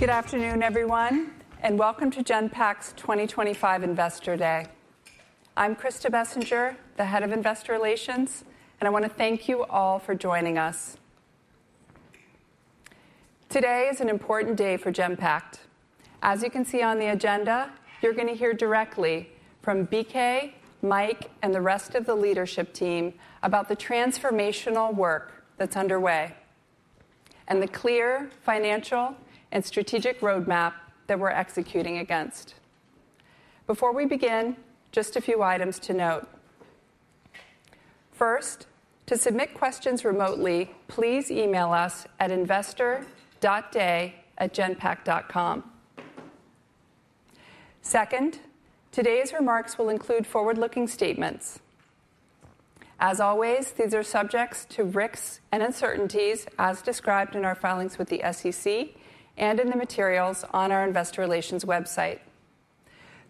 Good afternoon, everyone, and welcome to Genpact's 2025 Investor Day. I'm Krista Bessinger, the Head of Investor Relations, and I want to thank you all for joining us. Today is an important day for Genpact. As you can see on the agenda, you're going to hear directly from BK, Mike, and the rest of the leadership team about the transformational work that's underway and the clear financial and strategic roadmap that we're executing against. Before we begin, just a few items to note. First, to submit questions remotely, please email us at investor.day@genpact.com. Second, today's remarks will include forward-looking statements. As always, these are subject to risks and uncertainties, as described in our filings with the SEC and in the materials on our Investor Relations website.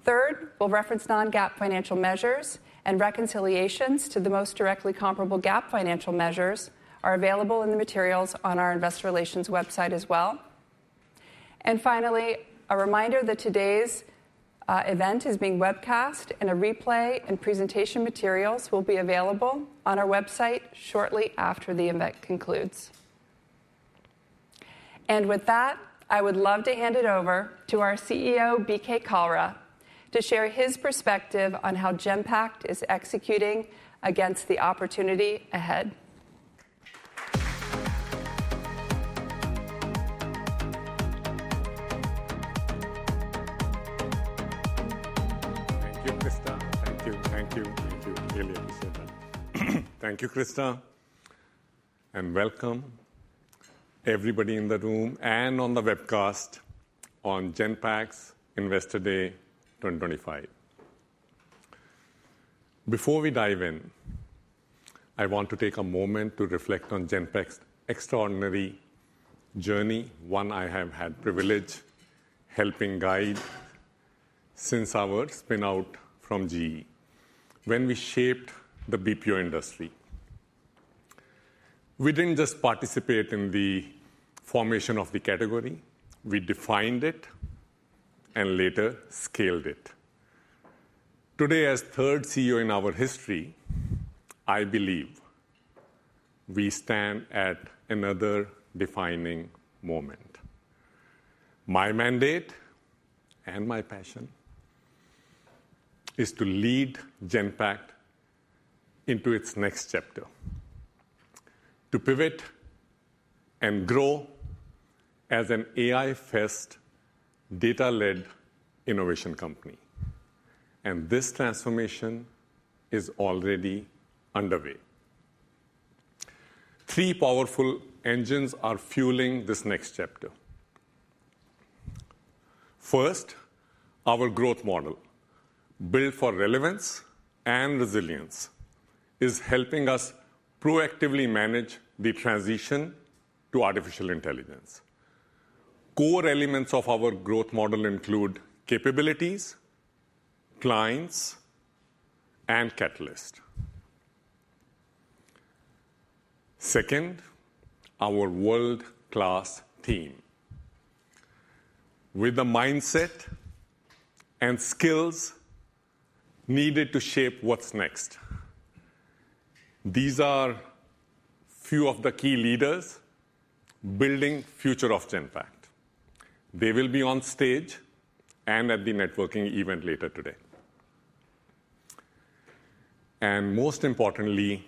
Third, we'll reference non-GAAP financial measures, and reconciliations to the most directly comparable GAAP financial measures are available in the materials on our Investor Relations website as well. Finally, a reminder that today's event is being webcast, and a replay and presentation materials will be available on our website shortly after the event concludes. With that, I would love to hand it over to our CEO, BK Kalra, to share his perspective on how Genpact is executing against the opportunity ahead. Thank you, Krista. Thank you. Really appreciate that. Thank you, Krista, and welcome everybody in the room and on the webcast on Genpact's Investor Day 2025. Before we dive in, I want to take a moment to reflect on Genpact's extraordinary journey, one I have had the privilege of helping guide since our spin-out from GE, when we shaped the BPO industry. We did not just participate in the formation of the category, we defined it and later scaled it. Today, as third CEO in our history, I believe we stand at another defining moment. My mandate and my passion is to lead Genpact into its next chapter, to pivot and grow as an AI-first, data-led innovation company. This transformation is already underway. Three powerful engines are fueling this next chapter. First, our growth model, built for relevance and resilience, is helping us proactively manage the transition to artificial intelligence. Core elements of our growth model include capabilities, clients, and catalysts. Second, our world-class team, with the mindset and skills needed to shape what's next. These are a few of the key leaders building the future of Genpact. They will be on stage and at the networking event later today. Most importantly,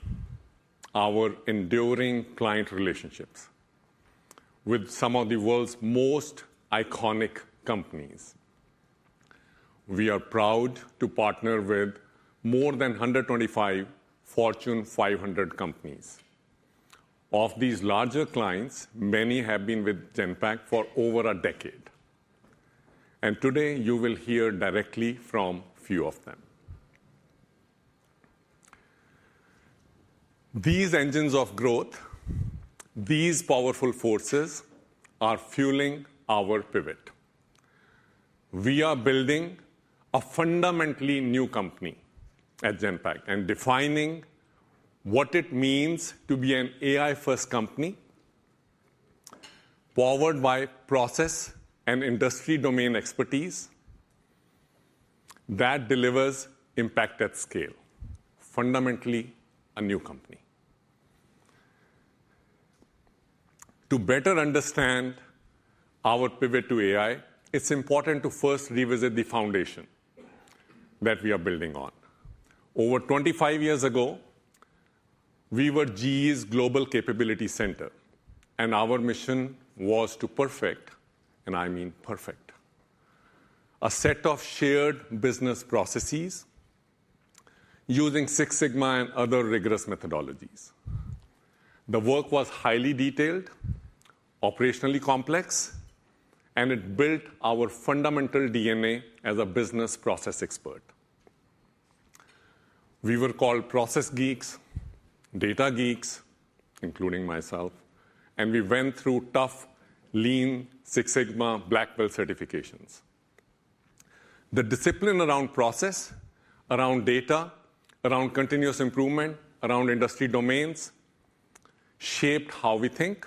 our enduring client relationships with some of the world's most iconic companies. We are proud to partner with more than 125 Fortune 500 companies. Of these larger clients, many have been with Genpact for over a decade. Today, you will hear directly from a few of them. These engines of growth, these powerful forces, are fueling our pivot. We are building a fundamentally new company at Genpact and defining what it means to be an AI-first company powered by process and industry-domain expertise that delivers impact at scale, fundamentally a new company. To better understand our pivot to AI, it's important to first revisit the foundation that we are building on. Over 25 years ago, we were GE's global capability center, and our mission was to perfect, and I mean perfect, a set of shared business processes using Lean Six Sigma and other rigorous methodologies. The work was highly detailed, operationally complex, and it built our fundamental DNA as a business process expert. We were called process geeks, data geeks, including myself, and we went through tough, Lean Six Sigma Black Belt certifications. The discipline around process, around data, around continuous improvement, around industry domains shaped how we think,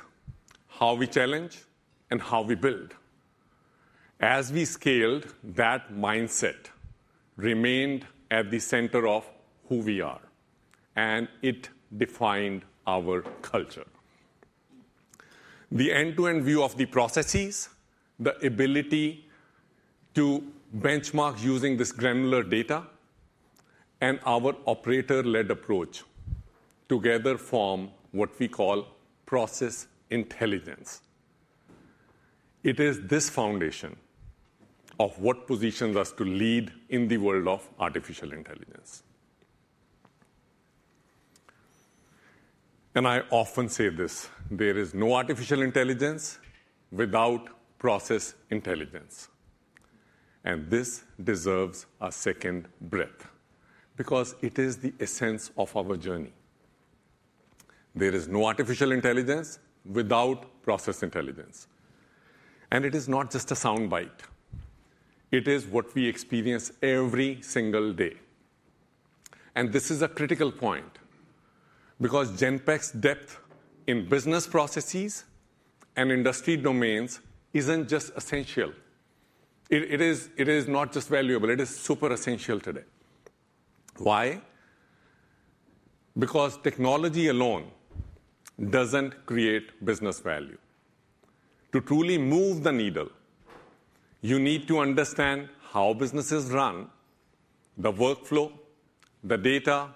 how we challenge, and how we build. As we scaled, that mindset remained at the center of who we are, and it defined our culture. The end-to-end view of the processes, the ability to benchmark using this granular data, and our operator-led approach together form what we call process intelligence. It is this foundation of what positions us to lead in the world of artificial intelligence. I often say this: there is no artificial intelligence without process intelligence. This deserves a second breath because it is the essence of our journey. There is no artificial intelligence without process intelligence. It is not just a sound bite. It is what we experience every single day. This is a critical point because Genpact's depth in business processes and industry domains is not just essential. It is not just valuable; it is super essential today. Why? Because technology alone does not create business value. To truly move the needle, you need to understand how businesses run, the workflow, the data,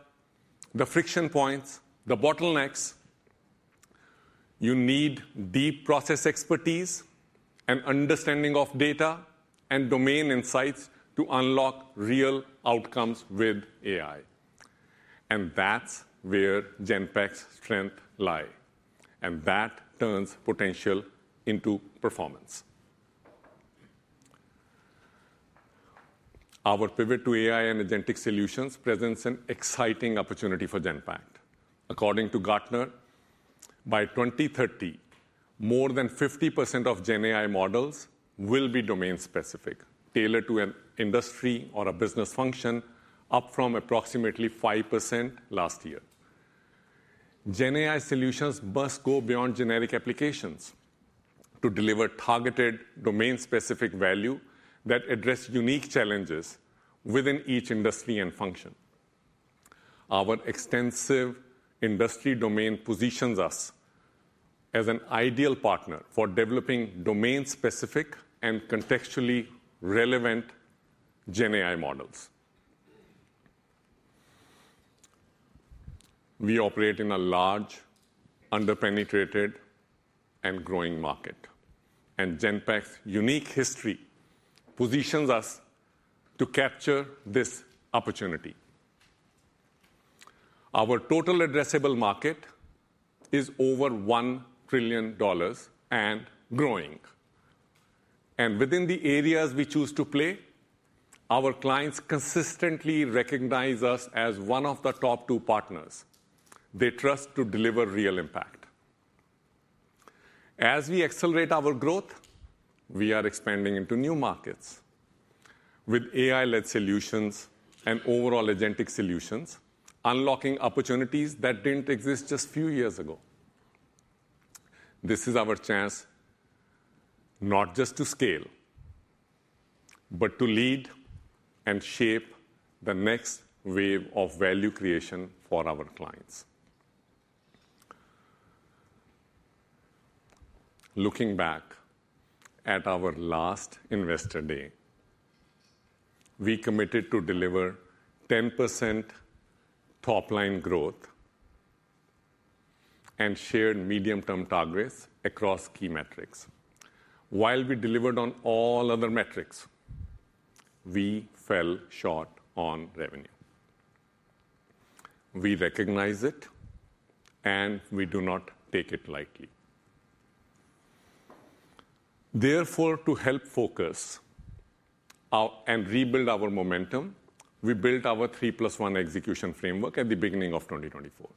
the friction points, the bottlenecks. You need deep process expertise and understanding of data and domain insights to unlock real outcomes with AI. That is where Genpact's strength lies. That turns potential into performance. Our pivot to AI and agentic solutions presents an exciting opportunity for Genpact. According to Gartner, by 2030, more than 50% of GenAI models will be domain-specific, tailored to an industry or a business function, up from approximately 5% last year. GenAI solutions must go beyond generic applications to deliver targeted domain-specific value that addresses unique challenges within each industry and function. Our extensive industry domain positions us as an ideal partner for developing domain-specific and contextually relevant GenAI models. We operate in a large, under-penetrated, and growing market. Genpact's unique history positions us to capture this opportunity. Our total addressable market is over $1 trillion and growing. Within the areas we choose to play, our clients consistently recognize us as one of the top two partners they trust to deliver real impact. As we accelerate our growth, we are expanding into new markets with AI-led solutions and overall agentic solutions, unlocking opportunities that did not exist just a few years ago. This is our chance not just to scale, but to lead and shape the next wave of value creation for our clients. Looking back at our last Investor Day, we committed to deliver 10% top-line growth and shared medium-term targets across key metrics. While we delivered on all other metrics, we fell short on revenue. We recognize it, and we do not take it lightly. Therefore, to help focus and rebuild our momentum, we built our 3+1 execution framework at the beginning of 2024.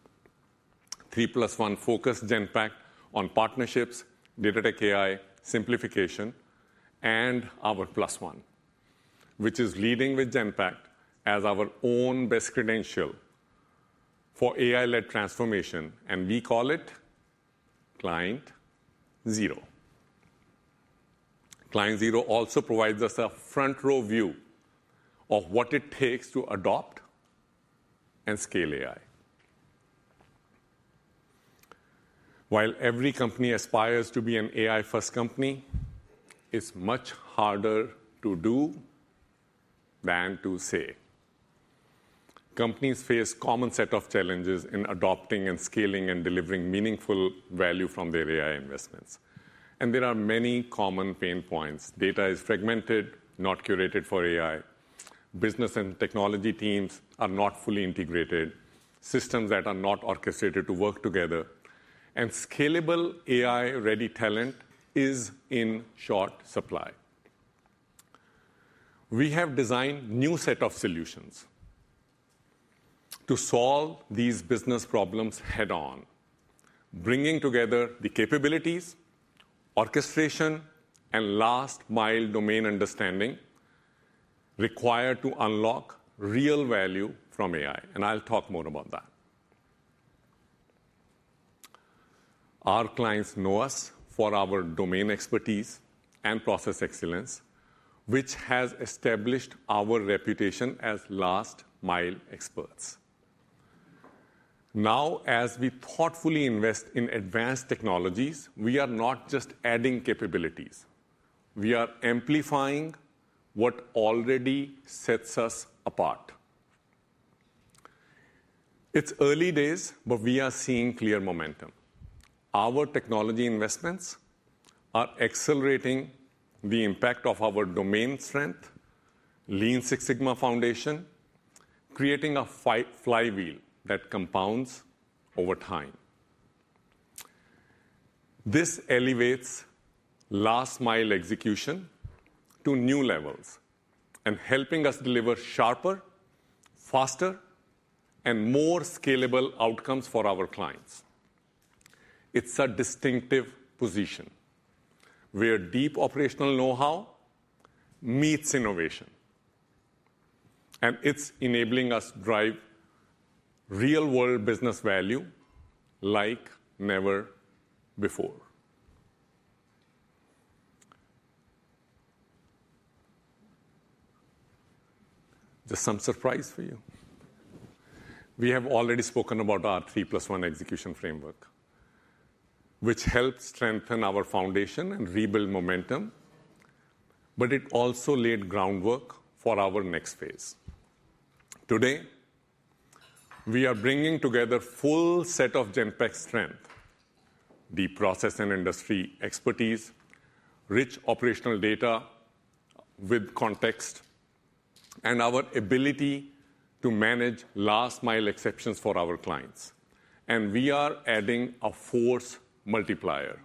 3+1 focused Genpact on partnerships, data tech AI simplification, and our plus one, which is leading with Genpact as our own best credential for AI-led transformation, and we call it Client Zero. Client Zero also provides us a front-row view of what it takes to adopt and scale AI. While every company aspires to be an AI-first company, it's much harder to do than to say. Companies face a common set of challenges in adopting and scaling and delivering meaningful value from their AI investments. There are many common pain points. Data is fragmented, not curated for AI. Business and technology teams are not fully integrated. Systems that are not orchestrated to work together. Scalable AI-ready talent is in short supply. We have designed a new set of solutions to solve these business problems head-on, bringing together the capabilities, orchestration, and last-mile domain understanding required to unlock real value from AI. I will talk more about that. Our clients know us for our domain expertise and process excellence, which has established our reputation as last-mile experts. Now, as we thoughtfully invest in advanced technologies, we are not just adding capabilities. We are amplifying what already sets us apart. It is early days, but we are seeing clear momentum. Our technology investments are accelerating the impact of our domain strength, Lean Six Sigma foundation, creating a flywheel that compounds over time. This elevates last-mile execution to new levels and helps us deliver sharper, faster, and more scalable outcomes for our clients. It is a distinctive position where deep operational know-how meets innovation. It is enabling us to drive real-world business value like never before. There's some surprise for you. We have already spoken about our 3+1 execution framework, which helps strengthen our foundation and rebuild momentum, but it also laid groundwork for our next phase. Today, we are bringing together a full set of Genpact strength: the process and industry expertise, rich operational data with context, and our ability to manage last-mile exceptions for our clients. We are adding a force multiplier.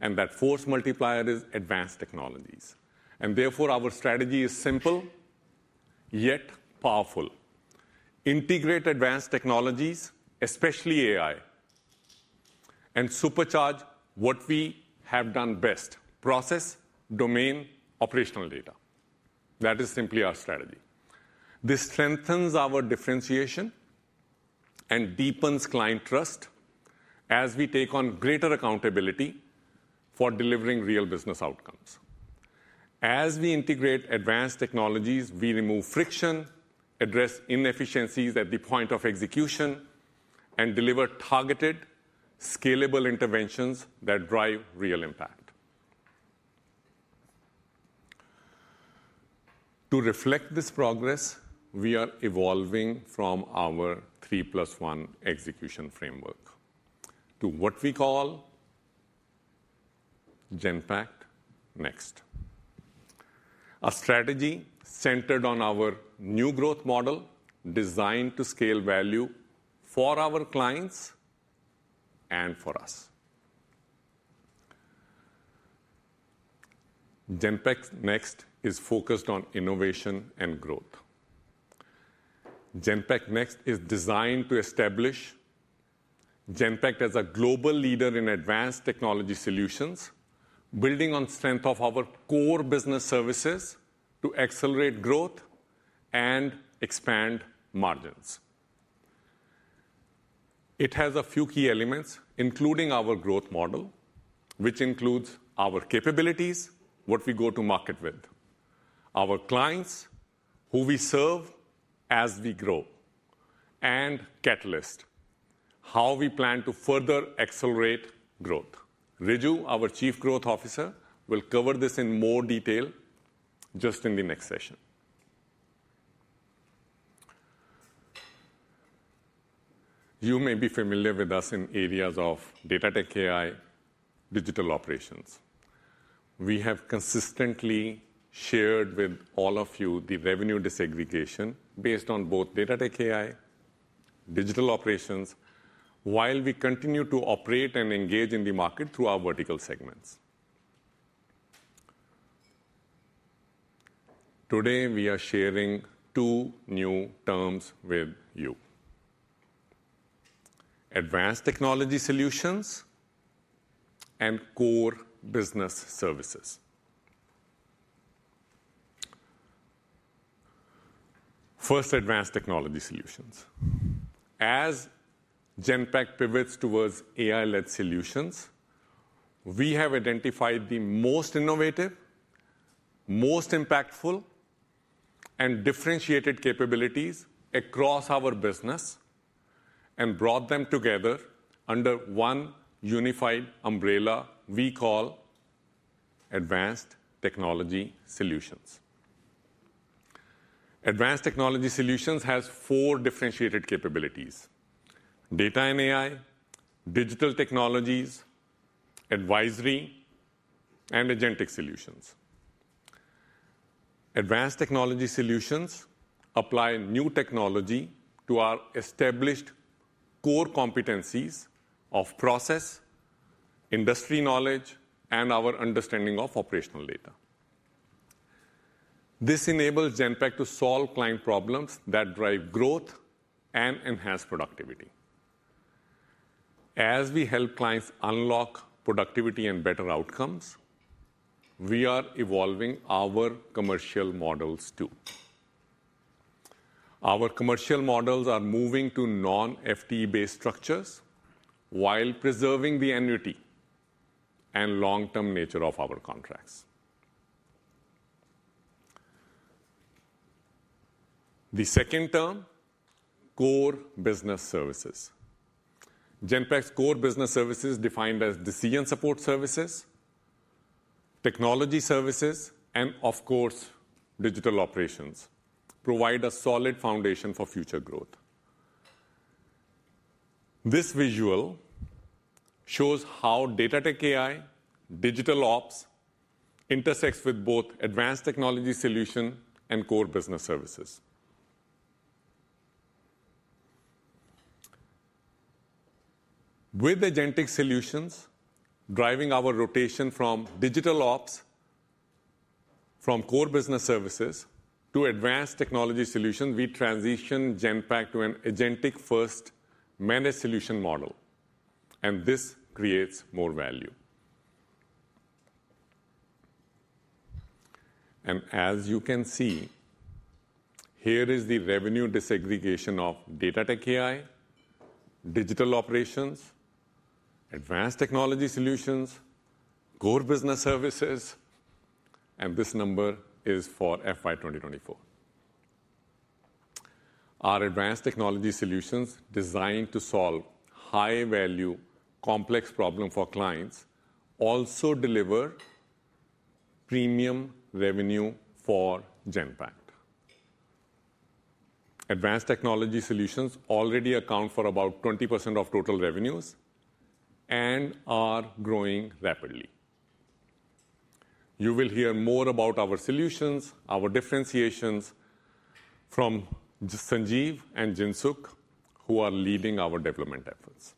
That force multiplier is advanced technologies. Therefore, our strategy is simple yet powerful: integrate advanced technologies, especially AI, and supercharge what we have done best: process, domain, operational data. That is simply our strategy. This strengthens our differentiation and deepens client trust as we take on greater accountability for delivering real business outcomes. As we integrate advanced technologies, we remove friction, address inefficiencies at the point of execution, and deliver targeted, scalable interventions that drive real impact. To reflect this progress, we are evolving from our 3+1 execution framework to what we call Genpact Next, a strategy centered on our new growth model designed to scale value for our clients and for us. Genpact Next is focused on innovation and growth. Genpact Next is designed to establish Genpact as a global leader in advanced technology solutions, building on the strength of our core business services to accelerate growth and expand margins. It has a few key elements, including our growth model, which includes our capabilities, what we go to market with, our clients, who we serve as we grow, and catalysts, how we plan to further accelerate growth. Riju, our Chief Growth Officer, will cover this in more detail just in the next session. You may be familiar with us in areas of data tech AI, digital operations. We have consistently shared with all of you the revenue desegregation based on both data tech AI and digital operations while we continue to operate and engage in the market through our vertical segments. Today, we are sharing two new terms with you: advanced technology solutions and core business services. First, advanced technology solutions. As Genpact pivots towards AI-led solutions, we have identified the most innovative, most impactful, and differentiated capabilities across our business and brought them together under one unified umbrella we call advanced technology solutions. Advanced technology solutions have four differentiated capabilities: data and AI, digital technologies, advisory, and agentic solutions. Advanced technology solutions apply new technology to our established core competencies of process, industry knowledge, and our understanding of operational data. This enables Genpact to solve client problems that drive growth and enhance productivity. As we help clients unlock productivity and better outcomes, we are evolving our commercial models too. Our commercial models are moving to non-FTE-based structures while preserving the annuity and long-term nature of our contracts. The second term, core business services. Genpact's core business services, defined as decision support services, technology services, and, of course, digital operations, provide a solid foundation for future growth. This visual shows how data tech AI, digital ops, intersects with both advanced technology solutions and core business services. With agentic solutions driving our rotation from digital ops, from core business services to advanced technology solutions, we transition Genpact to an agentic-first managed solution model. This creates more value. As you can see, here is the revenue desegregation of data tech AI, digital operations, advanced technology solutions, core business services. This number is for FY 2024. Our advanced technology solutions designed to solve high-value, complex problems for clients also deliver premium revenue for Genpact. Advanced technology solutions already account for about 20% of total revenues and are growing rapidly. You will hear more about our solutions, our differentiations from Sanjeev and Jinsu, who are leading our development efforts.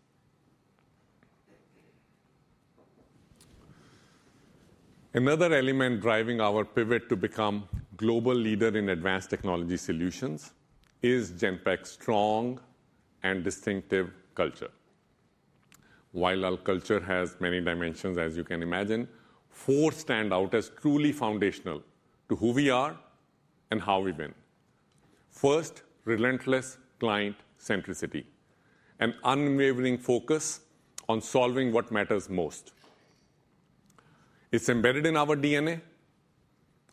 Another element driving our pivot to become a global leader in advanced technology solutions is Genpact's strong and distinctive culture. While our culture has many dimensions, as you can imagine, four stand out as truly foundational to who we are and how we've been. First, relentless client centricity, an unwavering focus on solving what matters most. It's embedded in our DNA,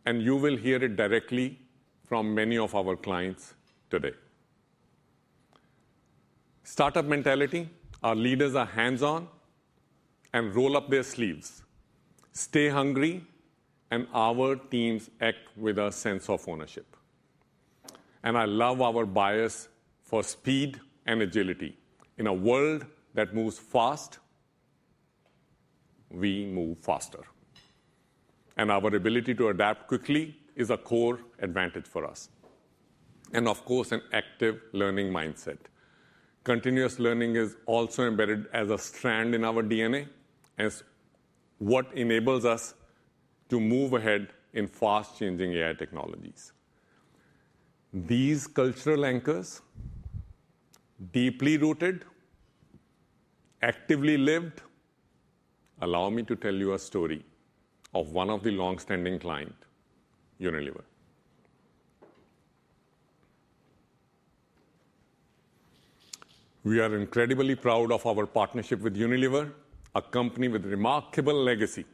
and you will hear it directly from many of our clients today. Startup mentality: our leaders are hands-on and roll up their sleeves, stay hungry, and our teams act with a sense of ownership. I love our bias for speed and agility. In a world that moves fast, we move faster. Our ability to adapt quickly is a core advantage for us. Of course, an active learning mindset. Continuous learning is also embedded as a strand in our DNA, as what enables us to move ahead in fast-changing AI technologies. These cultural anchors, deeply rooted, actively lived, allow me to tell you a story of one of the long-standing clients, Unilever. We are incredibly proud of our partnership with Unilever, a company with a remarkable legacy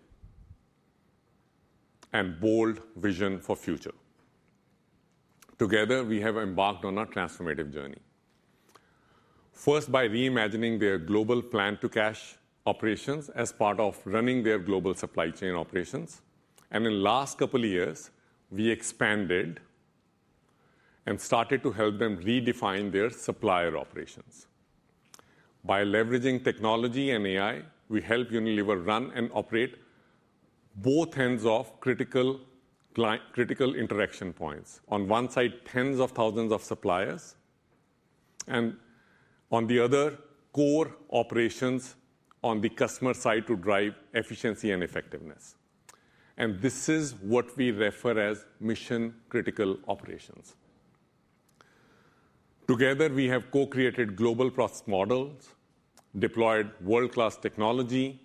and bold vision for the future. Together, we have embarked on a transformative journey. First, by reimagining their global plan to cash operations as part of running their global supply chain operations. In the last couple of years, we expanded and started to help them redefine their supplier operations. By leveraging technology and AI, we help Unilever run and operate both ends of critical interaction points. On one side, tens of thousands of suppliers, and on the other, core operations on the customer side to drive efficiency and effectiveness. This is what we refer to as mission-critical operations. Together, we have co-created global process models, deployed world-class technology,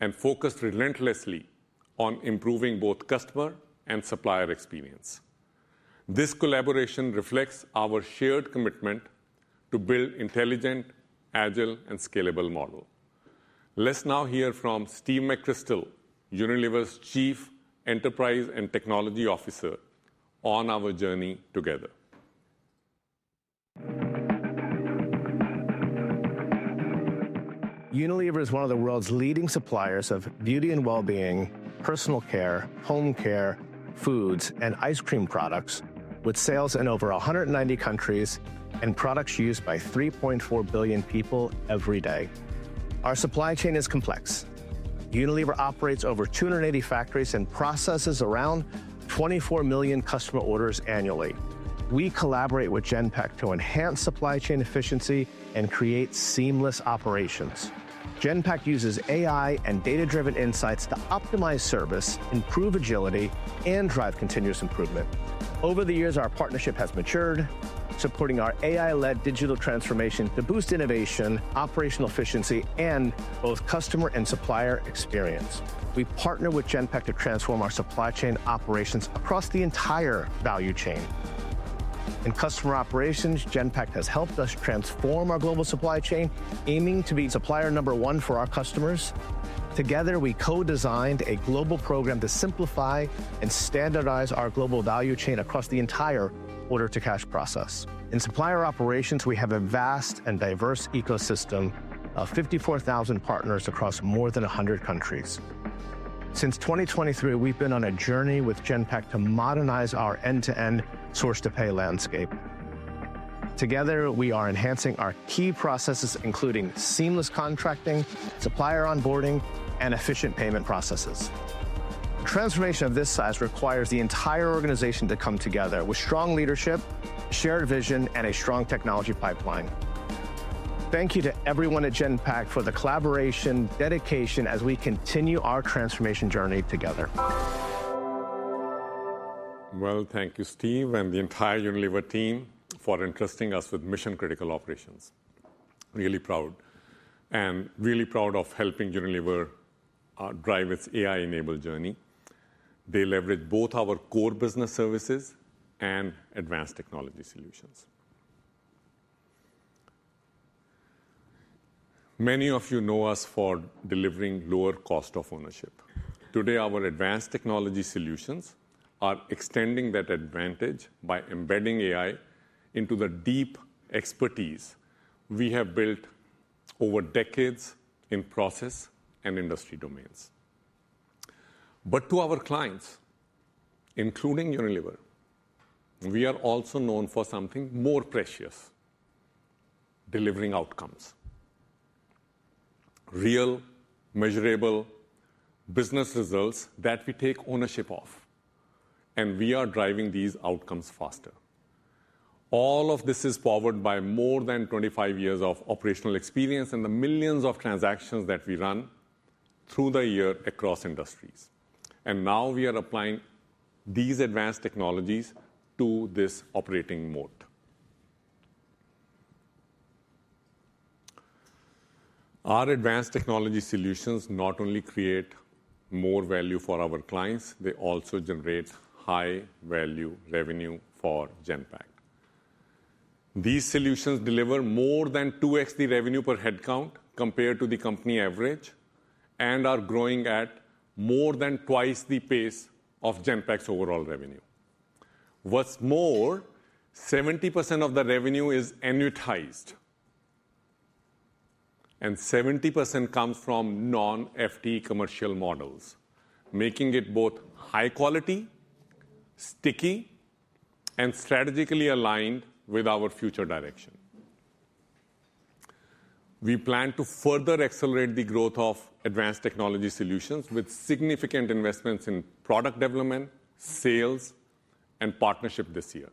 and focused relentlessly on improving both customer and supplier experience. This collaboration reflects our shared commitment to build intelligent, agile, and scalable models. Let's now hear from Steve McCrystal, Unilever's Chief Enterprise and Technology Officer, on our journey together. Unilever is one of the world's leading suppliers of beauty and well-being, personal care, home care, foods, and ice cream products, with sales in over 190 countries and products used by 3.4 billion people every day. Our supply chain is complex. Unilever operates over 280 factories and processes around 24 million customer orders annually. We collaborate with Genpact to enhance supply chain efficiency and create seamless operations. Genpact uses AI and data-driven insights to optimize service, improve agility, and drive continuous improvement. Over the years, our partnership has matured, supporting our AI-led digital transformation to boost innovation, operational efficiency, and both customer and supplier experience. We partner with Genpact to transform our supply chain operations across the entire value chain. In customer operations, Genpact has helped us transform our global supply chain, aiming to be supplier number one for our customers. Together, we co-designed a global program to simplify and standardize our global value chain across the entire order-to-cash process. In supplier operations, we have a vast and diverse ecosystem of 54,000 partners across more than 100 countries. Since 2023, we've been on a journey with Genpact to modernize our end-to-end source-to-pay landscape. Together, we are enhancing our key processes, including seamless contracting, supplier onboarding, and efficient payment processes. Transformation of this size requires the entire organization to come together with strong leadership, shared vision, and a strong technology pipeline. Thank you to everyone at Genpact for the collaboration and dedication as we continue our transformation journey together. Thank you, Steve and the entire Unilever team for entrusting us with mission-critical operations. Really proud and really proud of helping Unilever drive its AI-enabled journey. They leverage both our core business services and advanced technology solutions. Many of you know us for delivering lower cost of ownership. Today, our advanced technology solutions are extending that advantage by embedding AI into the deep expertise we have built over decades in process and industry domains. To our clients, including Unilever, we are also known for something more precious: delivering outcomes. Real, measurable business results that we take ownership of, and we are driving these outcomes faster. All of this is powered by more than 25 years of operational experience and the millions of transactions that we run through the year across industries. Now we are applying these advanced technologies to this operating mode. Our advanced technology solutions not only create more value for our clients, they also generate high-value revenue for Genpact. These solutions deliver more than 2x the revenue per head count compared to the company average and are growing at more than twice the pace of Genpact's overall revenue. What's more, 70% of the revenue is annuitized, and 70% comes from non-FTE commercial models, making it both high-quality, sticky, and strategically aligned with our future direction. We plan to further accelerate the growth of advanced technology solutions with significant investments in product development, sales, and partnership this year.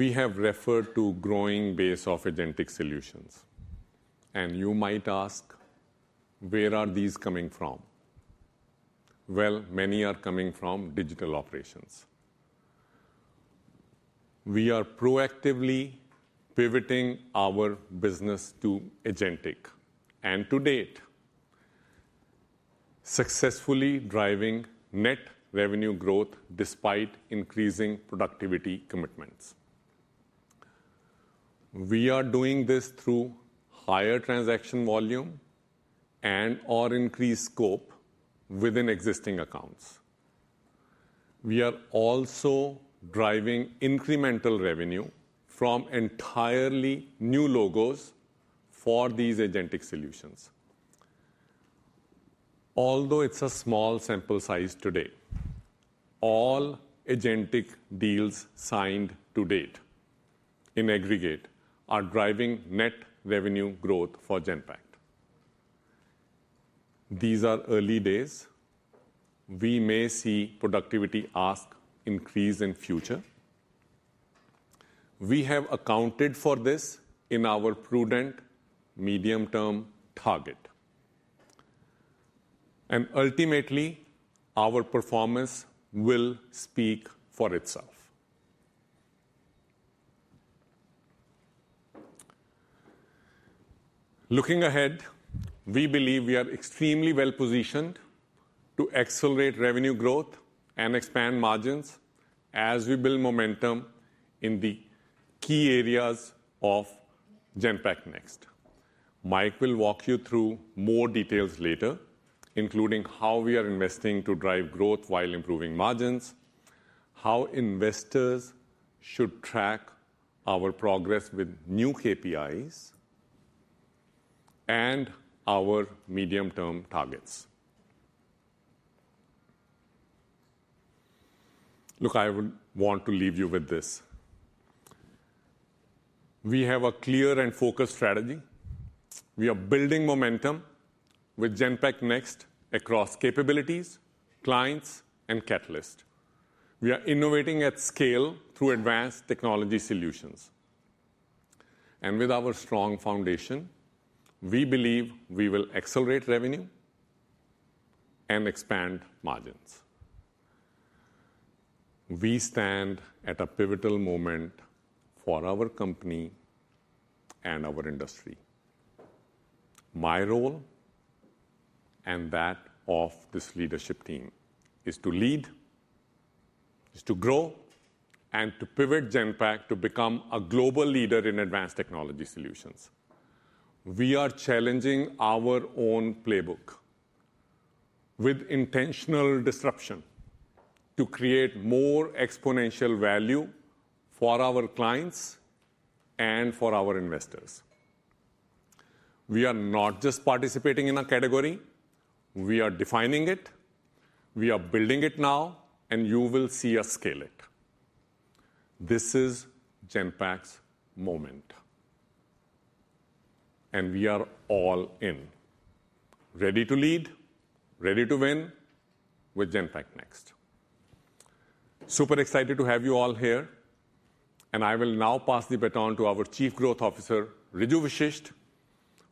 We have referred to a growing base of agentic solutions. You might ask, where are these coming from? Many are coming from digital operations. We are proactively pivoting our business to agentic and, to date, successfully driving net revenue growth despite increasing productivity commitments. We are doing this through higher transaction volume and/or increased scope within existing accounts. We are also driving incremental revenue from entirely new logos for these agentic solutions. Although it's a small sample size today, all agentic deals signed to date in aggregate are driving net revenue growth for Genpact. These are early days. We may see productivity ask increase in the future. We have accounted for this in our prudent medium-term target. Ultimately, our performance will speak for itself. Looking ahead, we believe we are extremely well-positioned to accelerate revenue growth and expand margins as we build momentum in the key areas of Genpact Next. Mike will walk you through more details later, including how we are investing to drive growth while improving margins, how investors should track our progress with new KPIs, and our medium-term targets. Look, I would want to leave you with this. We have a clear and focused strategy. We are building momentum with Genpact Next across capabilities, clients, and catalysts. We are innovating at scale through advanced technology solutions. With our strong foundation, we believe we will accelerate revenue and expand margins. We stand at a pivotal moment for our company and our industry. My role and that of this leadership team is to lead, is to grow, and to pivot Genpact to become a global leader in advanced technology solutions. We are challenging our own playbook with intentional disruption to create more exponential value for our clients and for our investors. We are not just participating in a category. We are defining it. We are building it now, and you will see us scale it. This is Genpact's moment. We are all in. Ready to lead, ready to win with Genpact Next. Super excited to have you all here. I will now pass the baton to our Chief Growth Officer, Riju Vashishth,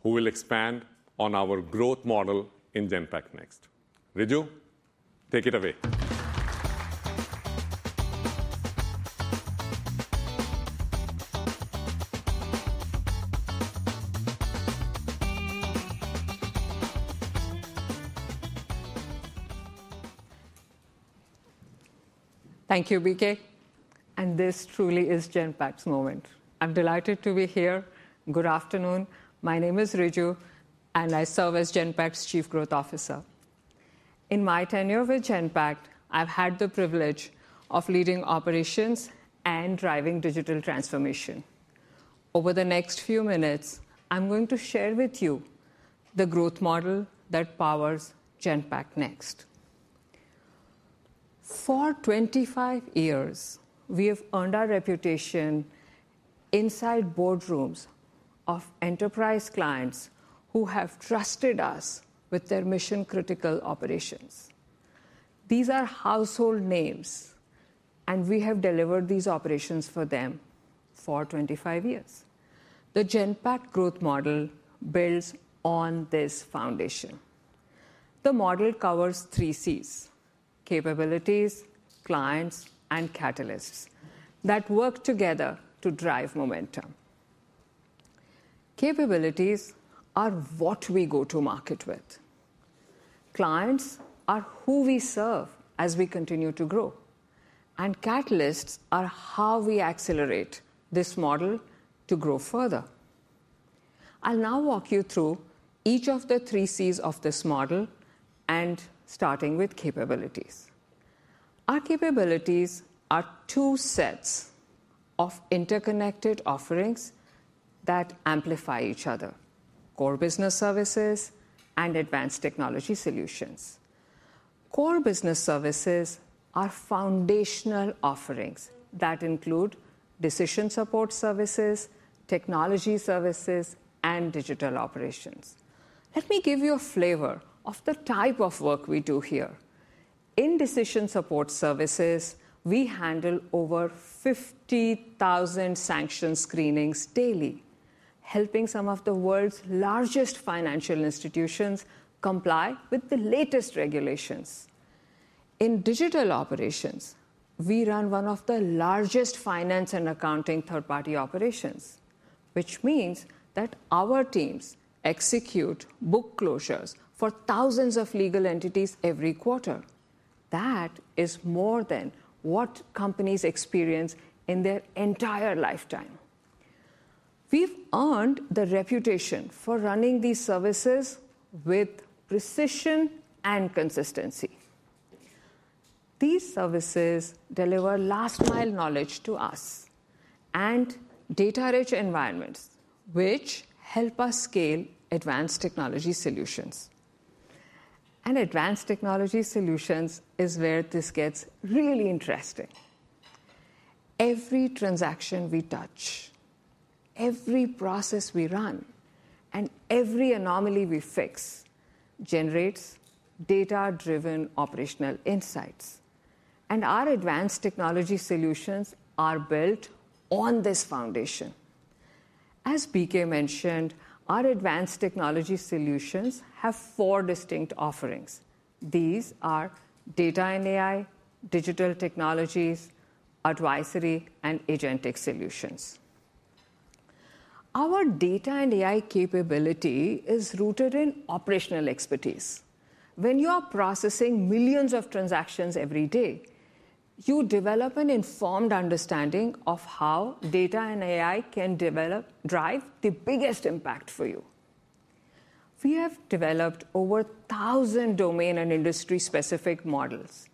who will expand on our growth model in Genpact Next. Riju, take it away. Thank you, BK. This truly is Genpact's moment. I'm delighted to be here. Good afternoon. My name is Riju, and I serve as Genpact's Chief Growth Officer. In my tenure with Genpact, I've had the privilege of leading operations and driving digital transformation. Over the next few minutes, I'm going to share with you the growth model that powers Genpact Next. For 25 years, we have earned our reputation inside boardrooms of enterprise clients who have trusted us with their mission-critical operations. These are household names, and we have delivered these operations for them for 25 years. The Genpact growth model builds on this foundation. The model covers three Cs: capabilities, clients, and catalysts that work together to drive momentum. Capabilities are what we go to market with. Clients are who we serve as we continue to grow. Catalysts are how we accelerate this model to grow further. I'll now walk you through each of the three Cs of this model, starting with capabilities. Our capabilities are two sets of interconnected offerings that amplify each other: core business services and advanced technology solutions. Core business services are foundational offerings that include decision support services, technology services, and digital operations. Let me give you a flavor of the type of work we do here. In decision support services, we handle over 50,000 sanction screenings daily, helping some of the world's largest financial institutions comply with the latest regulations. In digital operations, we run one of the largest finance and accounting third-party operations, which means that our teams execute book closures for thousands of legal entities every quarter. That is more than what companies experience in their entire lifetime. We've earned the reputation for running these services with precision and consistency. These services deliver last-mile knowledge to us and data-rich environments, which help us scale advanced technology solutions. Advanced technology solutions is where this gets really interesting. Every transaction we touch, every process we run, and every anomaly we fix generates data-driven operational insights. Our advanced technology solutions are built on this foundation. As BK mentioned, our advanced technology solutions have four distinct offerings. These are data and AI, digital technologies, advisory, and agentic solutions. Our data and AI capability is rooted in operational expertise. When you are processing millions of transactions every day, you develop an informed understanding of how data and AI can drive the biggest impact for you. We have developed over 1,000 domain and industry-specific models,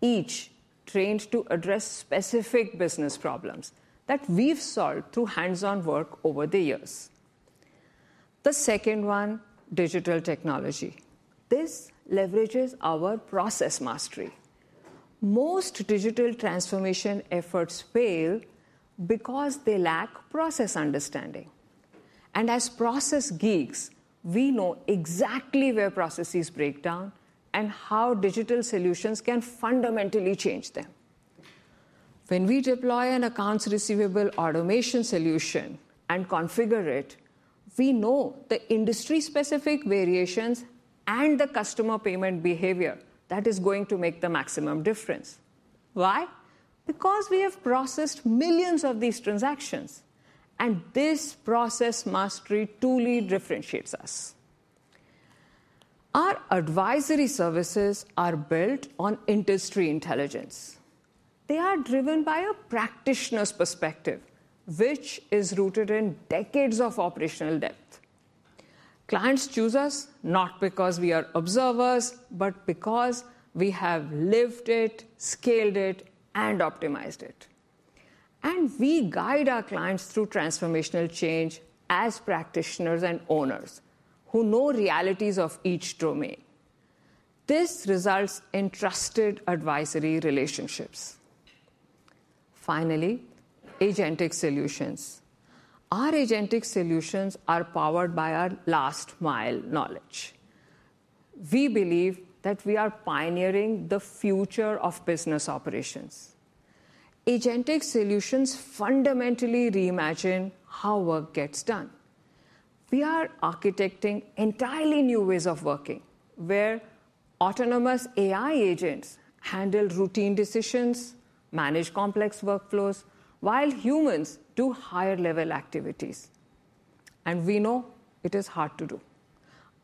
each trained to address specific business problems that we have solved through hands-on work over the years. The second one, digital technology. This leverages our process mastery. Most digital transformation efforts fail because they lack process understanding. As process geeks, we know exactly where processes break down and how digital solutions can fundamentally change them. When we deploy an accounts receivable automation solution and configure it, we know the industry-specific variations and the customer payment behavior that is going to make the maximum difference. Why? Because we have processed millions of these transactions, and this process mastery truly differentiates us. Our advisory services are built on industry intelligence. They are driven by a practitioner's perspective, which is rooted in decades of operational depth. Clients choose us not because we are observers, but because we have lived it, scaled it, and optimized it. We guide our clients through transformational change as practitioners and owners who know the realities of each domain. This results in trusted advisory relationships. Finally, agentic solutions. Our agentic solutions are powered by our last-mile knowledge. We believe that we are pioneering the future of business operations. Agentic solutions fundamentally reimagine how work gets done. We are architecting entirely new ways of working where autonomous AI agents handle routine decisions, manage complex workflows, while humans do higher-level activities. We know it is hard to do.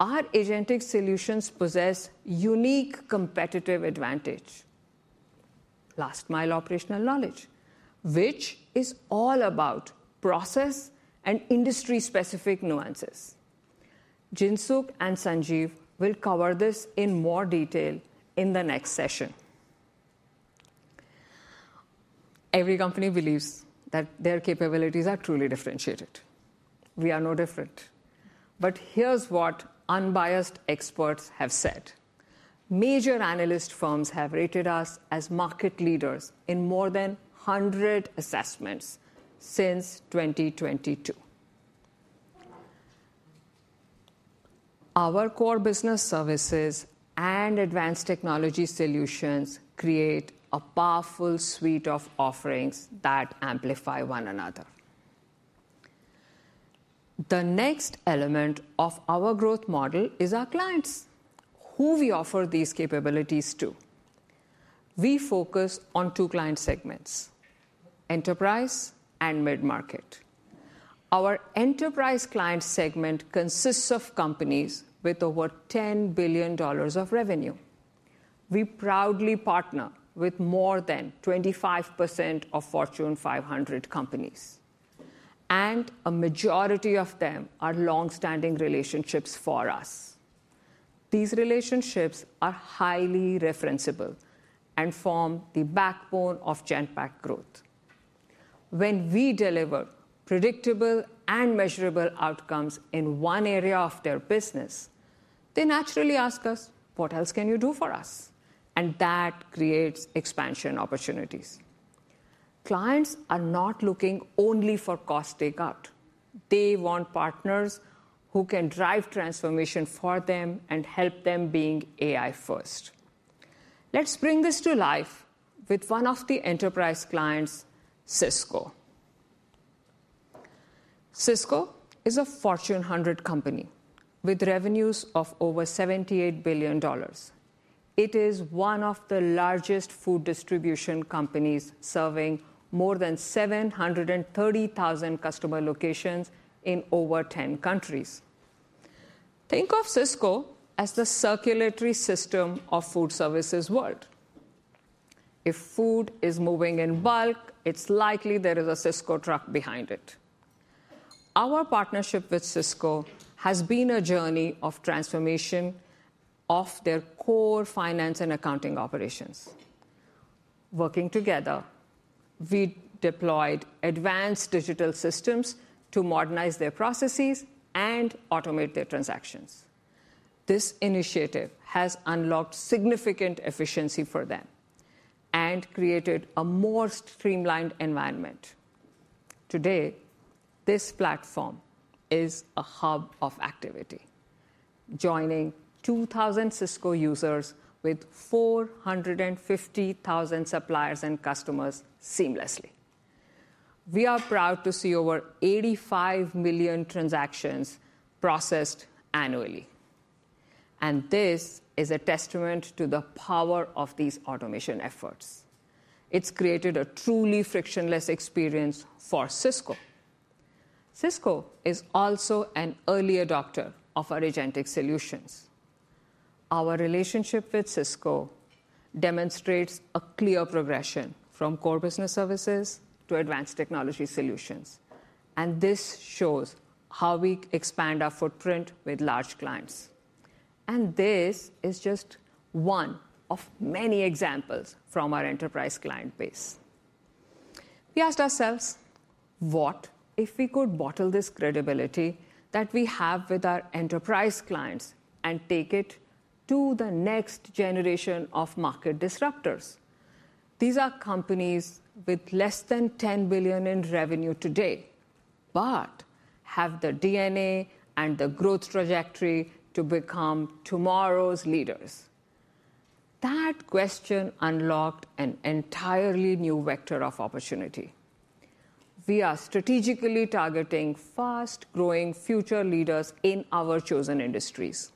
Our agentic solutions possess unique competitive advantage: last-mile operational knowledge, which is all about process and industry-specific nuances. Jinsu and Sanjeev will cover this in more detail in the next session. Every company believes that their capabilities are truly differentiated. We are no different. Here is what unbiased experts have said. Major analyst firms have rated us as market leaders in more than 100 assessments since 2022. Our core business services and advanced technology solutions create a powerful suite of offerings that amplify one another. The next element of our growth model is our clients, who we offer these capabilities to. We focus on two client segments: enterprise and mid-market. Our enterprise client segment consists of companies with over $10 billion of revenue. We proudly partner with more than 25% of Fortune 500 companies, and a majority of them are long-standing relationships for us. These relationships are highly referenceable and form the backbone of Genpact growth. When we deliver predictable and measurable outcomes in one area of their business, they naturally ask us, "What else can you do for us?" That creates expansion opportunities. Clients are not looking only for cost takeout. They want partners who can drive transformation for them and help them being AI-first. Let's bring this to life with one of the enterprise clients, Sysco. Sysco is a Fortune 100 company with revenues of over $78 billion. It is one of the largest food distribution companies, serving more than 730,000 customer locations in over 10 countries. Think of Sysco as the circulatory system of the food services world. If food is moving in bulk, it's likely there is a Sysco truck behind it. Our partnership with Sysco has been a journey of transformation of their core finance and accounting operations. Working together, we deployed advanced digital systems to modernize their processes and automate their transactions. This initiative has unlocked significant efficiency for them and created a more streamlined environment. Today, this platform is a hub of activity, joining 2,000 Sysco users with 450,000 suppliers and customers seamlessly. We are proud to see over 85 million transactions processed annually. This is a testament to the power of these automation efforts. It's created a truly frictionless experience for Sysco. Sysco is also an early adopter of our agentic solutions. Our relationship with Sysco demonstrates a clear progression from core business services to advanced technology solutions. This shows how we expand our footprint with large clients. This is just one of many examples from our enterprise client base. We asked ourselves, "What if we could bottle this credibility that we have with our enterprise clients and take it to the next generation of market disruptors?" These are companies with less than $10 billion in revenue today, but have the DNA and the growth trajectory to become tomorrow's leaders. That question unlocked an entirely new vector of opportunity. We are strategically targeting fast-growing future leaders in our chosen industries.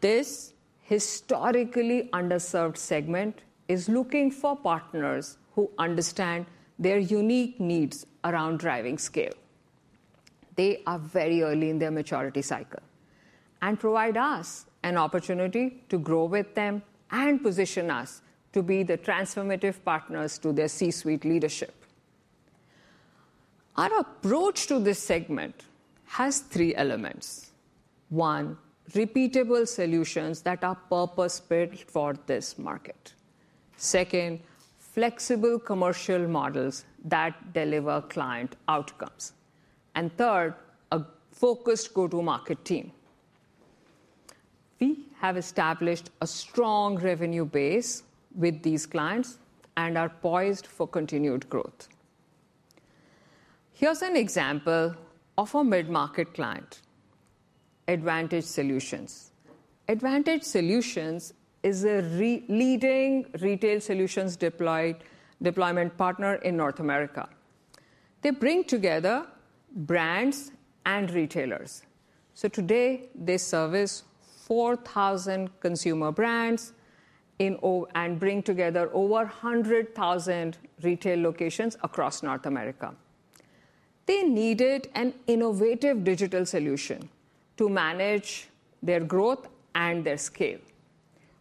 This historically underserved segment is looking for partners who understand their unique needs around driving scale. They are very early in their maturity cycle and provide us an opportunity to grow with them and position us to be the transformative partners to their C-suite leadership. Our approach to this segment has three elements. One, repeatable solutions that are purpose-built for this market. Second, flexible commercial models that deliver client outcomes. Third, a focused go-to-market team. We have established a strong revenue base with these clients and are poised for continued growth. Here is an example of a mid-market client: Advantage Solutions. Advantage Solutions is a leading retail solutions deployment partner in North America. They bring together brands and retailers. Today, they service 4,000 consumer brands and bring together over 100,000 retail locations across North America. They needed an innovative digital solution to manage their growth and their scale.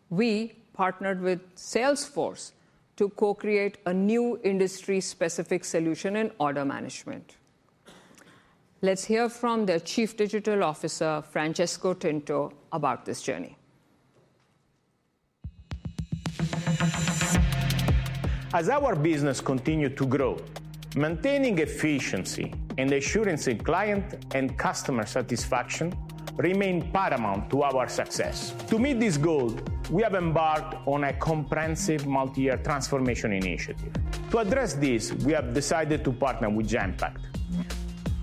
We partnered with Salesforce to co-create a new industry-specific solution in order management. Let's hear from their Chief Digital Officer, Francesco Tinto, about this journey. As our business continued to grow, maintaining efficiency and assurance in client and customer satisfaction remained paramount to our success. To meet this goal, we have embarked on a comprehensive multi-year transformation initiative. To address this, we have decided to partner with Genpact.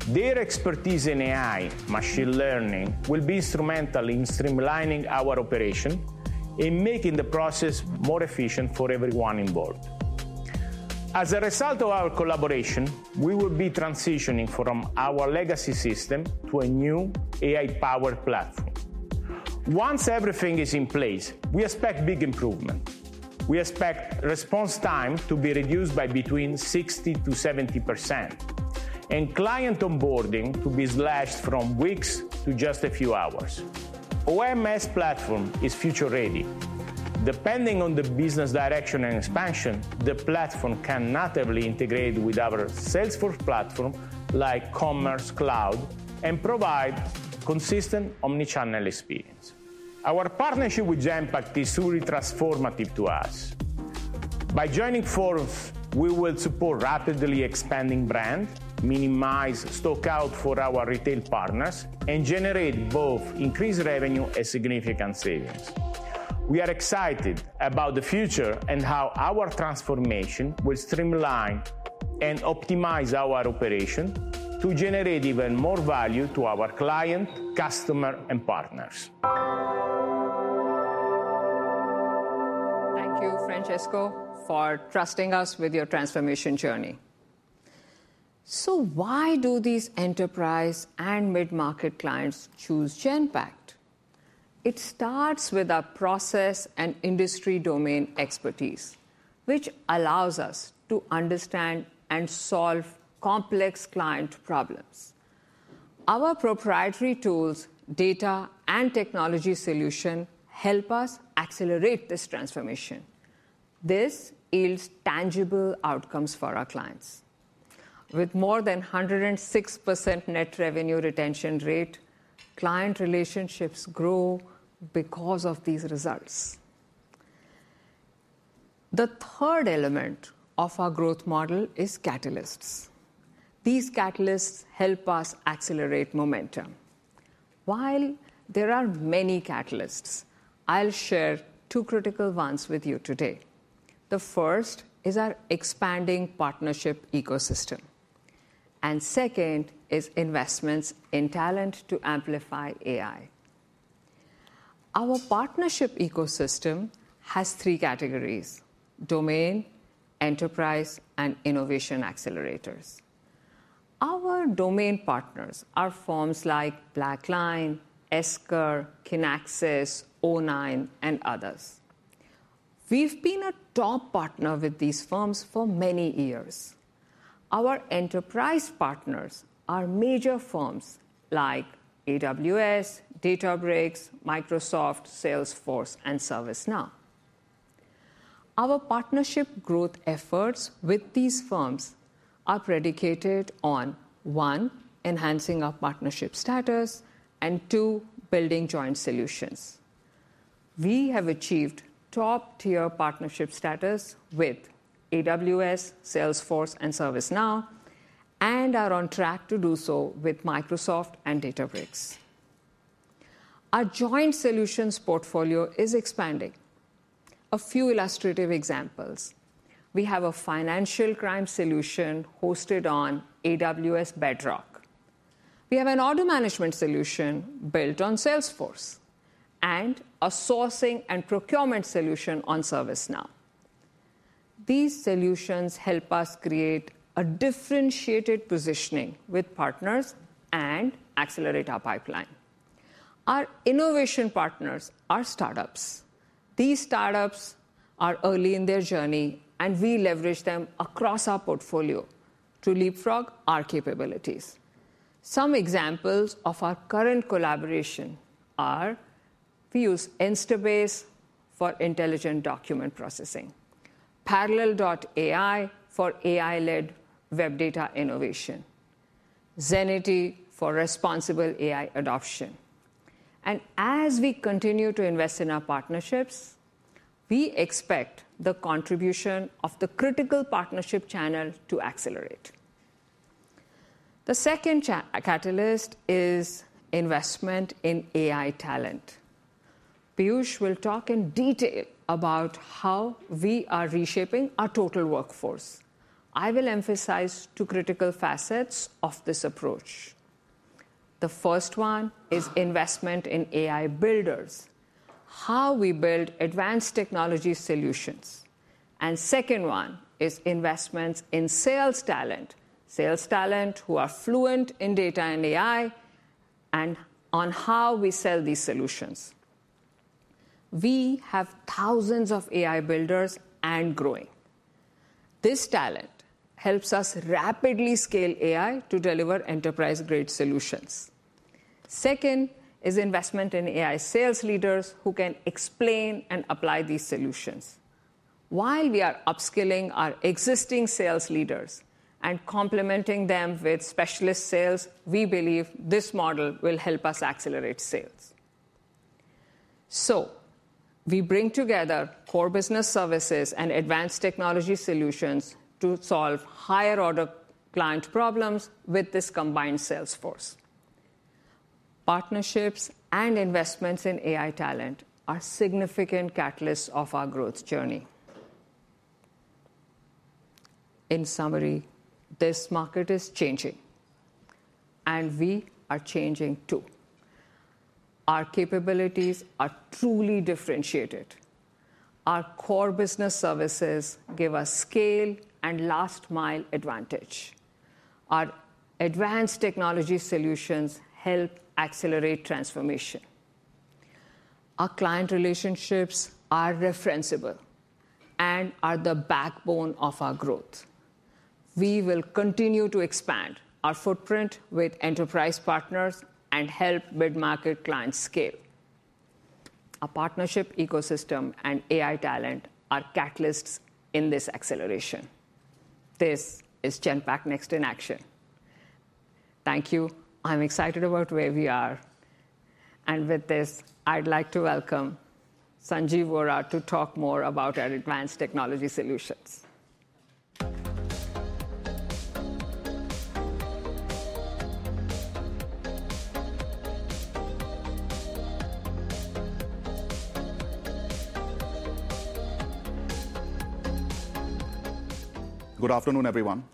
Their expertise in AI, machine learning, will be instrumental in streamlining our operation and making the process more efficient for everyone involved. As a result of our collaboration, we will be transitioning from our legacy system to a new AI-powered platform. Once everything is in place, we expect big improvement. We expect response time to be reduced by between 60%-70%, and client onboarding to be slashed from weeks to just a few hours. Our MS platform is future-ready. Depending on the business direction and expansion, the platform can natively integrate with our Salesforce platform, like Commerce Cloud, and provide consistent omnichannel experience. Our partnership with Genpact is truly transformative to us. By joining force, we will support rapidly expanding brands, minimize stockout for our retail partners, and generate both increased revenue and significant savings. We are excited about the future and how our transformation will streamline and optimize our operation to generate even more value to our clients, customers, and partners. Thank you, Francesco, for trusting us with your transformation journey. Why do these enterprise and mid-market clients choose Genpact? It starts with our process and industry domain expertise, which allows us to understand and solve complex client problems. Our proprietary tools, data, and technology solutions help us accelerate this transformation. This yields tangible outcomes for our clients. With more than 106% net revenue retention rate, client relationships grow because of these results. The third element of our growth model is catalysts. These catalysts help us accelerate momentum. While there are many catalysts, I'll share two critical ones with you today. The first is our expanding partnership ecosystem. The second is investments in talent to amplify AI. Our partnership ecosystem has three categories: domain, enterprise, and innovation accelerators. Our domain partners are firms like Blackline, Esker, Kinaxis, O9, and others. We've been a top partner with these firms for many years. Our enterprise partners are major firms like AWS, Databricks, Microsoft, Salesforce, and ServiceNow. Our partnership growth efforts with these firms are predicated on, one, enhancing our partnership status, and two, building joint solutions. We have achieved top-tier partnership status with AWS, Salesforce, and ServiceNow, and are on track to do so with Microsoft and Databricks. Our joint solutions portfolio is expanding. A few illustrative examples: we have a financial crime solution hosted on AWS Bedrock. We have an order management solution built on Salesforce and a sourcing and procurement solution on ServiceNow. These solutions help us create a differentiated positioning with partners and accelerate our pipeline. Our innovation partners are startups. These startups are early in their journey, and we leverage them across our portfolio to leapfrog our capabilities. Some examples of our current collaboration are: we use Instabase for intelligent document processing, Parallel.ai for AI-led web data innovation, Zenity for responsible AI adoption. As we continue to invest in our partnerships, we expect the contribution of the critical partnership channel to accelerate. The second catalyst is investment in AI talent. Piyush will talk in detail about how we are reshaping our total workforce. I will emphasize two critical facets of this approach. The first one is investment in AI builders, how we build advanced technology solutions. The second one is investments in sales talent, sales talent who are fluent in data and AI, and on how we sell these solutions. We have thousands of AI builders and growing. This talent helps us rapidly scale AI to deliver enterprise-grade solutions. Second is investment in AI sales leaders who can explain and apply these solutions. While we are upskilling our existing sales leaders and complementing them with specialist sales, we believe this model will help us accelerate sales. We bring together core business services and advanced technology solutions to solve higher-order client problems with this combined Salesforce. Partnerships and investments in AI talent are significant catalysts of our growth journey. In summary, this market is changing, and we are changing too. Our capabilities are truly differentiated. Our core business services give us scale and last-mile advantage. Our advanced technology solutions help accelerate transformation. Our client relationships are referenceable and are the backbone of our growth. We will continue to expand our footprint with enterprise partners and help mid-market clients scale. Our partnership ecosystem and AI talent are catalysts in this acceleration. This is Genpact Next in Action. Thank you. I'm excited about where we are. With this, I'd like to welcome Sanjeev Wora to talk more about our advanced technology solutions. Good afternoon, everyone.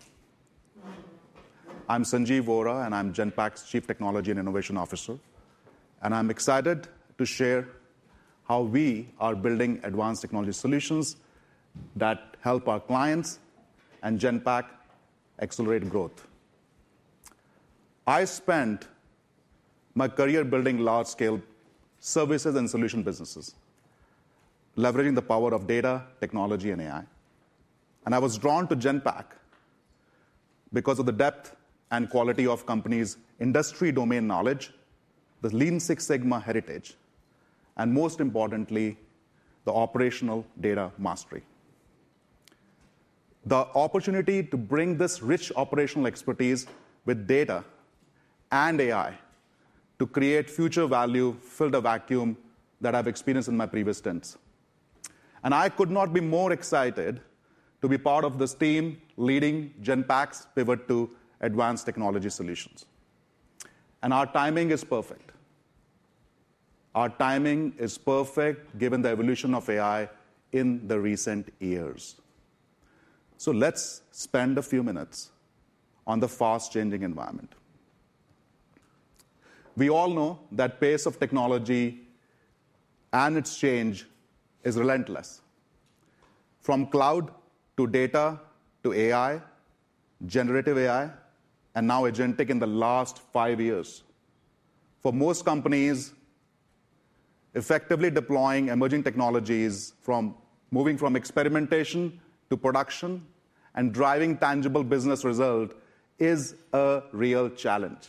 I'm Sanjeev Vohra, and I'm Genpact's Chief Technology and Innovation Officer. I'm excited to share how we are building advanced technology solutions that help our clients and Genpact accelerate growth. I spent my career building large-scale services and solution businesses, leveraging the power of data, technology, and AI. I was drawn to Genpact because of the depth and quality of the company's industry domain knowledge, the Lean Six Sigma heritage, and most importantly, the operational data mastery. The opportunity to bring this rich operational expertise with data and AI to create future value filled a vacuum that I've experienced in my previous stints. I could not be more excited to be part of this team leading Genpact's pivot to advanced technology solutions. Our timing is perfect. Our timing is perfect given the evolution of AI in the recent years. Let's spend a few minutes on the fast-changing environment. We all know that the pace of technology and its change is relentless. From cloud to data to AI, generative AI, and now agentic in the last five years. For most companies, effectively deploying emerging technologies, moving from experimentation to production and driving tangible business results is a real challenge.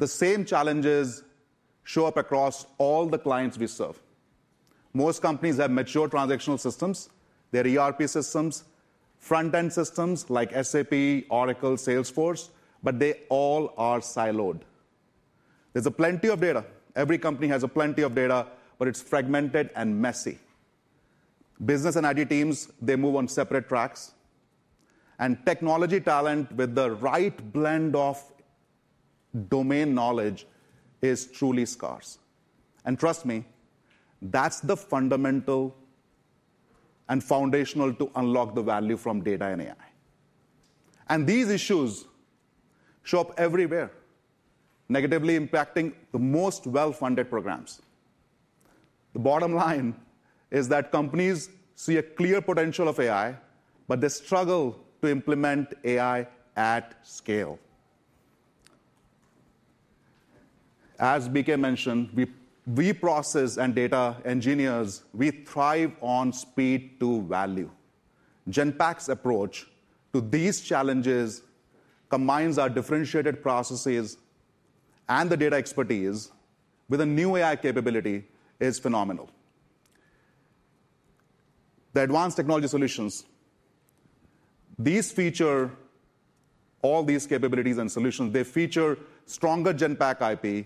The same challenges show up across all the clients we serve. Most companies have mature transactional systems, their ERP systems, front-end systems like SAP, Oracle, Salesforce, but they all are siloed. There is plenty of data. Every company has plenty of data, but it is fragmented and messy. Business and IT teams, they move on separate tracks. Technology talent with the right blend of domain knowledge is truly scarce. Trust me, that is the fundamental and foundational to unlock the value from data and AI. These issues show up everywhere, negatively impacting the most well-funded programs. The bottom line is that companies see a clear potential of AI, but they struggle to implement AI at scale. As BK mentioned, we process and data engineers, we thrive on speed to value. Genpact's approach to these challenges combines our differentiated processes and the data expertise with a new AI capability that is phenomenal. The advanced technology solutions, these feature all these capabilities and solutions. They feature stronger Genpact IP,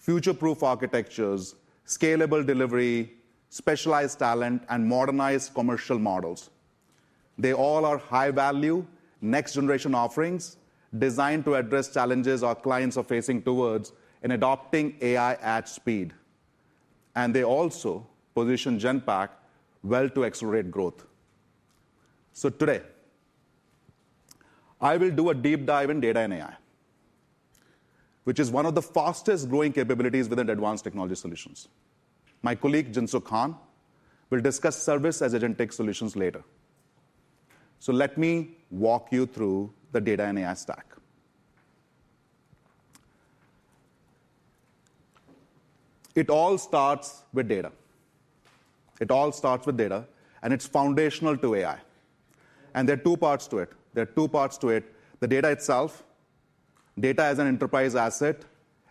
future-proof architectures, scalable delivery, specialized talent, and modernized commercial models. They all are high-value, next-generation offerings designed to address challenges our clients are facing towards in adopting AI at speed. They also position Genpact well to accelerate growth. Today, I will do a deep dive in data and AI, which is one of the fastest-growing capabilities within advanced technology solutions. My colleague, Jinsu Khan, will discuss service as agentic solutions later. Let me walk you through the data and AI stack. It all starts with data. It all starts with data, and it's foundational to AI. There are two parts to it. There are two parts to it: the data itself, data as an enterprise asset,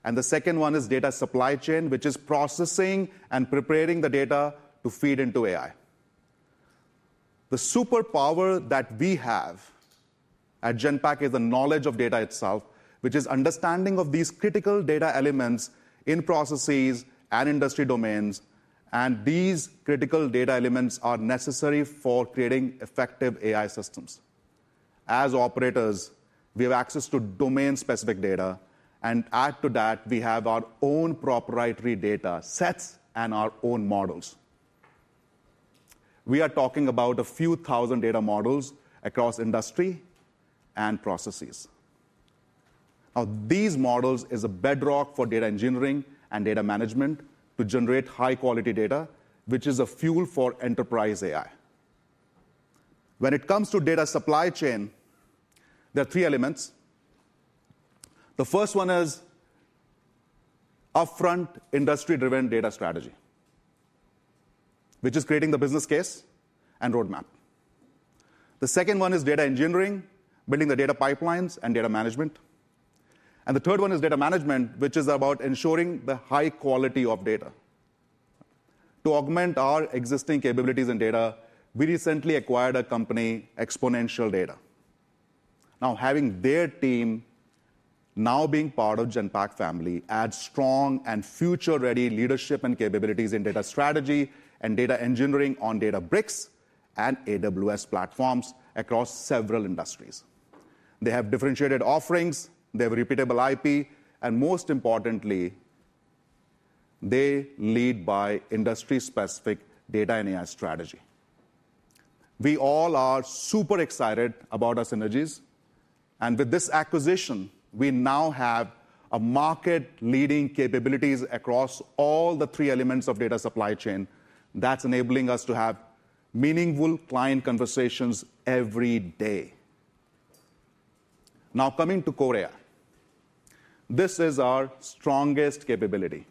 and the second one is data supply chain, which is processing and preparing the data to feed into AI. The superpower that we have at Genpact is the knowledge of data itself, which is understanding of these critical data elements in processes and industry domains. These critical data elements are necessary for creating effective AI systems. As operators, we have access to domain-specific data. Add to that, we have our own proprietary data sets and our own models. We are talking about a few thousand data models across industry and processes. These models are a bedrock for data engineering and data management to generate high-quality data, which is a fuel for enterprise AI. When it comes to data supply chain, there are three elements. The first one is upfront industry-driven data strategy, which is creating the business case and roadmap. The second one is data engineering, building the data pipelines and data management. The third one is data management, which is about ensuring the high quality of data. To augment our existing capabilities in data, we recently acquired a company, Exponential Data. Now, having their team now being part of the Genpact family adds strong and future-ready leadership and capabilities in data strategy and data engineering on Databricks and AWS platforms across several industries. They have differentiated offerings. They have repeatable IP. Most importantly, they lead by industry-specific data and AI strategy. We all are super excited about our synergies. With this acquisition, we now have market-leading capabilities across all the three elements of data supply chain that is enabling us to have meaningful client conversations every day. Now, coming to Core AI, this is our strongest capability.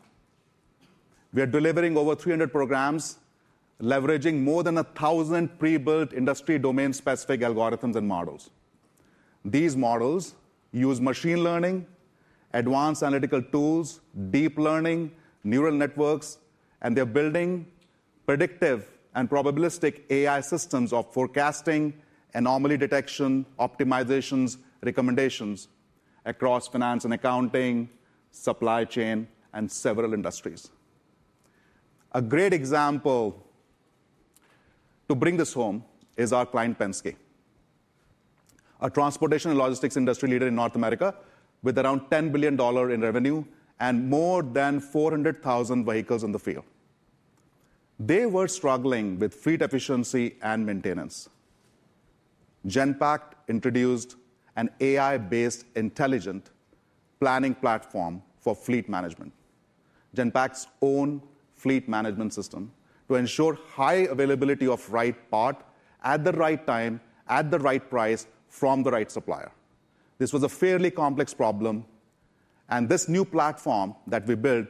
We are delivering over 300 programs, leveraging more than 1,000 pre-built industry-domain-specific algorithms and models. These models use machine learning, advanced analytical tools, deep learning, neural networks, and they're building predictive and probabilistic AI systems of forecasting, anomaly detection, optimizations, recommendations across finance and accounting, supply chain, and several industries. A great example to bring this home is our client, Penske, a transportation and logistics industry leader in North America with around $10 billion in revenue and more than 400,000 vehicles in the field. They were struggling with fleet efficiency and maintenance. Genpact introduced an AI-based intelligent planning platform for fleet management, Genpact's own Fleet Management System, to ensure high availability of the right part at the right time at the right price from the right supplier. This was a fairly complex problem. This new platform that we built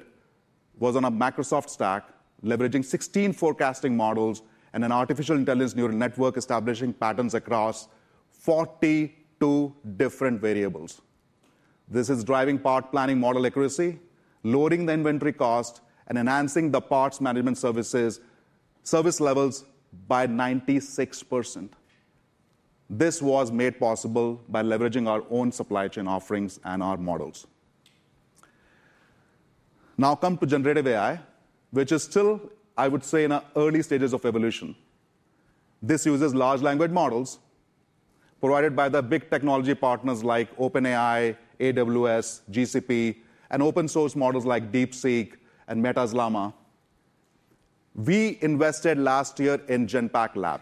was on a Microsoft stack, leveraging 16 forecasting models and an artificial intelligence neural network establishing patterns across 42 different variables. This is driving part planning model accuracy, lowering the inventory cost, and enhancing the parts management service levels by 96%. This was made possible by leveraging our own supply chain offerings and our models. Now come to generative AI, which is still, I would say, in the early stages of evolution. This uses large language models provided by the big technology partners like OpenAI, AWS, GCP, and open-source models like DeepSeek and Meta's Llama. We invested last year in Genpact Lab.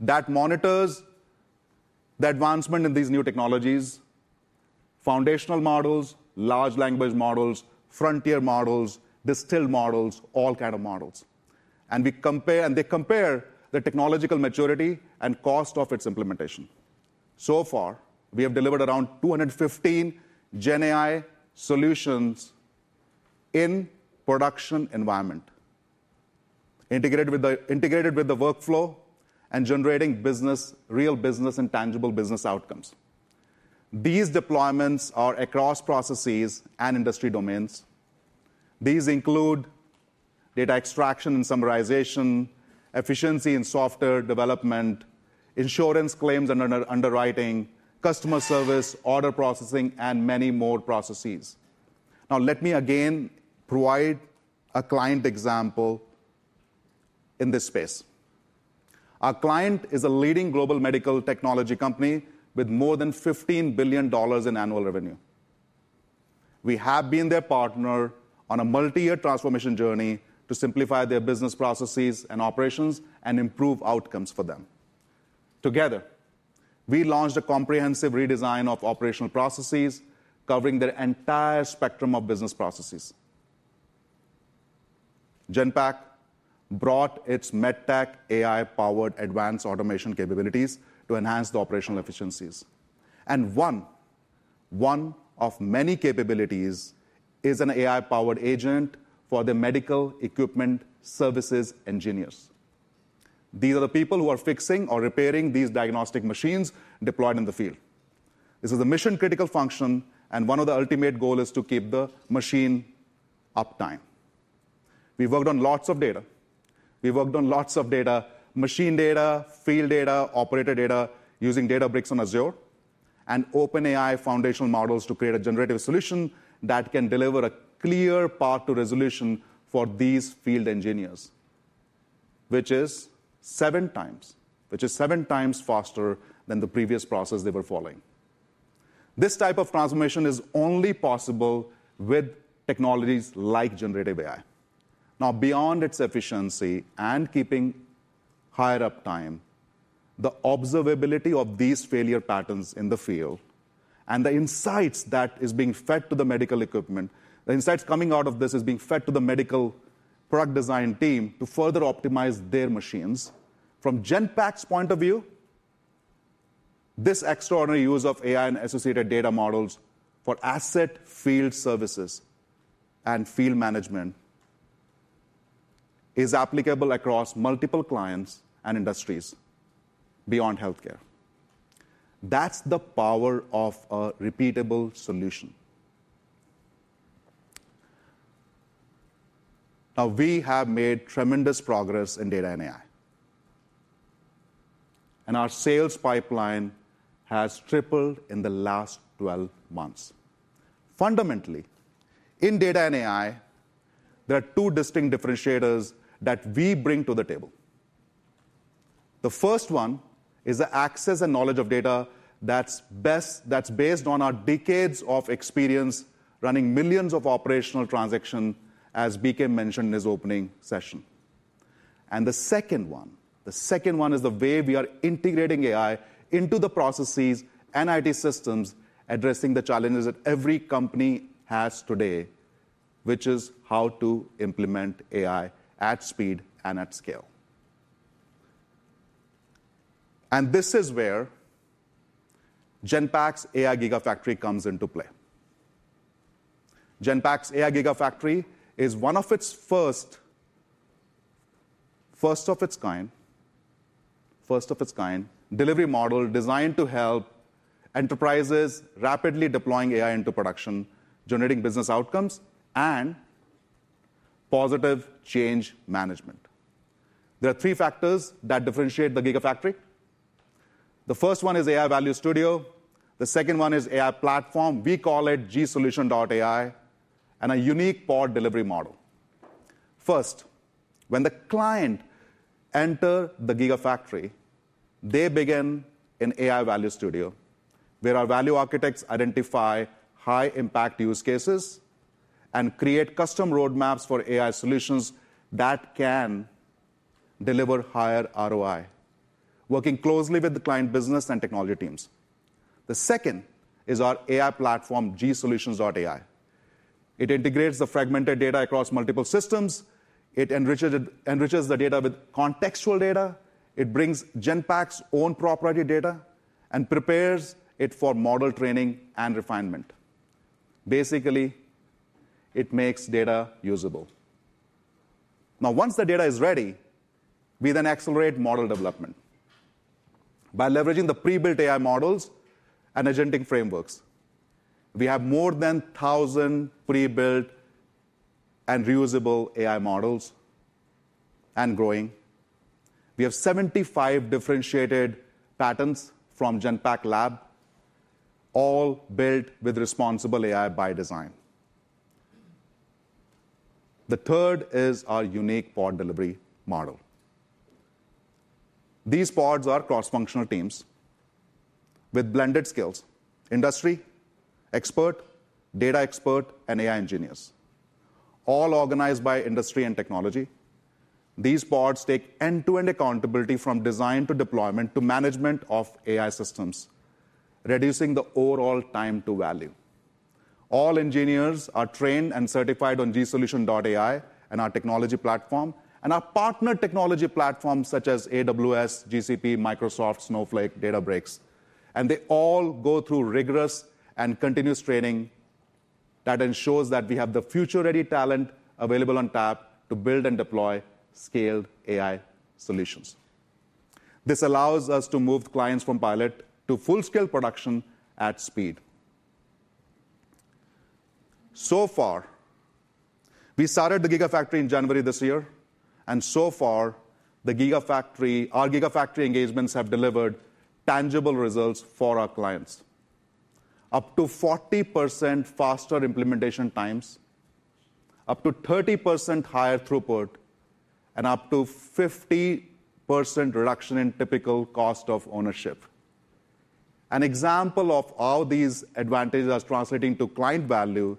That monitors the advancement in these new technologies: foundational models, large language models, frontier models, distilled models, all kinds of models. And they compare the technological maturity and cost of its implementation. So far, we have delivered around 215 GenAI solutions in production environment, integrated with the workflow and generating real business and tangible business outcomes. These deployments are across processes and industry domains. These include data extraction and summarization, efficiency in software development, insurance claims and underwriting, customer service, order processing, and many more processes. Now, let me again provide a client example in this space. Our client is a leading global medical technology company with more than $15 billion in annual revenue. We have been their partner on a multi-year transformation journey to simplify their business processes and operations and improve outcomes for them. Together, we launched a comprehensive redesign of operational processes covering the entire spectrum of business processes. Genpact brought its MedTech AI-powered advanced automation capabilities to enhance the operational efficiencies. One of many capabilities is an AI-powered agent for the medical equipment services engineers. These are the people who are fixing or repairing these diagnostic machines deployed in the field. This is a mission-critical function, and one of the ultimate goals is to keep the machine uptime. We worked on lots of data: machine data, field data, operator data using Databricks on Azure, and OpenAI foundational models to create a generative solution that can deliver a clear path to resolution for these field engineers, which is seven times faster than the previous process they were following. This type of transformation is only possible with technologies like generative AI. Now, beyond its efficiency and keeping higher uptime, the observability of these failure patterns in the field and the insights that are being fed to the medical equipment, the insights coming out of this are being fed to the medical product design team to further optimize their machines. From Genpact's point of view, this extraordinary use of AI and associated data models for asset field services and field management is applicable across multiple clients and industries beyond healthcare. That is the power of a repeatable solution. Now, we have made tremendous progress in data and AI. Our sales pipeline has tripled in the last 12 months. Fundamentally, in data and AI, there are two distinct differentiators that we bring to the table. The first one is the access and knowledge of data that is based on our decades of experience running millions of operational transactions, as BK mentioned in his opening session. The second one is the way we are integrating AI into the processes and IT systems, addressing the challenges that every company has today, which is how to implement AI at speed and at scale. This is where Genpact's AI Gigafactory comes into play. Genpact's AI Gigafactory is one of its first of its kind delivery models designed to help enterprises rapidly deploying AI into production, generating business outcomes, and positive change management. There are three factors that differentiate the Gigafactory. The first one is AI Value Studio. The second one is AI Platform. We call it gsolution.ai and a unique pod delivery model. First, when the client enters the Gigafactory, they begin in AI Value Studio, where our value architects identify high-impact use cases and create custom roadmaps for AI solutions that can deliver higher ROI, working closely with the client business and technology teams. The second is our AI platform, gsolution.ai. It integrates the fragmented data across multiple systems. It enriches the data with contextual data. It brings Genpact's own proprietary data and prepares it for model training and refinement. Basically, it makes data usable. Now, once the data is ready, we then accelerate model development by leveraging the pre-built AI models and agentic frameworks. We have more than 1,000 pre-built and reusable AI models and growing. We have 75 differentiated patterns from Genpact Lab, all built with responsible AI by design. The third is our unique pod delivery model. These pods are cross-functional teams with blended skills: industry expert, data expert, and AI engineers, all organized by industry and technology. These pods take end-to-end accountability from design to deployment to management of AI systems, reducing the overall time to value. All engineers are trained and certified on gsolution.ai and our technology platform and our partner technology platforms such as AWS, GCP, Microsoft, Snowflake, Databricks. They all go through rigorous and continuous training that ensures that we have the future-ready talent available on tap to build and deploy scaled AI solutions. This allows us to move clients from pilot to full-scale production at speed. We started the AI Gigafactory in January this year. So far, our AI Gigafactory engagements have delivered tangible results for our clients: up to 40% faster implementation times, up to 30% higher throughput, and up to 50% reduction in typical cost of ownership. An example of how these advantages are translating to client value is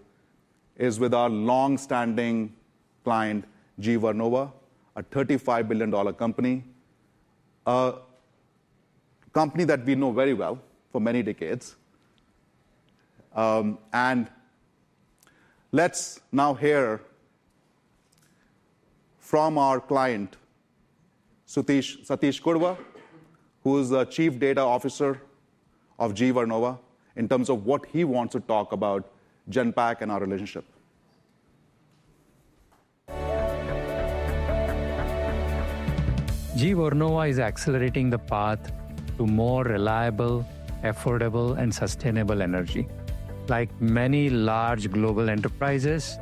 with our longstanding client, GE Vernova, a $35 billion company, a company that we know very well for many decades. Let's now hear from our client, Santosh Kudva, who is the Chief Data Officer of GE Vernova, in terms of what he wants to talk about Genpact and our relationship. Vernova is accelerating the path to more reliable, affordable, and sustainable energy. Like many large global enterprises,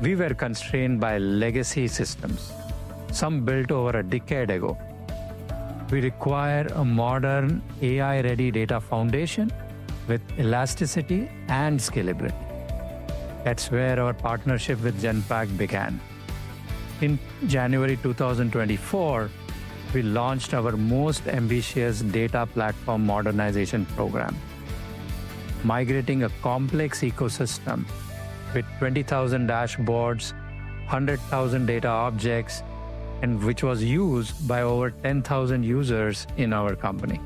we were constrained by legacy systems, some built over a decade ago. We require a modern AI-ready data foundation with elasticity and scalability. That is where our partnership with Genpact began. In January 2024, we launched our most ambitious data platform modernization program, migrating a complex ecosystem with 20,000 dashboards, 100,000 data objects, and which was used by over 10,000 users in our company.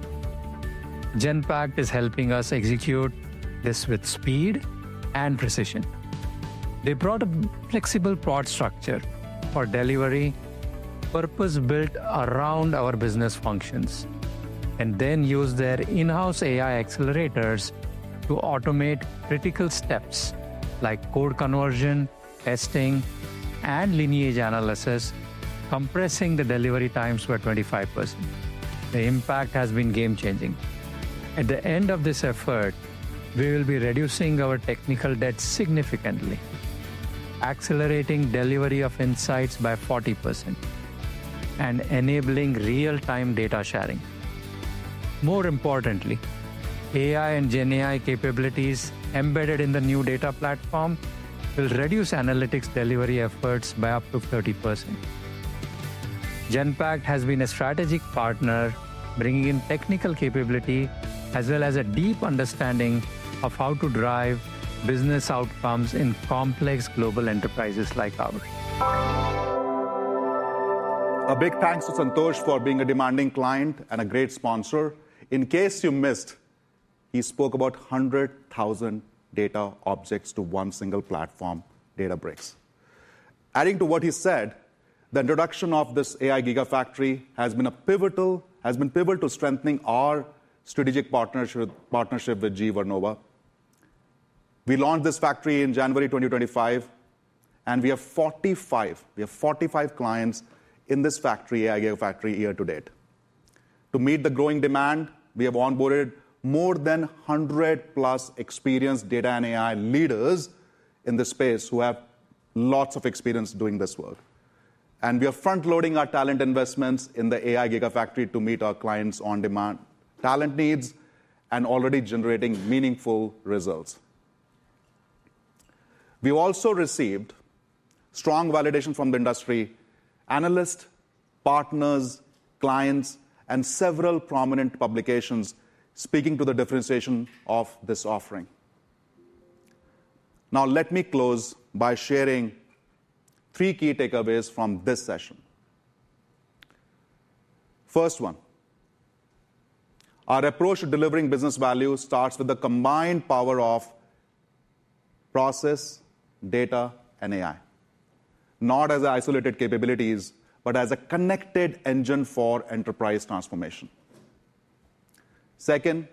Genpact is helping us execute this with speed and precision. They brought a flexible pod structure for delivery purpose-built around our business functions and then used their in-house AI accelerators to automate critical steps like code conversion, testing, and lineage analysis, compressing the delivery times by 25%. The impact has been game-changing. At the end of this effort, we will be reducing our technical debt significantly, accelerating delivery of insights by 40%, and enabling real-time data sharing. More importantly, AI and GenAI capabilities embedded in the new data platform will reduce analytics delivery efforts by up to 30%. Genpact has been a strategic partner, bringing in technical capability as well as a deep understanding of how to drive business outcomes in complex global enterprises like ours. A big thanks to Santosh for being a demanding client and a great sponsor. In case you missed, he spoke about 100,000 data objects to one single platform, Databricks. Adding to what he said, the introduction of this AI Gigafactory has been pivotal to strengthening our strategic partnership with GE Vernova. We launched this factory in January 2025, and we have 45 clients in this factory, AI Gigafactory, year to date. To meet the growing demand, we have onboarded more than 100-plus experienced data and AI leaders in the space who have lots of experience doing this work. We are front-loading our talent investments in the AI Gigafactory to meet our clients' on-demand talent needs and already generating meaningful results. We also received strong validation from the industry analysts, partners, clients, and several prominent publications speaking to the differentiation of this offering. Now, let me close by sharing three key takeaways from this session. First one, our approach to delivering business value starts with the combined power of process, data, and AI, not as isolated capabilities, but as a connected engine for enterprise transformation. Second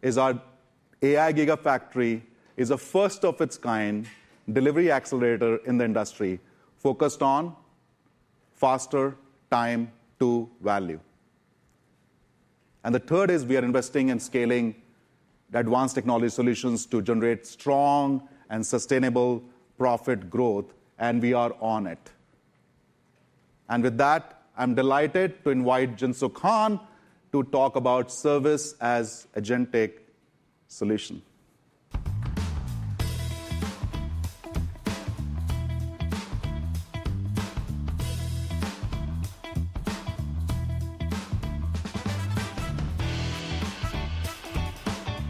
is our AI Gigafactory is a first-of-its-kind delivery accelerator in the industry focused on faster time to value. The third is we are investing in scaling advanced technology solutions to generate strong and sustainable profit growth, and we are on it. With that, I'm delighted to invite Jinsu Khan to talk about service as agentic solution.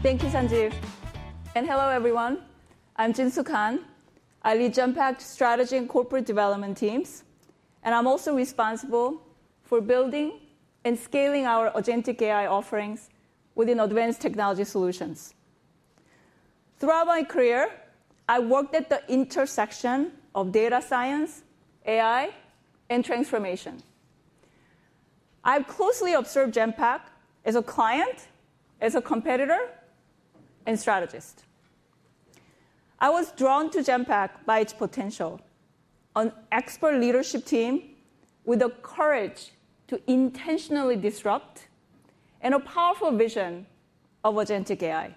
Thank you, Sanjeev. Hello, everyone. I'm Jinsook Han. I lead Genpact's strategy and corporate development teams, and I'm also responsible for building and scaling our agentic AI offerings within advanced technology solutions. Throughout my career, I worked at the intersection of data science, AI, and transformation. I've closely observed Genpact as a client, as a competitor, and strategist. I was drawn to Genpact by its potential, an expert leadership team with the courage to intentionally disrupt, and a powerful vision of agentic AI.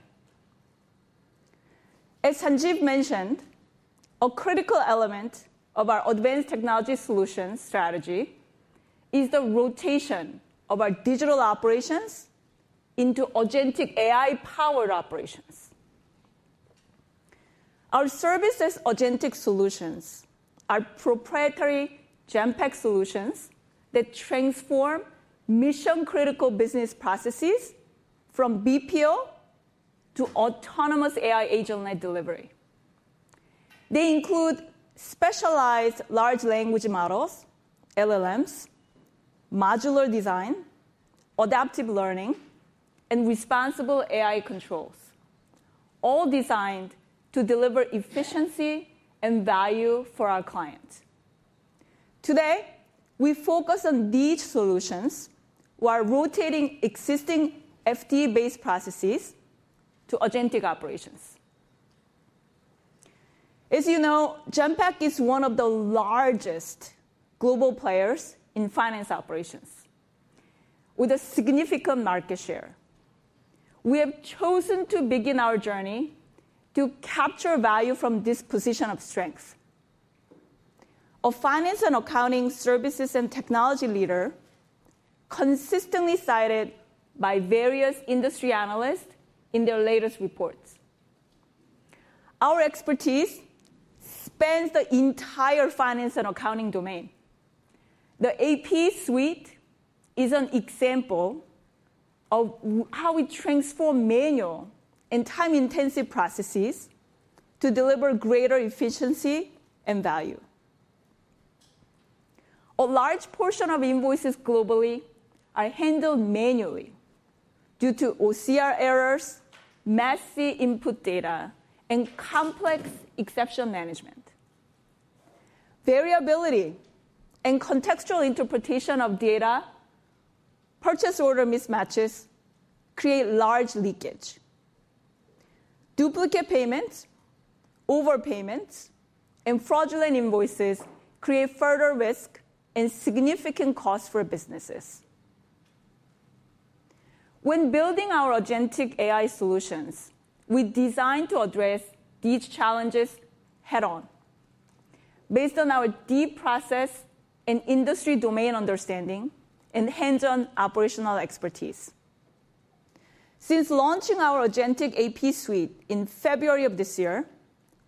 As Sanjeev mentioned, a critical element of our advanced technology solution strategy is the rotation of our digital operations into agentic AI-powered operations. Our service-as-agentic solutions are proprietary Genpact solutions that transform mission-critical business processes from BPO to autonomous AI agent-led delivery. They include specialized large language models, LLMs, modular design, adaptive learning, and responsible AI controls, all designed to deliver efficiency and value for our clients. Today, we focus on these solutions while rotating existing FTA-based processes to agentic operations. As you know, Genpact is one of the largest global players in finance operations, with a significant market share. We have chosen to begin our journey to capture value from this position of strength. A finance and accounting services and technology leader consistently cited by various industry analysts in their latest reports. Our expertise spans the entire finance and accounting domain. The AP Suite is an example of how we transform manual and time-intensive processes to deliver greater efficiency and value. A large portion of invoices globally are handled manually due to OCR errors, messy input data, and complex exception management. Variability and contextual interpretation of data, purchase order mismatches create large leakage. Duplicate payments, overpayments, and fraudulent invoices create further risk and significant costs for businesses. When building our agentic AI solutions, we designed to address these challenges head-on, based on our deep process and industry domain understanding and hands-on operational expertise. Since launching our agentic AP Suite in February of this year,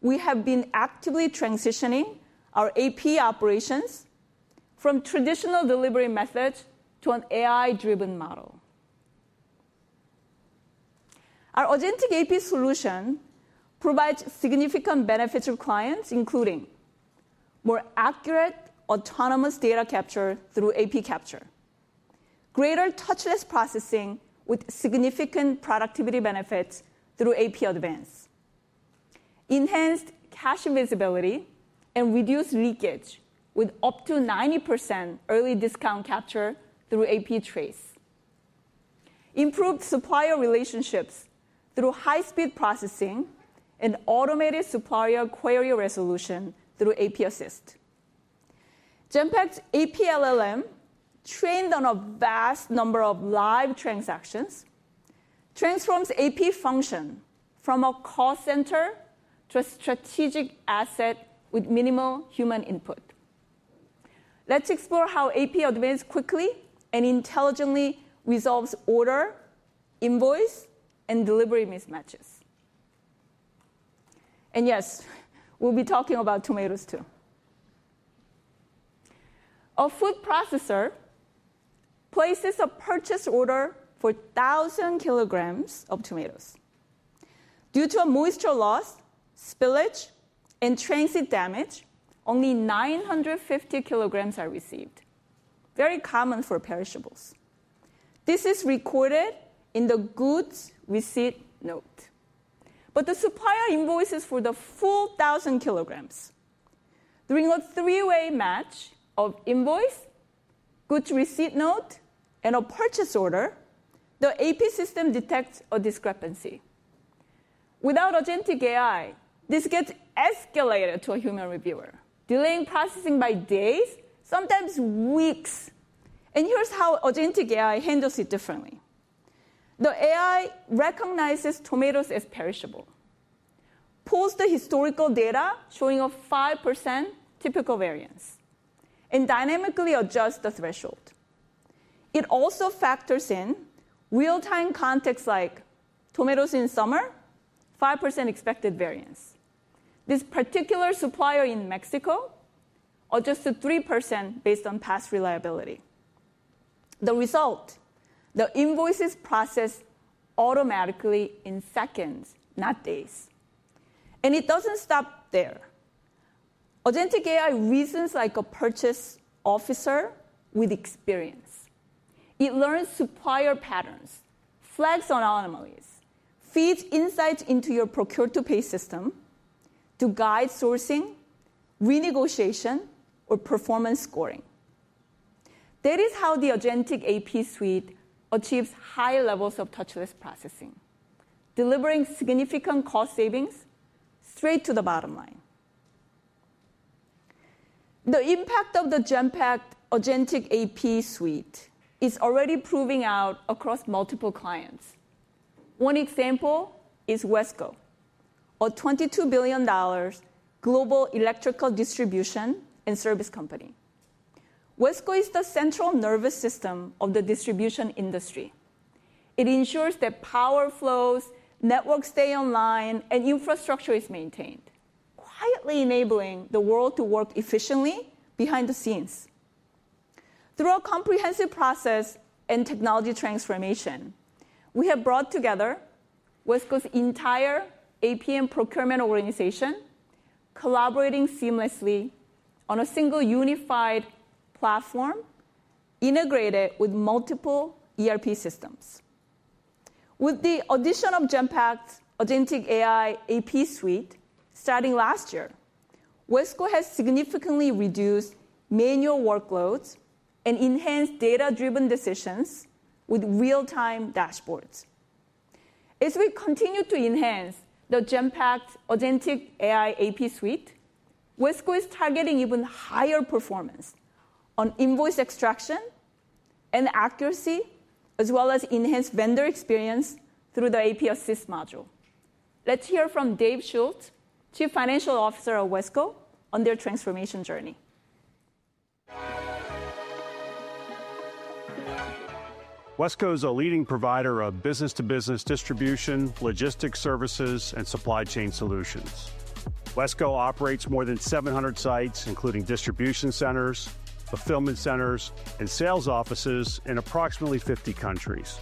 we have been actively transitioning our AP operations from traditional delivery methods to an AI-driven model. Our agentic AP solution provides significant benefits to clients, including more accurate autonomous data capture through AP Capture, greater touchless processing with significant productivity benefits through AP Advance, enhanced cash invisibility, and reduced leakage with up to 90% early discount capture through AP Trace, improved supplier relationships through high-speed processing, and automated supplier query resolution through AP Assist. Genpact's AP LLM, trained on a vast number of live transactions, transforms AP function from a call center to a strategic asset with minimal human input. Let's explore how AP Advance quickly and intelligently resolves order, invoice, and delivery mismatches. And yes, we'll be talking about tomatoes too. A food processor places a purchase order for 1,000 kilograms of tomatoes. Due to moisture loss, spillage, and transit damage, only 950 kilograms are received, very common for perishables. This is recorded in the goods receipt note. The supplier invoices for the full 1,000 kilograms. During a three-way match of invoice, goods receipt note, and a purchase order, the AP system detects a discrepancy. Without agentic AI, this gets escalated to a human reviewer, delaying processing by days, sometimes weeks. Here is how agentic AI handles it differently. The AI recognizes tomatoes as perishable, pulls the historical data showing a 5% typical variance, and dynamically adjusts the threshold. It also factors in real-time contexts like tomatoes in summer, 5% expected variance. This particular supplier in Mexico adjusts to 3% based on past reliability. The result: the invoices process automatically in seconds, not days. It does not stop there. Agentic AI reasons like a purchase officer with experience. It learns supplier patterns, flags anomalies, feeds insights into your Procure-to-Pay system to guide sourcing, renegotiation, or performance scoring. That is how the agentic AP Suite achieves high levels of touchless processing, delivering significant cost savings straight to the bottom line. The impact of the Genpact agentic AP Suite is already proving out across multiple clients. One example is Wesco, a $22 billion global electrical distribution and service company. Wesco is the central nervous system of the distribution industry. It ensures that power flows, networks stay online, and infrastructure is maintained, quietly enabling the world to work efficiently behind the scenes. Through a comprehensive process and technology transformation, we have brought together Wesco's entire AP and procurement organization, collaborating seamlessly on a single unified platform integrated with multiple ERP systems. With the addition of Genpact's agentic AI AP Suite starting last year, Wesco has significantly reduced manual workloads and enhanced data-driven decisions with real-time dashboards. As we continue to enhance the Genpact agentic AI AP Suite, Wesco is targeting even higher performance on invoice extraction and accuracy, as well as enhanced vendor experience through the AP Assist module. Let's hear from Dave Schulz, Chief Financial Officer of Wesco, on their transformation journey. Wesco is a leading provider of business-to-business distribution, logistics services, and supply chain solutions. Wesco operates more than 700 sites, including distribution centers, fulfillment centers, and sales offices in approximately 50 countries.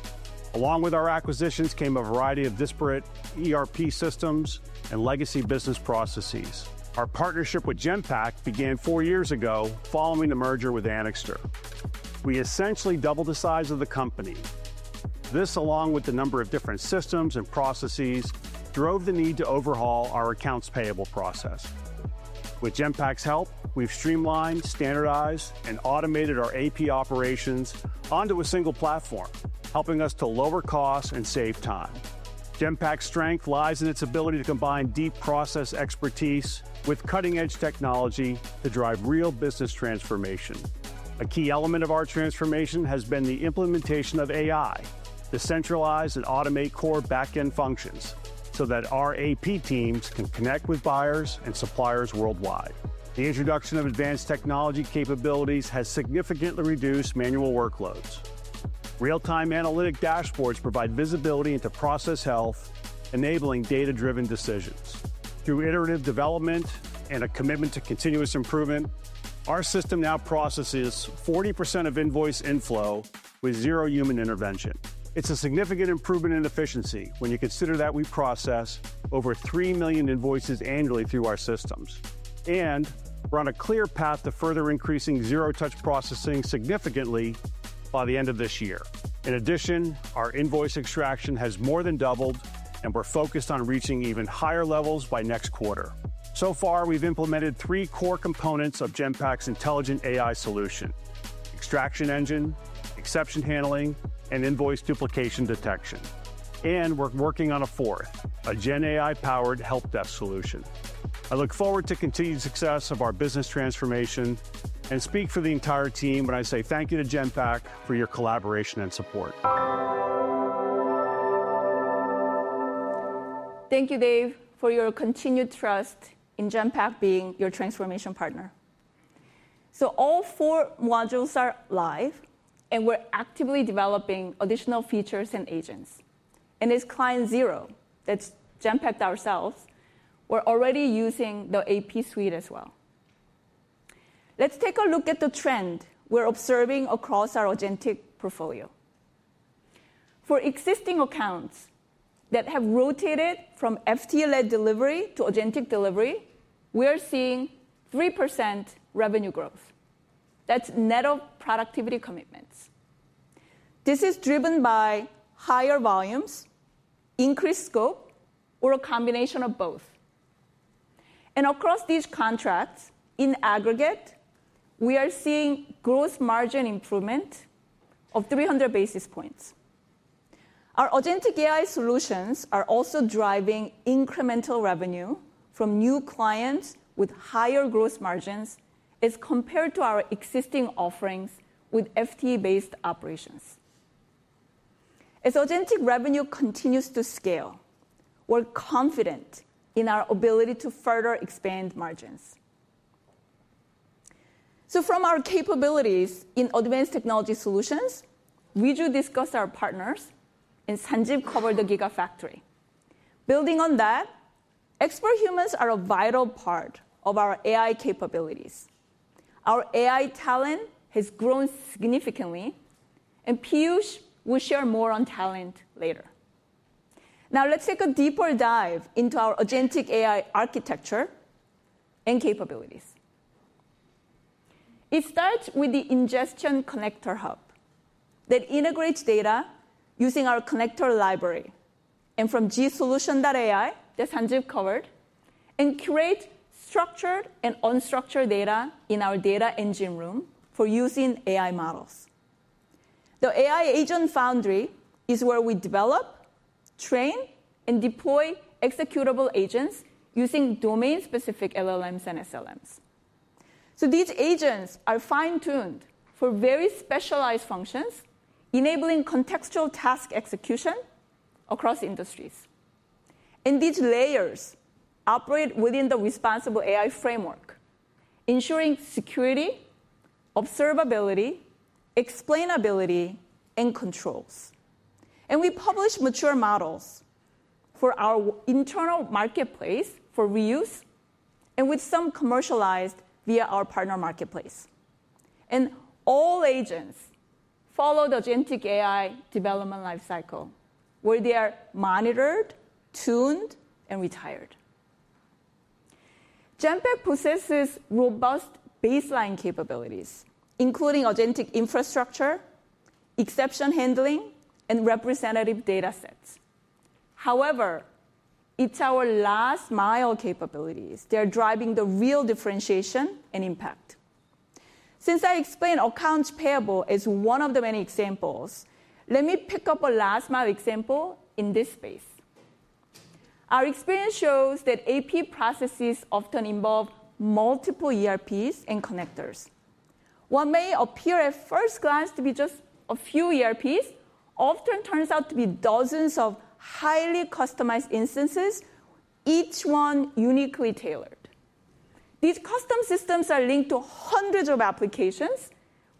Along with our acquisitions came a variety of disparate ERP systems and legacy business processes. Our partnership with Genpact began four years ago following the merger with Annixter. We essentially doubled the size of the company. This, along with the number of different systems and processes, drove the need to overhaul our accounts payable process. With Genpact's help, we've streamlined, standardized, and automated our AP operations onto a single platform, helping us to lower costs and save time. Genpact's strength lies in its ability to combine deep process expertise with cutting-edge technology to drive real business transformation. A key element of our transformation has been the implementation of AI to centralize and automate core back-end functions so that our AP teams can connect with buyers and suppliers worldwide. The introduction of advanced technology capabilities has significantly reduced manual workloads. Real-time analytic dashboards provide visibility into process health, enabling data-driven decisions. Through iterative development and a commitment to continuous improvement, our system now processes 40% of invoice inflow with zero human intervention. It's a significant improvement in efficiency when you consider that we process over 3 million invoices annually through our systems. We are on a clear path to further increasing zero-touch processing significantly by the end of this year. In addition, our invoice extraction has more than doubled, and we are focused on reaching even higher levels by next quarter. So far, we have implemented three core components of Genpact's intelligent AI solution: extraction engine, exception handling, and invoice duplication detection. We are working on a fourth, a GenAI-powered help desk solution. I look forward to continued success of our business transformation and speak for the entire team when I say thank you to Genpact for your collaboration and support. Thank you, Dave, for your continued trust in Genpact being your transformation partner. All four modules are live, and we are actively developing additional features and agents. As client zero, that is Genpact ourselves, we are already using the AP Suite as well. Let's take a look at the trend we're observing across our agentic portfolio. For existing accounts that have rotated from FTA-led delivery to agentic delivery, we are seeing 3% revenue growth. That's net of productivity commitments. This is driven by higher volumes, increased scope, or a combination of both. Across these contracts, in aggregate, we are seeing gross margin improvement of 300 basis points. Our agentic AI solutions are also driving incremental revenue from new clients with higher gross margins as compared to our existing offerings with FTA-based operations. As agentic revenue continues to scale, we're confident in our ability to further expand margins. From our capabilities in advanced technology solutions, we do discuss our partners, and Sanjeev covered the Gigafactory. Building on that, expert humans are a vital part of our AI capabilities. Our AI talent has grown significantly, and Piyush will share more on talent later. Now, let's take a deeper dive into our agentic AI architecture and capabilities. It starts with the ingestion connector hub that integrates data using our connector library and from gsolution.ai, that Sanjeev covered, and creates structured and unstructured data in our data engine room for using AI models. The AI agent foundry is where we develop, train, and deploy executable agents using domain-specific LLMs and SLMs. These agents are fine-tuned for very specialized functions, enabling contextual task execution across industries. These layers operate within the responsible AI framework, ensuring security, observability, explainability, and controls. We publish mature models for our internal marketplace for reuse and with some commercialized via our partner marketplace. All agents follow the agentic AI development life cycle, where they are monitored, tuned, and retired. Genpact possesses robust baseline capabilities, including agentic infrastructure, exception handling, and representative data sets. However, it's our last mile capabilities that are driving the real differentiation and impact. Since I explained accounts payable as one of the many examples, let me pick up a last mile example in this space. Our experience shows that AP processes often involve multiple ERPs and connectors. What may appear at first glance to be just a few ERPs often turns out to be dozens of highly customized instances, each one uniquely tailored. These custom systems are linked to hundreds of applications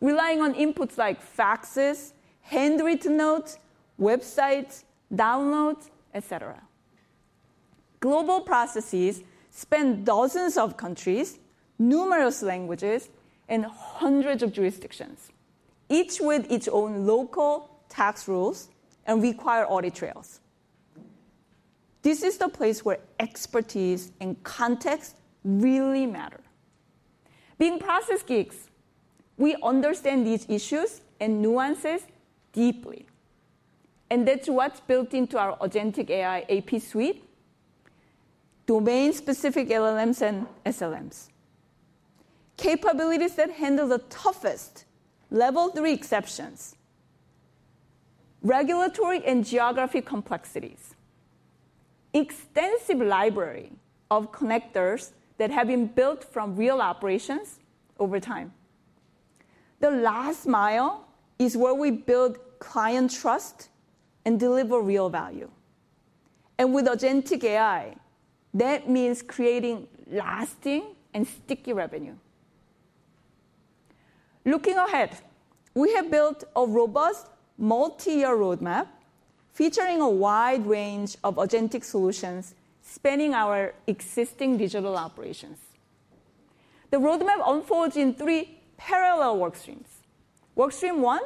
relying on inputs like faxes, handwritten notes, websites, downloads, et cetera. Global processes span dozens of countries, numerous languages, and hundreds of jurisdictions, each with its own local tax rules and required audit trails. This is the place where expertise and context really matter. Being process geeks, we understand these issues and nuances deeply. That's what's built into our agentic AI AP Suite: domain-specific LLMs and SLMs, capabilities that handle the toughest level three exceptions, regulatory and geography complexities, and an extensive library of connectors that have been built from real operations over time. The last mile is where we build client trust and deliver real value. With agentic AI, that means creating lasting and sticky revenue. Looking ahead, we have built a robust multi-year roadmap featuring a wide range of agentic solutions spanning our existing digital operations. The roadmap unfolds in three parallel workstreams. Workstream one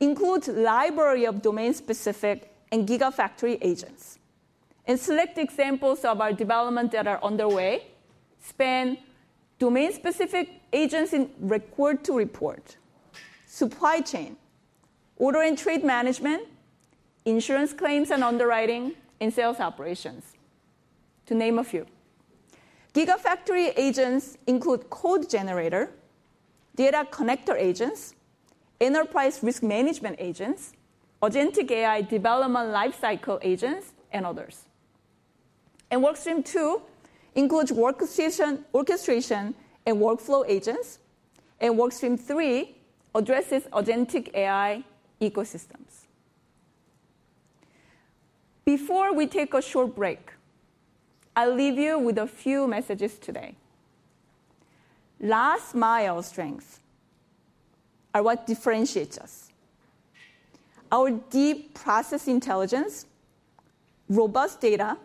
includes a library of domain-specific and Gigafactory agents. Select examples of our development that are underway span domain-specific agents in report to report, supply chain, order and trade management, insurance claims and underwriting, and sales operations, to name a few. Gigafactory agents include code generator, data connector agents, enterprise risk management agents, agentic AI development life cycle agents, and others. Workstream two includes orchestration and workflow agents. Workstream three addresses agentic AI ecosystems. Before we take a short break, I'll leave you with a few messages today. Last mile strengths are what differentiate us. Our deep process intelligence, robust data,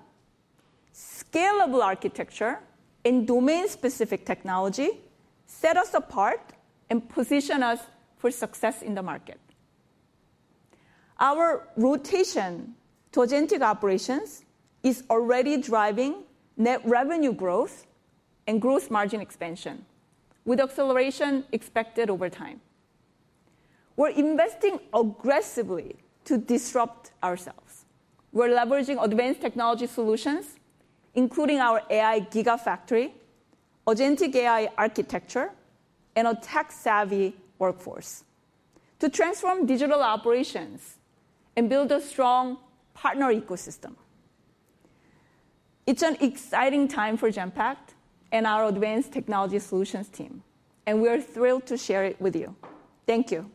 scalable architecture, and domain-specific technology set us apart and position us for success in the market. Our rotation to agentic operations is already driving net revenue growth and gross margin expansion with acceleration expected over time. We're investing aggressively to disrupt ourselves. We're leveraging advanced technology solutions, including our AI Gigafactory, agentic AI architecture, and a tech-savvy workforce to transform digital operations and build a strong partner ecosystem. It's an exciting time for Genpact and our advanced technology solutions team. We are thrilled to share it with you. Thank you.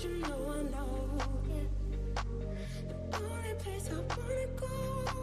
With you, take me where I want to go, yeah. I'm all that you know I know, yeah. The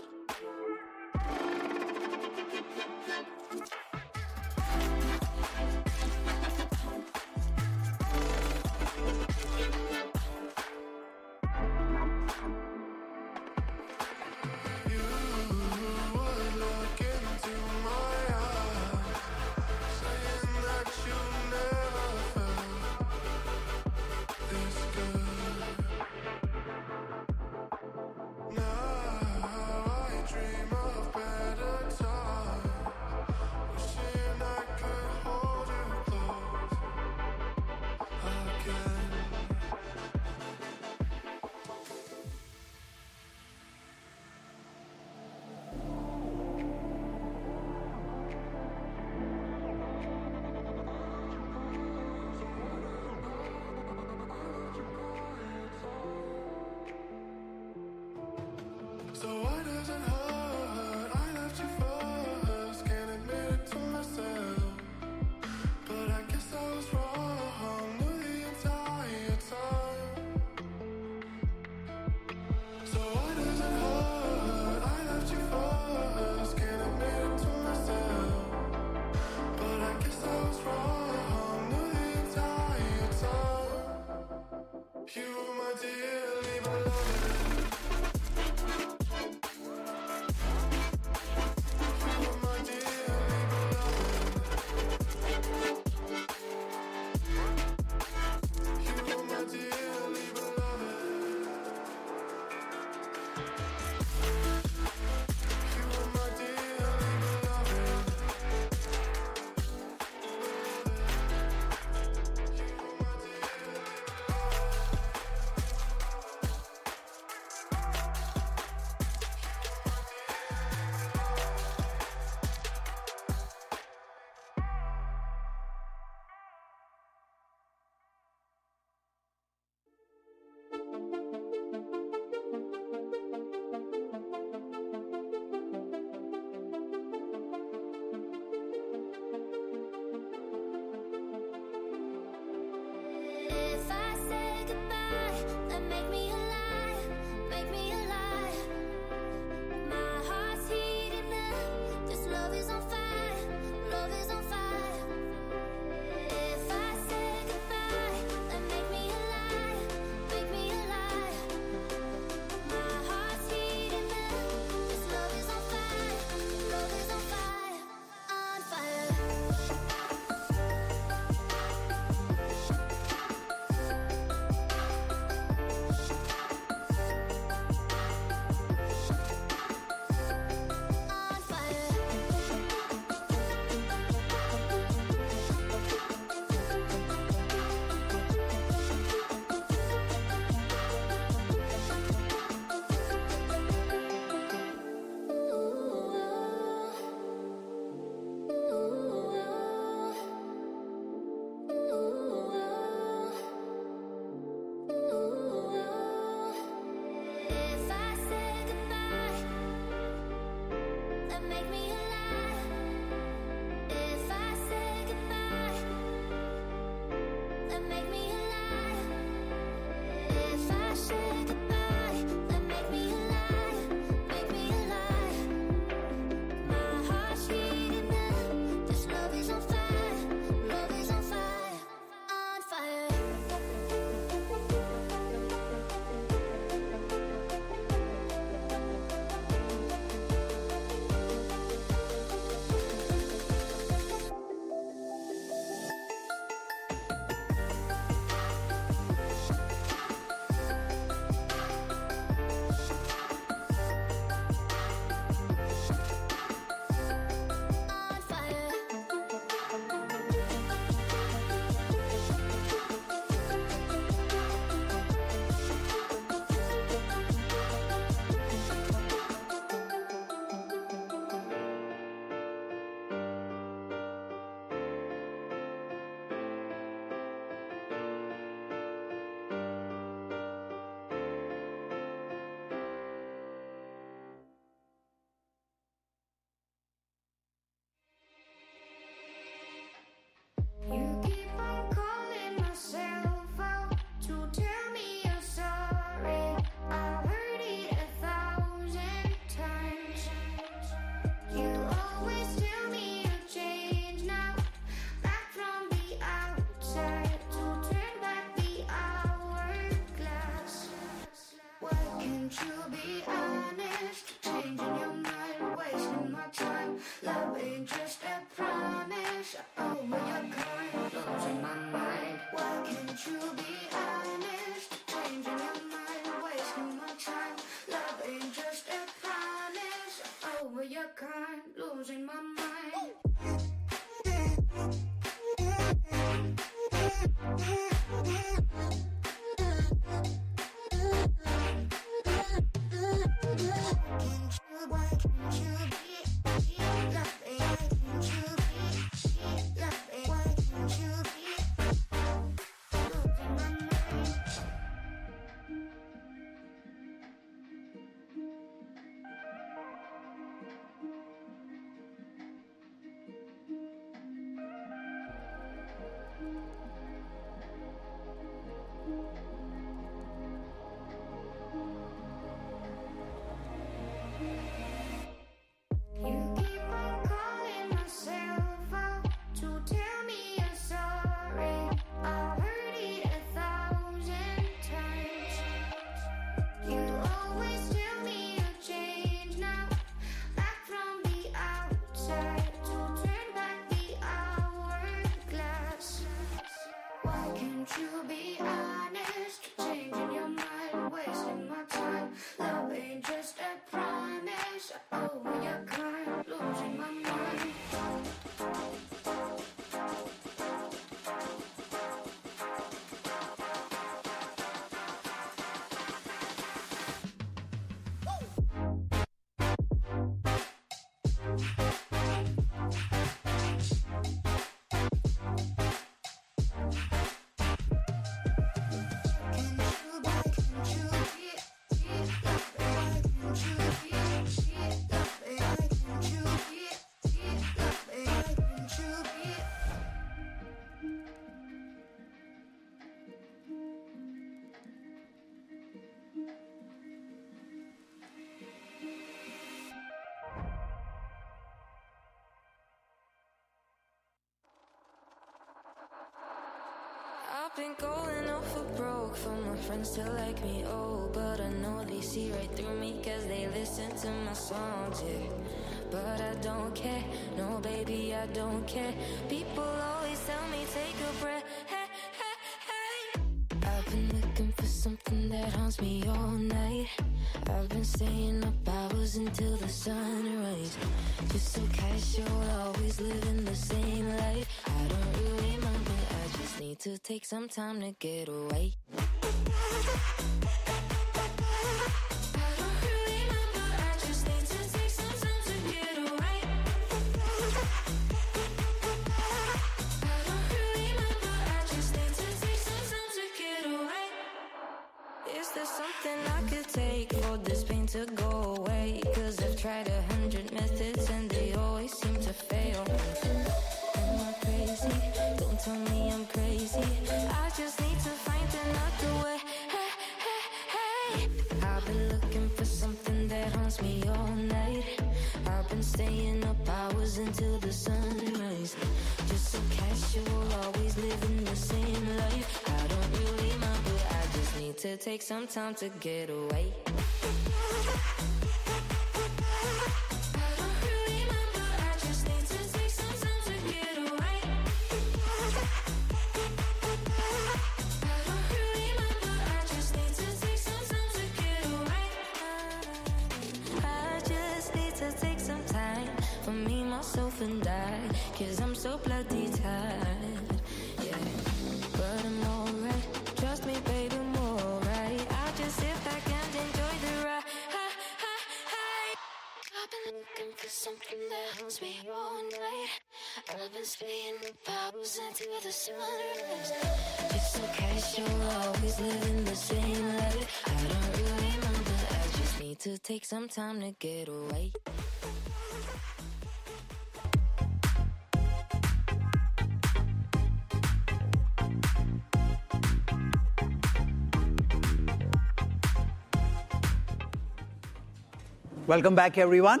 Welcome back, everyone.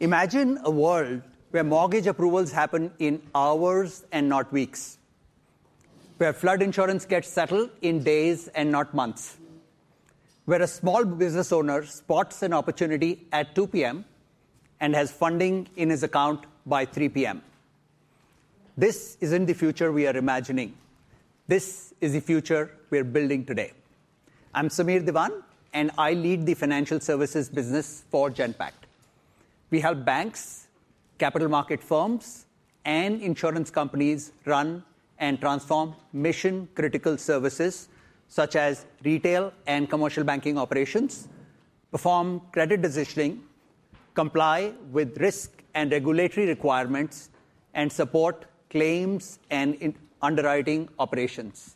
Imagine a world where mortgage approvals happen in hours and not weeks, where flood insurance gets settled in days and not months, where a small business owner spots an opportunity at 2:00 P.M. and has funding in his account by 3:00 P.M. This isn't the future we are imagining. This is the future we're building today. I'm Sameer Dewan, and I lead the financial services business for Genpact. We help banks, capital market firms, and insurance companies run and transform mission-critical services such as retail and commercial banking operations, perform credit decisioning, comply with risk and regulatory requirements, and support claims and underwriting operations.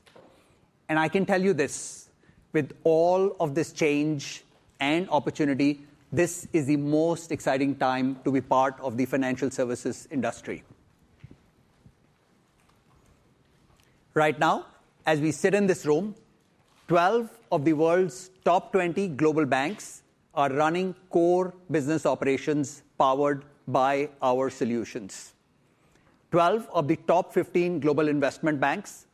I can tell you this: with all of this change and opportunity, this is the most exciting time to be part of the financial services industry. Right now, as we sit in this room, 12 of the world's top 20 global banks are running core business operations powered by our solutions. Twelve of the top 15 global investment banks,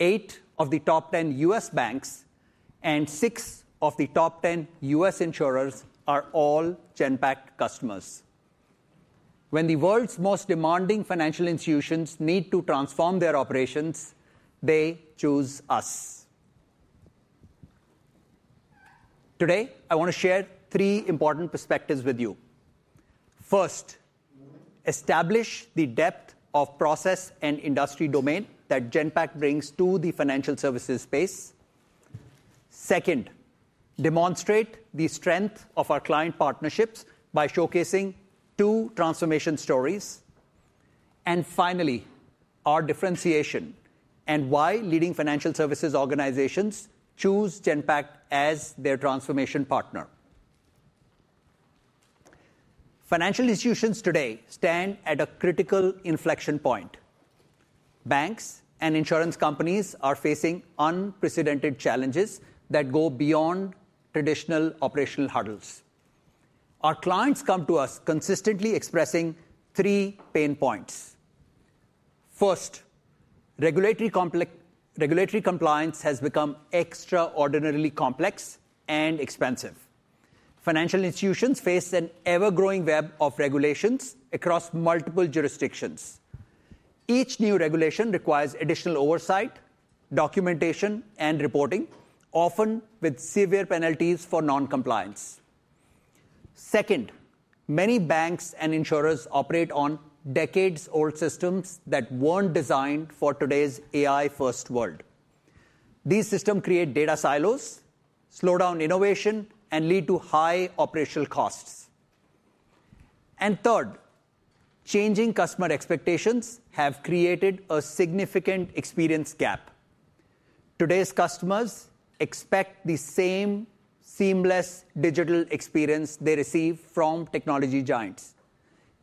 eight of the top 10 US banks, and six of the top 10 US insurers are all Genpact customers. When the world's most demanding financial institutions need to transform their operations, they choose us. Today, I want to share three important perspectives with you. First, establish the depth of process and industry domain that Genpact brings to the financial services space. Second, demonstrate the strength of our client partnerships by showcasing two transformation stories. Finally, our differentiation and why leading financial services organizations choose Genpact as their transformation partner. Financial institutions today stand at a critical inflection point. Banks and insurance companies are facing unprecedented challenges that go beyond traditional operational hurdles. Our clients come to us consistently expressing three pain points. First, regulatory compliance has become extraordinarily complex and expensive. Financial institutions face an ever-growing web of regulations across multiple jurisdictions. Each new regulation requires additional oversight, documentation, and reporting, often with severe penalties for non-compliance. Second, many banks and insurers operate on decades-old systems that were not designed for today's AI-first world. These systems create data silos, slow down innovation, and lead to high operational costs. Third, changing customer expectations have created a significant experience gap. Today's customers expect the same seamless digital experience they receive from technology giants.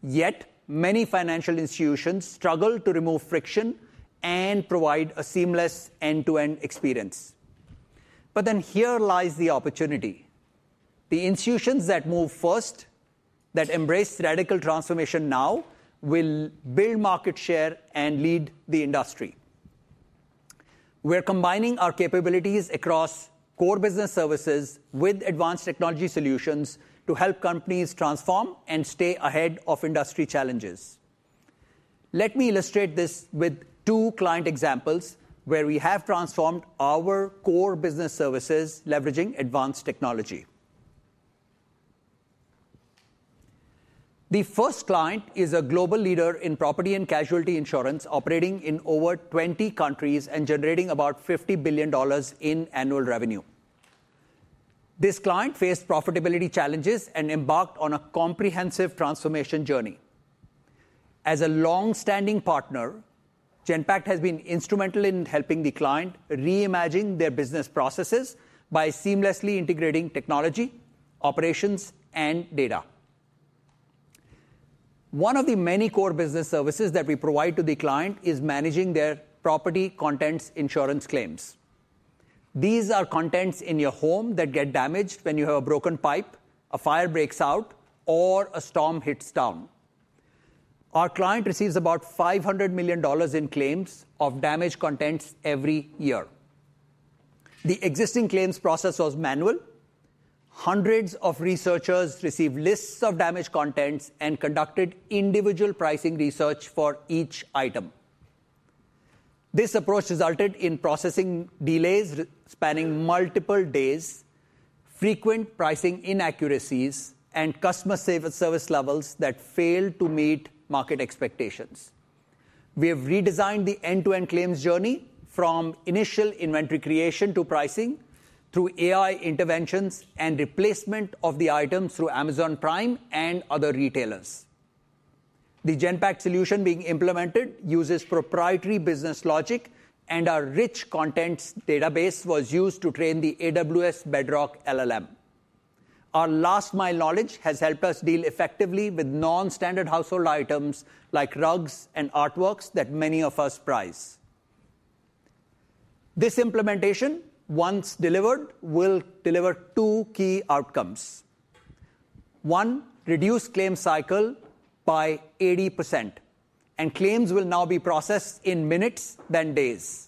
Yet, many financial institutions struggle to remove friction and provide a seamless end-to-end experience. Here lies the opportunity. The institutions that move first, that embrace radical transformation now, will build market share and lead the industry. We're combining our capabilities across core business services with advanced technology solutions to help companies transform and stay ahead of industry challenges. Let me illustrate this with two client examples where we have transformed our core business services leveraging advanced technology. The first client is a global leader in property and casualty insurance, operating in over 20 countries and generating about $50 billion in annual revenue. This client faced profitability challenges and embarked on a comprehensive transformation journey. As a long-standing partner, Genpact has been instrumental in helping the client reimagine their business processes by seamlessly integrating technology, operations, and data. One of the many core business services that we provide to the client is managing their property contents insurance claims. These are contents in your home that get damaged when you have a broken pipe, a fire breaks out, or a storm hits town. Our client receives about $500 million in claims of damaged contents every year. The existing claims process was manual. Hundreds of researchers received lists of damaged contents and conducted individual pricing research for each item. This approach resulted in processing delays spanning multiple days, frequent pricing inaccuracies, and customer service levels that failed to meet market expectations. We have redesigned the end-to-end claims journey from initial inventory creation to pricing through AI interventions and replacement of the items through Amazon Prime and other retailers. The Genpact solution being implemented uses proprietary business logic, and our rich contents database was used to train the AWS Bedrock LLM. Our last-mile knowledge has helped us deal effectively with non-standard household items like rugs and artworks that many of us prize. This implementation, once delivered, will deliver two key outcomes. One, reduce claim cycle by 80%, and claims will now be processed in minutes, not days.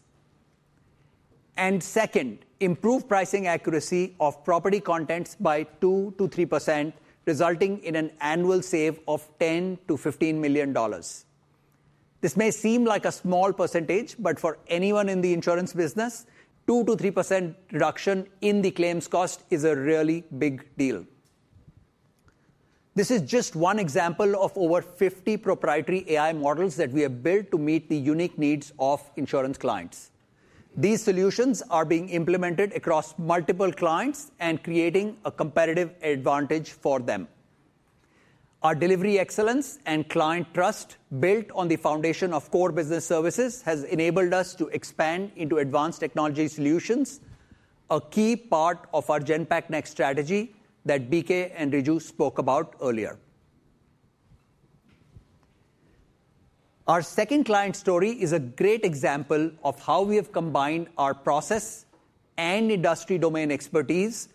Second, improve pricing accuracy of property contents by 2%-3%, resulting in an annual save of $10 million-$15 million. This may seem like a small percentage, but for anyone in the insurance business, 2%-3% reduction in the claims cost is a really big deal. This is just one example of over 50 proprietary AI models that we have built to meet the unique needs of insurance clients. These solutions are being implemented across multiple clients and creating a competitive advantage for them. Our delivery excellence and client trust built on the foundation of core business services has enabled us to expand into advanced technology solutions, a key part of our Genpact Next strategy that BK and Raju spoke about earlier. Our second client story is a great example of how we have combined our process and industry domain expertise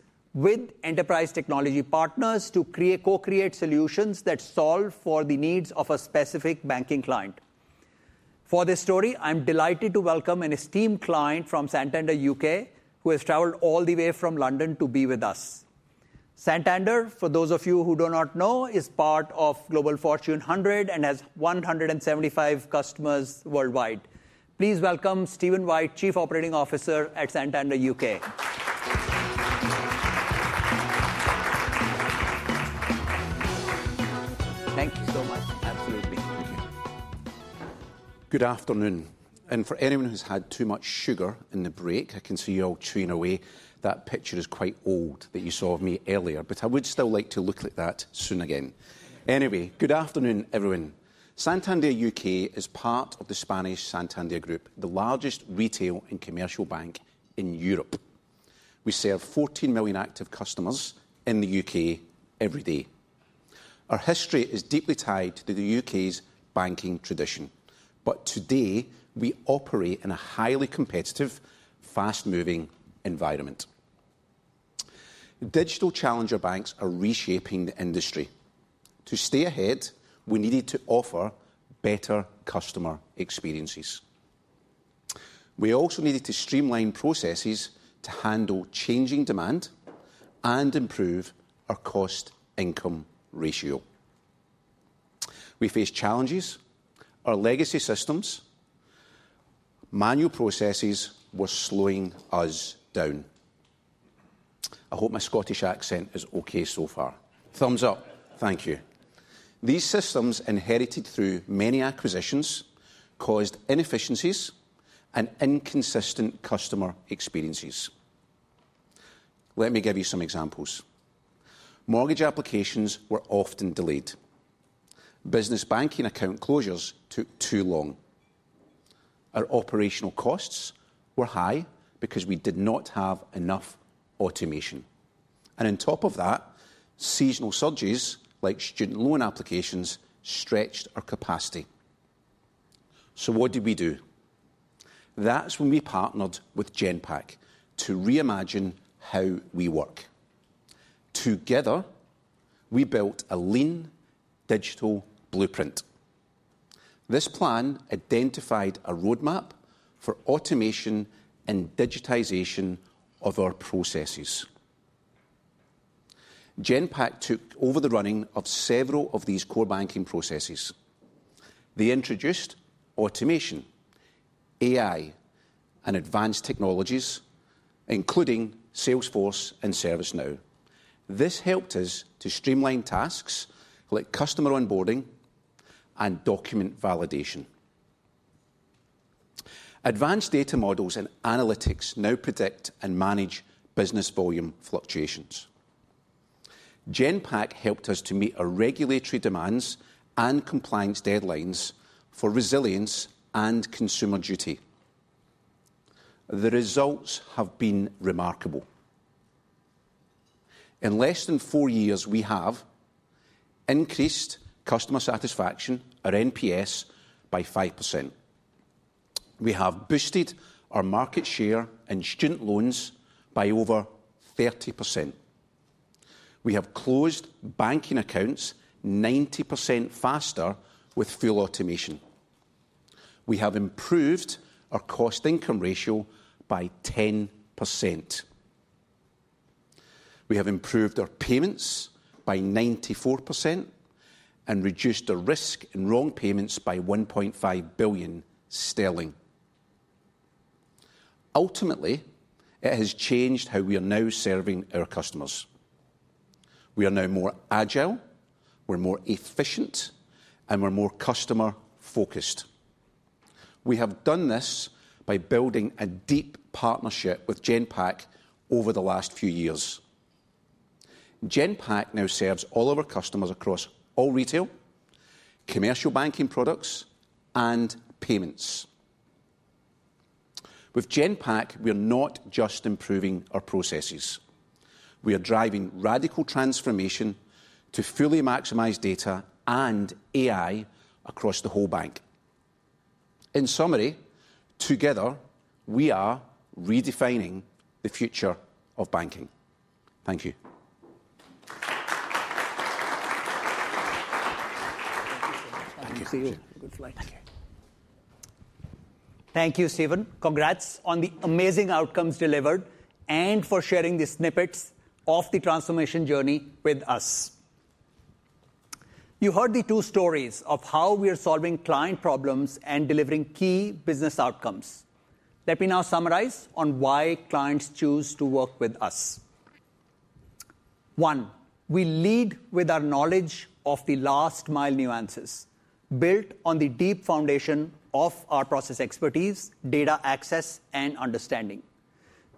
with enterprise technology partners to co-create solutions that solve for the needs of a specific banking client. For this story, I'm delighted to welcome an esteemed client from Santander U.K. who has traveled all the way from London to be with us. Santander, for those of you who do not know, is part of Global Fortune 100 and has 175 customers worldwide. Please welcome Steven White, Chief Operating Officer at Santander U.K. Thank you so much. Absolutely. Good afternoon. For anyone who's had too much sugar in the break, I can see you all chewing away. That picture is quite old that you saw of me earlier, but I would still like to look at that soon again. Anyway, good afternoon, everyone. Santander UK is part of the Spanish Santander Group, the largest retail and commercial bank in Europe. We serve 14 million active customers in the U.K. every day. Our history is deeply tied to the U.K.'s banking tradition, but today we operate in a highly competitive, fast-moving environment. Digital challenger banks are reshaping the industry. To stay ahead, we needed to offer better customer experiences. We also needed to streamline processes to handle changing demand and improve our cost-to-income ratio. We faced challenges. Our legacy systems, manual processes, were slowing us down. I hope my Scottish accent is okay so far. Thumbs up. Thank you. These systems, inherited through many acquisitions, caused inefficiencies and inconsistent customer experiences. Let me give you some examples. Mortgage applications were often delayed. Business banking account closures took too long. Our operational costs were high because we did not have enough automation. On top of that, seasonal surges like student loan applications stretched our capacity. What did we do? That is when we partnered with Genpact to reimagine how we work. Together, we built a lean digital blueprint. This plan identified a roadmap for automation and digitization of our processes. Genpact took over the running of several of these core banking processes. They introduced automation, AI, and advanced technologies, including Salesforce and ServiceNow. This helped us to streamline tasks like customer onboarding and document validation. Advanced data models and analytics now predict and manage business volume fluctuations. Genpact helped us to meet regulatory demands and compliance deadlines for resilience and consumer duty. The results have been remarkable. In less than four years, we have increased customer satisfaction, our NPS, by 5%. We have boosted our market share in student loans by over 30%. We have closed banking accounts 90% faster with full automation. We have improved our cost-to-income ratio by 10%. We have improved our payments by 94% and reduced our risk and wrong payments by 1.5 billion sterling. Ultimately, it has changed how we are now serving our customers. We are now more agile, we're more efficient, and we're more customer-focused. We have done this by building a deep partnership with Genpact over the last few years. Genpact now serves all of our customers across all retail, commercial banking products, and payments. With Genpact, we are not just improving our processes. We are driving radical transformation to fully maximize data and AI across the whole bank. In summary, together, we are redefining the future of banking. Thank you. Thank you. Thank you. Thank you, Steven. Congrats on the amazing outcomes delivered and for sharing the snippets of the transformation journey with us. You heard the two stories of how we are solving client problems and delivering key business outcomes. Let me now summarize on why clients choose to work with us. One, we lead with our knowledge of the last-mile nuances, built on the deep foundation of our process expertise, data access, and understanding.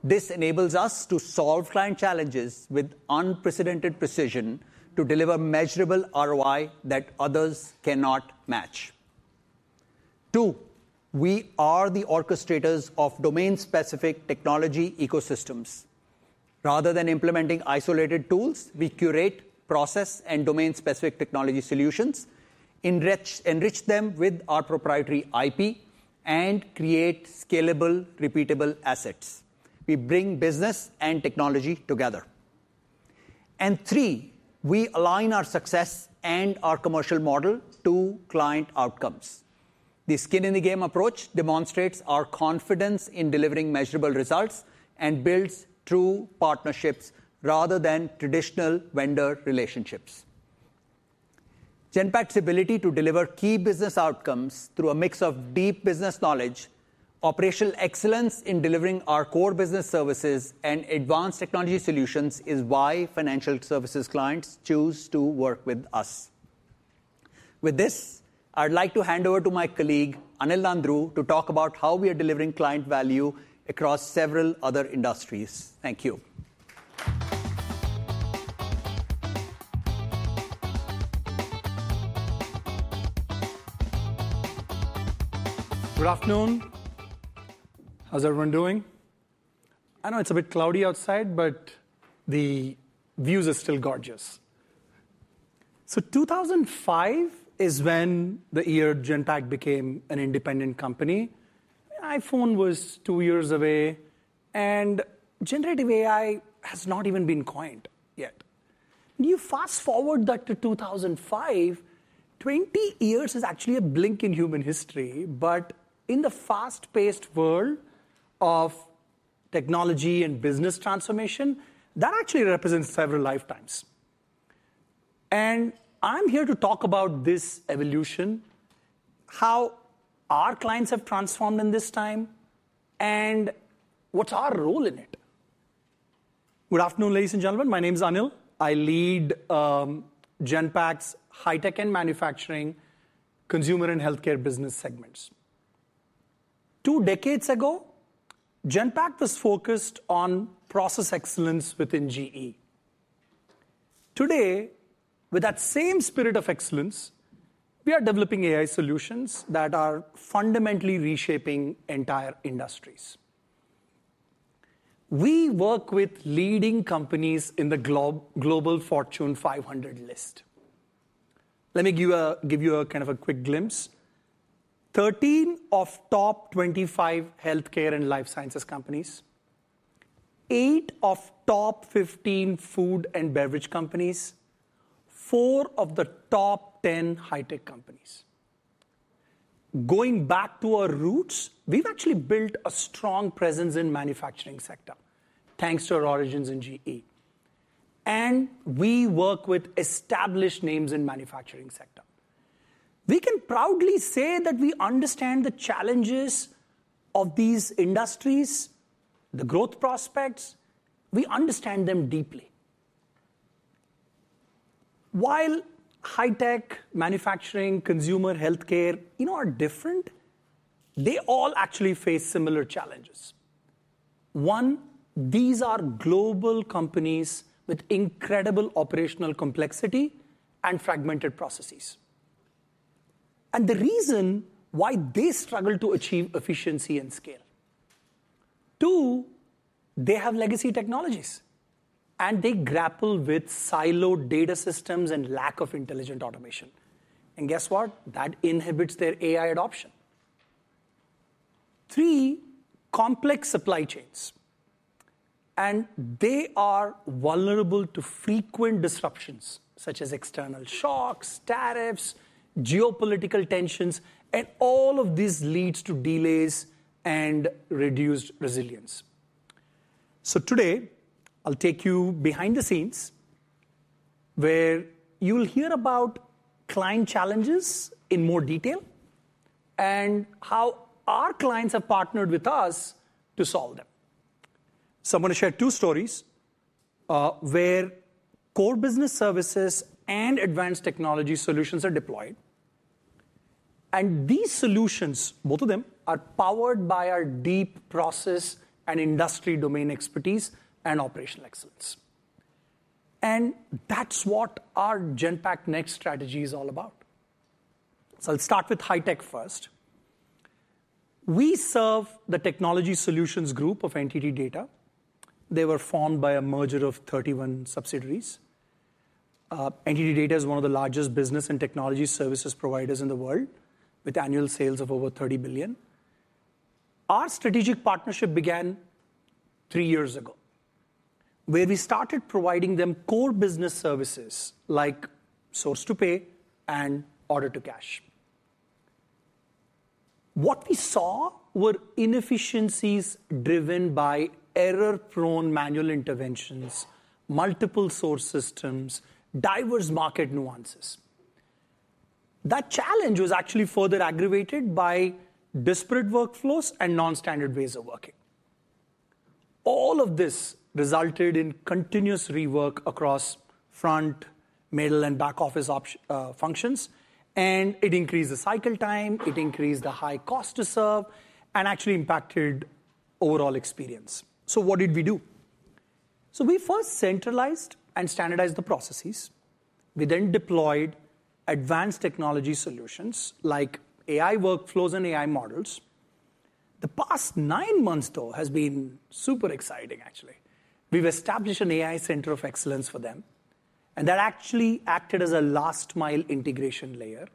This enables us to solve client challenges with unprecedented precision to deliver measurable ROI that others cannot match. Two, we are the orchestrators of domain-specific technology ecosystems. Rather than implementing isolated tools, we curate, process, and domain-specific technology solutions, enrich them with our proprietary IP, and create scalable, repeatable assets. We bring business and technology together. Three, we align our success and our commercial model to client outcomes. The skin-in-the-game approach demonstrates our confidence in delivering measurable results and builds true partnerships rather than traditional vendor relationships. Genpact's ability to deliver key business outcomes through a mix of deep business knowledge, operational excellence in delivering our core business services, and advanced technology solutions is why financial services clients choose to work with us. With this, I'd like to hand over to my colleague, Anil Nanduru, to talk about how we are delivering client value across several other industries. Thank you. Good afternoon. How's everyone doing? I know it's a bit cloudy outside, but the views are still gorgeous. thousand five is when the year Genpact became an independent company. iPhone was two years away, and generative AI had not even been coined yet. You fast-forward that to 2025, twenty years is actually a blink in human history. In the fast-paced world of technology and business transformation, that actually represents several lifetimes. I'm here to talk about this evolution, how our clients have transformed in this time, and what's our role in it. Good afternoon, ladies and gentlemen. My name is Anil. I lead Genpact's high-tech and manufacturing, consumer, and healthcare business segments. Two decades ago, Genpact was focused on process excellence within GE. Today, with that same spirit of excellence, we are developing AI solutions that are fundamentally reshaping entire industries. We work with leading companies in the Global Fortune 500 list. Let me give you a kind of a quick glimpse. Thirteen of the top 25 healthcare and life sciences companies, eight of the top 15 food and beverage companies, four of the top 10 high-tech companies. Going back to our roots, we've actually built a strong presence in the manufacturing sector thanks to our origins in GE. We work with established names in the manufacturing sector. We can proudly say that we understand the challenges of these industries, the growth prospects. We understand them deeply. While high-tech, manufacturing, consumer, healthcare are different, they all actually face similar challenges. One, these are global companies with incredible operational complexity and fragmented processes. That is the reason why they struggle to achieve efficiency and scale. Two, they have legacy technologies, and they grapple with siloed data systems and lack of intelligent automation. Guess what? That inhibits their AI adoption. Three, complex supply chains. They are vulnerable to frequent disruptions, such as external shocks, tariffs, geopolitical tensions. All of this leads to delays and reduced resilience. Today, I'll take you behind the scenes where you'll hear about client challenges in more detail and how our clients have partnered with us to solve them. I'm going to share two stories where core business services and advanced technology solutions are deployed. These solutions, both of them, are powered by our deep process and industry domain expertise and operational excellence. That is what our Genpact Next strategy is all about. I'll start with high-tech first. We serve the technology solutions group of NTT DATA. They were formed by a merger of 31 subsidiaries. NTT DATA is one of the largest business and technology services providers in the world, with annual sales of over $30 billion. Our strategic partnership began three years ago, where we started providing them core business services like Source to Pay and Order to Cash. What we saw were inefficiencies driven by error-prone manual interventions, multiple source systems, diverse market nuances. That challenge was actually further aggravated by disparate workflows and nonstandard ways of working. All of this resulted in continuous rework across front, middle, and back office functions. It increased the cycle time. It increased the high cost to serve and actually impacted overall experience. What did we do? We first centralized and standardized the processes. We then deployed advanced technology solutions like AI workflows and AI models. The past nine months, though, has been super exciting, actually. We've established an AI center of excellence for them, and that actually acted as a last-mile integration layer.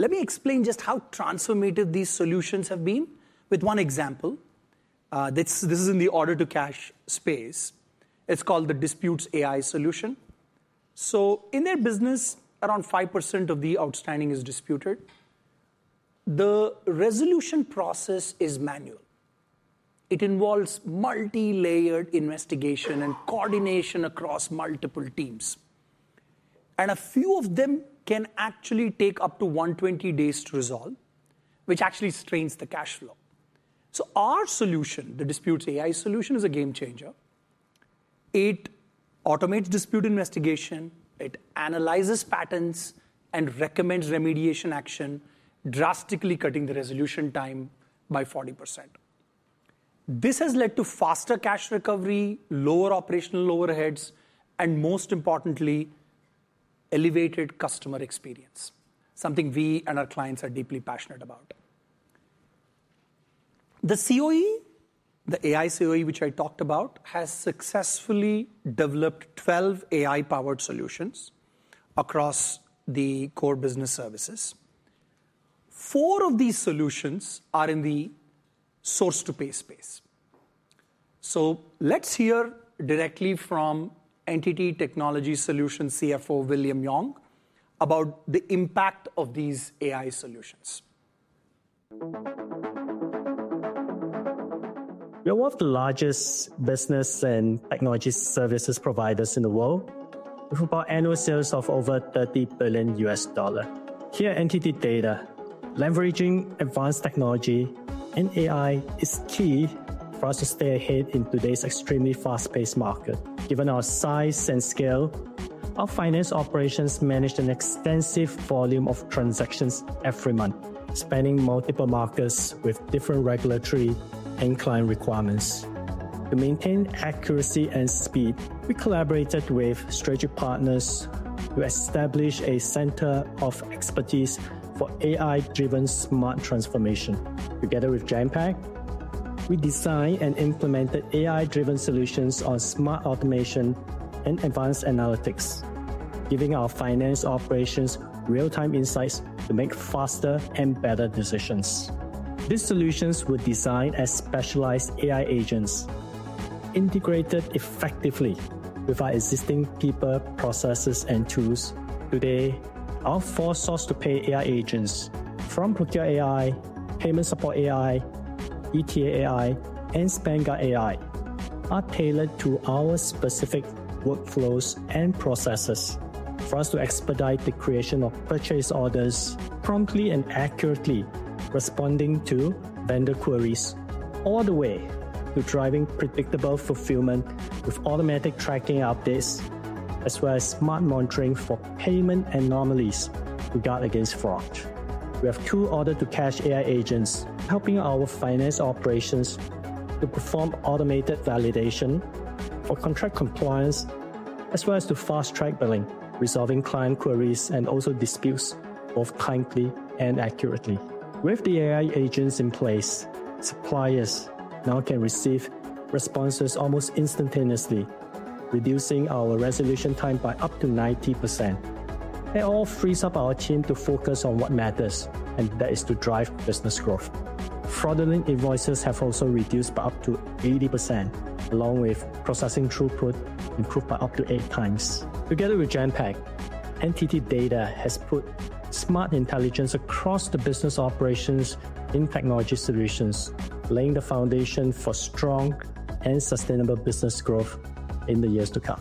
Let me explain just how transformative these solutions have been with one example. This is in the order to cash space. It is called the Disputes AI solution. In their business, around 5% of the outstanding is disputed. The resolution process is manual. It involves multi-layered investigation and coordination across multiple teams. A few of them can actually take up to 120 days to resolve, which strains the cash flow. Our solution, the Disputes AI solution, is a game changer. It automates dispute investigation. It analyzes patterns and recommends remediation action, drastically cutting the resolution time by 40%. This has led to faster cash recovery, lower operational overheads, and most importantly, elevated customer experience, something we and our clients are deeply passionate about. The COE, the AI COE, which I talked about, has successfully developed 12 AI-powered solutions across the core business services. Four of these solutions are in the Source to Pay space. Let's hear directly from NTT Technology Solutions Chief Financial Officer, William Yong, about the impact of these AI solutions. We are one of the largest business and technology services providers in the world, with about annual sales of over $30 billion. Here at NTT DATA, leveraging advanced technology and AI is key for us to stay ahead in today's extremely fast-paced market. Given our size and scale, our finance operations manage an extensive volume of transactions every month, spanning multiple markets with different regulatory and client requirements. To maintain accuracy and speed, we collaborated with strategic partners to establish a center of expertise for AI-driven smart transformation. Together with Genpact, we designed and implemented AI-driven solutions on smart automation and advanced analytics, giving our finance operations real-time insights to make faster and better decisions. These solutions were designed as specialized AI agents, integrated effectively with our existing people, processes, and tools. Today, our four Source to Pay AI agents, from ProcureAI, Payment Support AI, ETA AI, and Spend Guard AI, are tailored to our specific workflows and processes for us to expedite the creation of purchase orders promptly and accurately, responding to vendor queries all the way to driving predictable fulfillment with automatic tracking updates, as well as smart monitoring for payment anomalies to guard against fraud. We have two Order to Cash AI agents helping our finance operations to perform automated validation for contract compliance, as well as to fast-track billing, resolving client queries and also disputes both kindly and accurately. With the AI agents in place, suppliers now can receive responses almost instantaneously, reducing our resolution time by up to 90%. It all frees up our team to focus on what matters, and that is to drive business growth. Fraudulent invoices have also reduced by up to 80%, along with processing throughput improved by up to eight times. Together with Genpact, NTT DATA has put smart intelligence across the business operations in technology solutions, laying the foundation for strong and sustainable business growth in the years to come.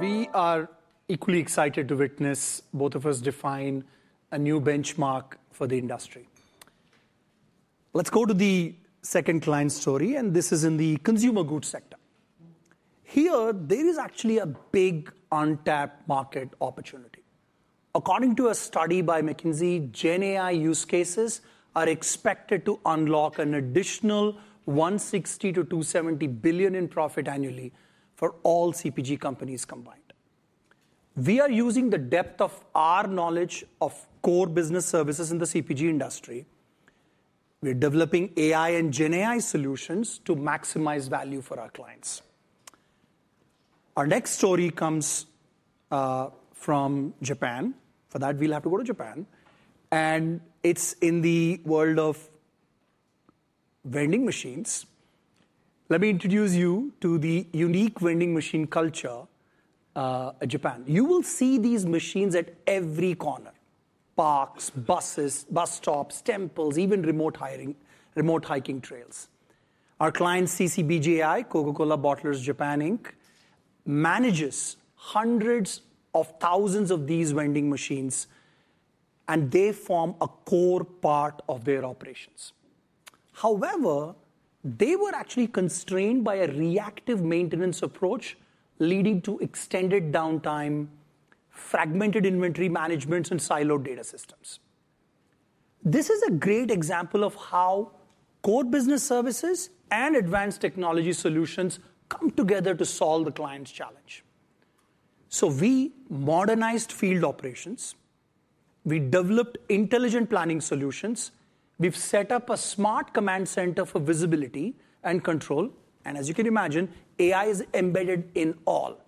We are equally excited to witness both of us define a new benchmark for the industry. Let's go to the second client story, and this is in the consumer goods sector. Here, there is actually a big untapped market opportunity. According to a study by McKinsey, GenAI use cases are expected to unlock an additional $160 billion-$270 billion in profit annually for all CPG companies combined. We are using the depth of our knowledge of core business services in the CPG industry. We're developing AI and GenAI solutions to maximize value for our clients. Our next story comes from Japan. For that, we'll have to go to Japan. It is in the world of vending machines. Let me introduce you to the unique vending machine culture in Japan. You will see these machines at every corner: parks, buses, bus stops, temples, even remote hiking trails. Our client, CCBJI, Coca-Cola Bottlers Japan, manages hundreds of thousands of these vending machines, and they form a core part of their operations. However, they were actually constrained by a reactive maintenance approach, leading to extended downtime, fragmented inventory management, and siloed data systems. This is a great example of how core business services and advanced technology solutions come together to solve the client's challenge. We modernized field operations. We developed intelligent planning solutions. We set up a Smart Command Center for visibility and control. As you can imagine, AI is embedded in all.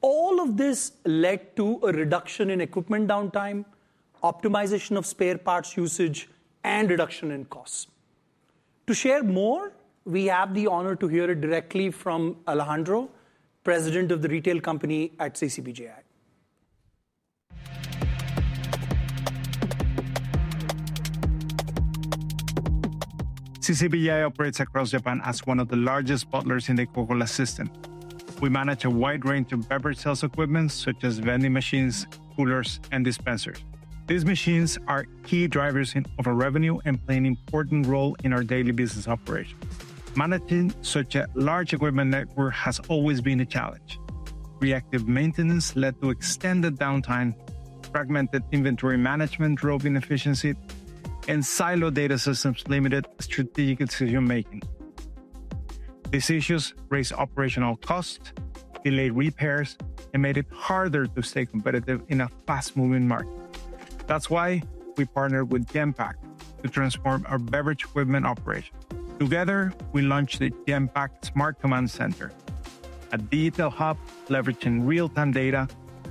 All of this led to a reduction in equipment downtime, optimization of spare parts usage, and reduction in costs. To share more, we have the honor to hear it directly from Alejandro, President of the retail company at CCBJI. CCBJI operates across Japan as one of the largest bottlers in the Coca-Cola system. We manage a wide range of beverage sales equipment, such as vending machines, coolers, and dispensers. These machines are key drivers of our revenue and play an important role in our daily business operations. Managing such a large equipment network has always been a challenge. Reactive maintenance led to extended downtime, fragmented inventory management, drove inefficiency, and siloed data systems limited strategic decision-making. These issues raised operational costs, delayed repairs, and made it harder to stay competitive in a fast-moving market. That's why we partnered with Genpact to transform our beverage equipment operations. Together, we launched the Genpact Smart Command Center, a detail hub leveraging real-time data,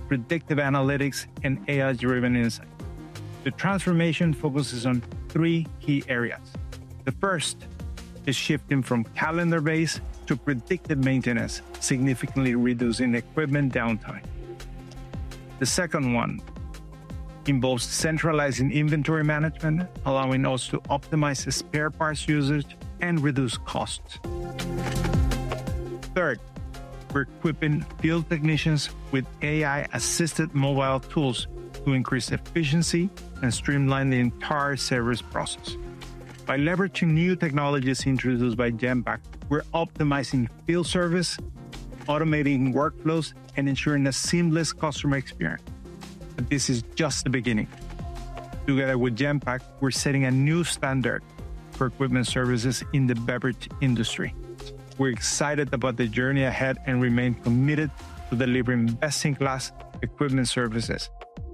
predictive analytics, and AI-driven insights. The transformation focuses on three key areas. The first is shifting from calendar-based to predictive maintenance, significantly reducing equipment downtime. The second one involves centralizing inventory management, allowing us to optimize spare parts usage and reduce costs. Third, we're equipping field technicians with AI-assisted mobile tools to increase efficiency and streamline the entire service process. By leveraging new technologies introduced by Genpact, we're optimizing field service, automating workflows, and ensuring a seamless customer experience. This is just the beginning. Together with Genpact, we're setting a new standard for equipment services in the beverage industry. We're excited about the journey ahead and remain committed to delivering best-in-class equipment services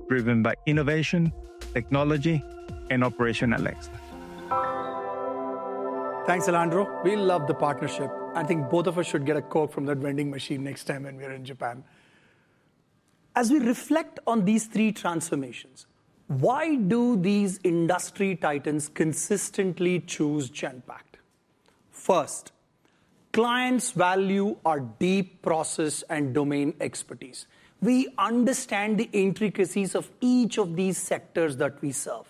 driven by innovation, technology, and operational excellence. Thanks, Alejandro. We love the partnership. I think both of us should get a quote from that vending machine next time when we're in Japan. As we reflect on these three transformations, why do these industry titans consistently choose Genpact? First, clients value our deep process and domain expertise. We understand the intricacies of each of these sectors that we serve: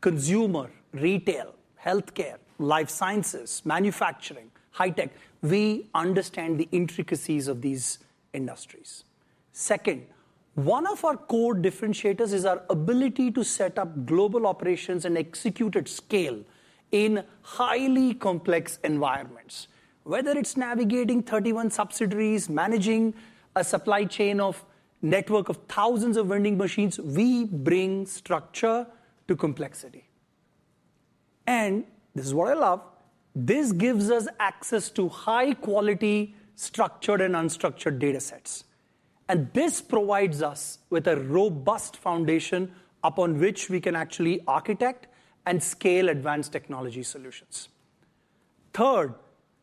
consumer, retail, healthcare, life sciences, manufacturing, high-tech. We understand the intricacies of these industries. Second, one of our core differentiators is our ability to set up global operations and execute at scale in highly complex environments. Whether it's navigating 31 subsidiaries, managing a supply chain of a network of thousands of vending machines, we bring structure to complexity. This is what I love. This gives us access to high-quality, structured, and unstructured data sets. This provides us with a robust foundation upon which we can actually architect and scale advanced technology solutions. Third,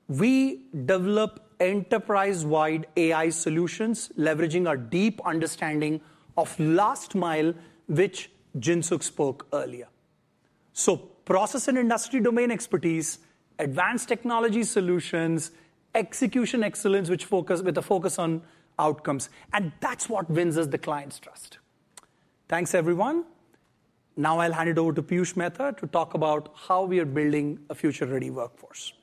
we develop enterprise-wide AI solutions, leveraging our deep understanding of last mile, which Jinsook spoke earlier. Process and industry domain expertise, advanced technology solutions, execution excellence, with a focus on outcomes. That is what wins us the client's trust. Thanks, everyone. Now I'll hand it over to Piyush Mehta to talk about how we are building a future-ready workforce.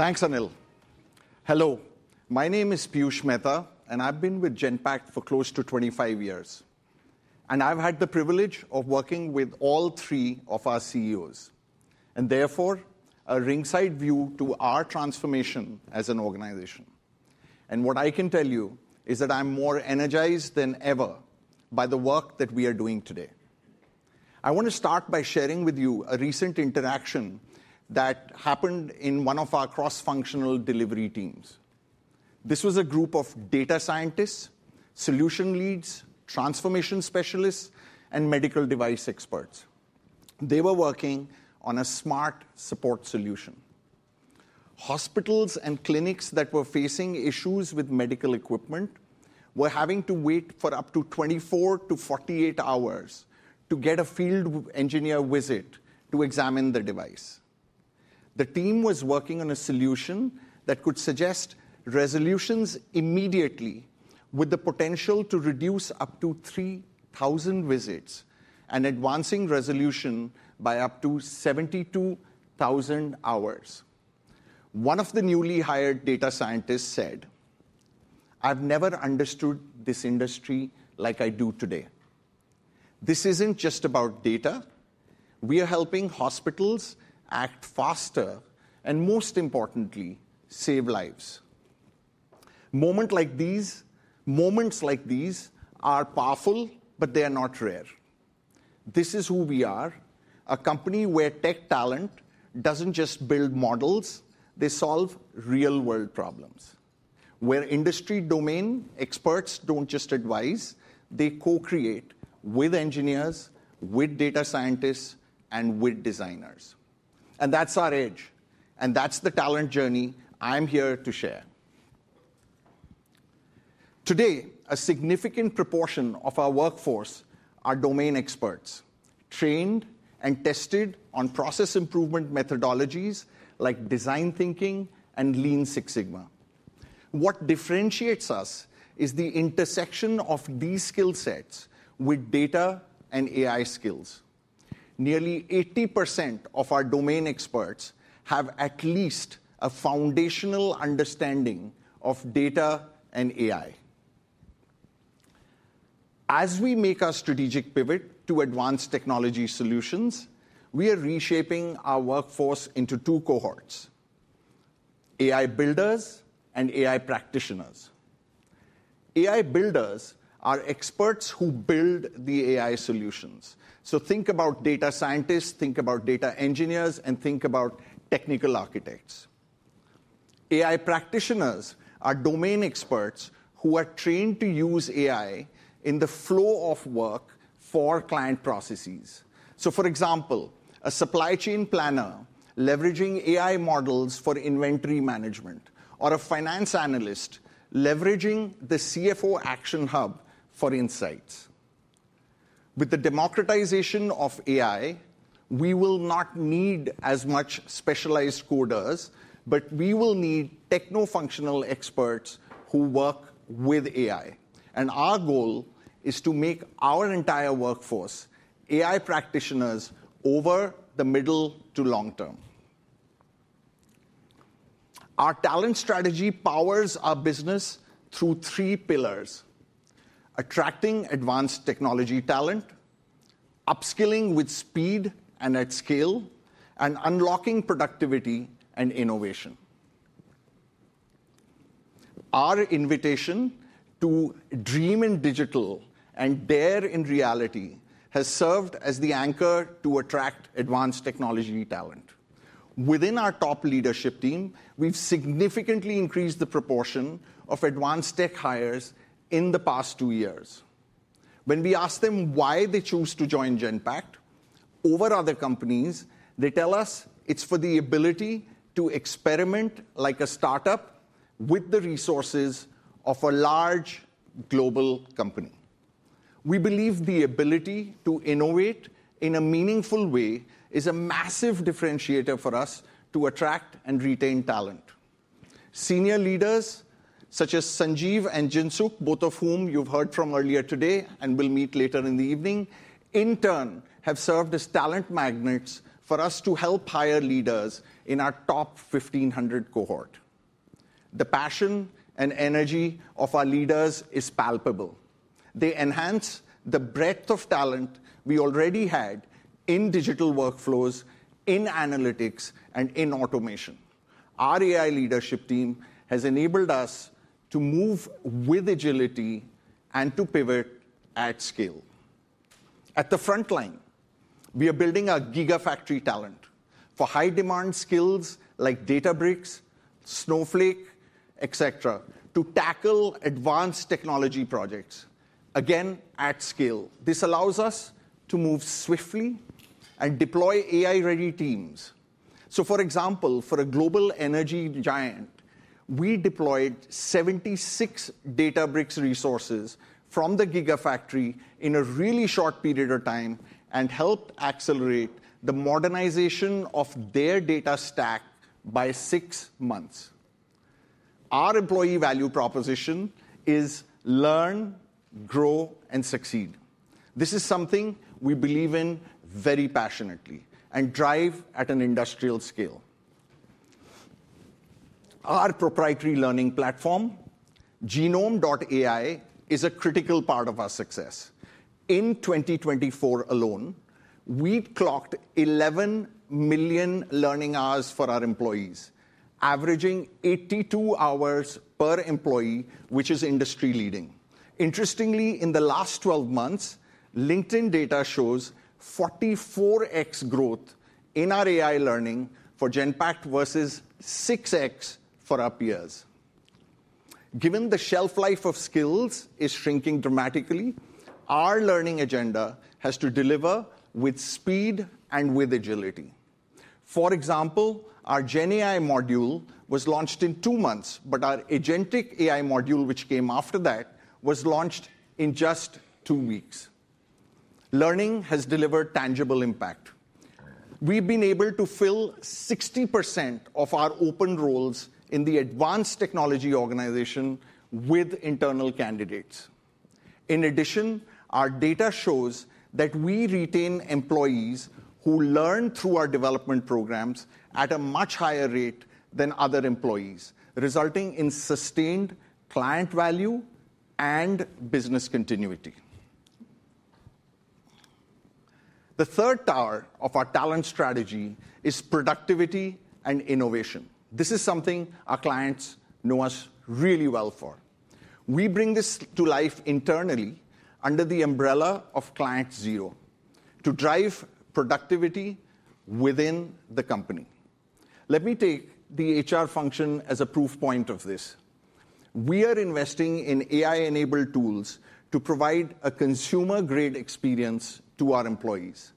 Thanks, Anil. Hello. My name is Piyush Mehta, and I've been with Genpact for close to 25 years. I've had the privilege of working with all three of our CEOs and therefore a ringside view to our transformation as an organization. What I can tell you is that I'm more energized than ever by the work that we are doing today. I want to start by sharing with you a recent interaction that happened in one of our cross-functional delivery teams. This was a group of data scientists, solution leads, transformation specialists, and medical device experts. They were working on a smart support solution. Hospitals and clinics that were facing issues with medical equipment were having to wait for up to 24-48 hours to get a field engineer visit to examine the device. The team was working on a solution that could suggest resolutions immediately, with the potential to reduce up to 3,000 visits and advancing resolution by up to 72,000 hours. One of the newly hired data scientists said, "I've never understood this industry like I do today." This isn't just about data. We are helping hospitals act faster and, most importantly, save lives. Moments like these are powerful, but they are not rare. This is who we are: a company where tech talent doesn't just build models; they solve real-world problems. Where industry domain experts don't just advise, they co-create with engineers, with data scientists, and with designers. That's our edge. That's the talent journey I'm here to share. Today, a significant proportion of our workforce are domain experts, trained and tested on process improvement methodologies like design thinking and Lean Six Sigma. What differentiates us is the intersection of these skill sets with data and AI skills. Nearly 80% of our domain experts have at least a foundational understanding of data and AI. As we make our strategic pivot to advanced technology solutions, we are reshaping our workforce into two cohorts: AI builders and AI practitioners. AI builders are experts who build the AI solutions. Think about data scientists, think about data engineers, and think about technical architects. AI practitioners are domain experts who are trained to use AI in the flow of work for client processes. For example, a supply chain planner leveraging AI models for inventory management, or a finance analyst leveraging the CFO Action Hub for insights. With the democratization of AI, we will not need as much specialized coders, but we will need techno-functional experts who work with AI. Our goal is to make our entire workforce AI practitioners over the middle to long term. Our talent strategy powers our business through three pillars: attracting advanced technology talent, upskilling with speed and at scale, and unlocking productivity and innovation. Our invitation to dream in digital and dare in reality has served as the anchor to attract advanced technology talent. Within our top leadership team, we have significantly increased the proportion of advanced tech hires in the past two years. When we ask them why they choose to join Genpact over other companies, they tell us it's for the ability to experiment like a startup with the resources of a large global company. We believe the ability to innovate in a meaningful way is a massive differentiator for us to attract and retain talent. Senior leaders such as Sanjeev and Jinsook, both of whom you've heard from earlier today and will meet later in the evening, in turn have served as talent magnets for us to help hire leaders in our top 1,500 cohort. The passion and energy of our leaders is palpable. They enhance the breadth of talent we already had in digital workflows, in analytics, and in automation. Our AI leadership team has enabled us to move with agility and to pivot at scale. At the front line, we are building our gigafactory talent for high-demand skills like Databricks, Snowflake, etc., to tackle advanced technology projects, again, at scale. This allows us to move swiftly and deploy AI-ready teams. For example, for a global energy giant, we deployed 76 Databricks resources from the gigafactory in a really short period of time and helped accelerate the modernization of their data stack by six months. Our employee value proposition is learn, grow, and succeed. This is something we believe in very passionately and drive at an industrial scale. Our proprietary learning platform, Genome.AI, is a critical part of our success. In 2024 alone, we've clocked 11 million learning hours for our employees, averaging 82 hours per employee, which is industry-leading. Interestingly, in the last 12 months, LinkedIn data shows 44x growth in our AI learning for Genpact versus 6x for our peers. Given the shelf life of skills is shrinking dramatically, our learning agenda has to deliver with speed and with agility. For example, our GenAI module was launched in two months, but our agentic AI module, which came after that, was launched in just two weeks. Learning has delivered tangible impact. We've been able to fill 60% of our open roles in the advanced technology organization with internal candidates. In addition, our data shows that we retain employees who learn through our development programs at a much higher rate than other employees, resulting in sustained client value and business continuity. The third tower of our talent strategy is productivity and innovation. This is something our clients know us really well for. We bring this to life internally under the umbrella of Client Zero to drive productivity within the company. Let me take the HR function as a proof point of this. We are investing in AI-enabled tools to provide a consumer-grade experience to our employees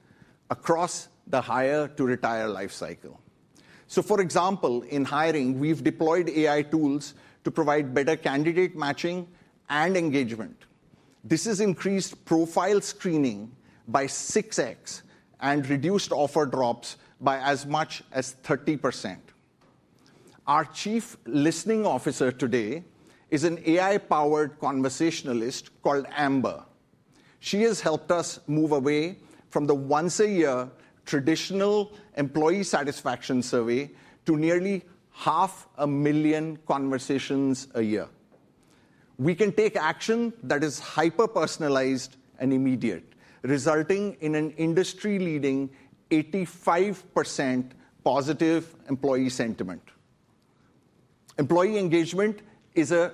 across the hire-to-retire lifecycle. For example, in hiring, we have deployed AI tools to provide better candidate matching and engagement. This has increased profile screening by 6x and reduced offer drops by as much as 30%. Our Chief Listening Officer today is an AI-powered conversationalist called Amber. She has helped us move away from the once-a-year traditional employee satisfaction survey to nearly 500,000 conversations a year. We can take action that is hyper-personalized and immediate, resulting in an industry-leading 85% positive employee sentiment. Employee engagement is a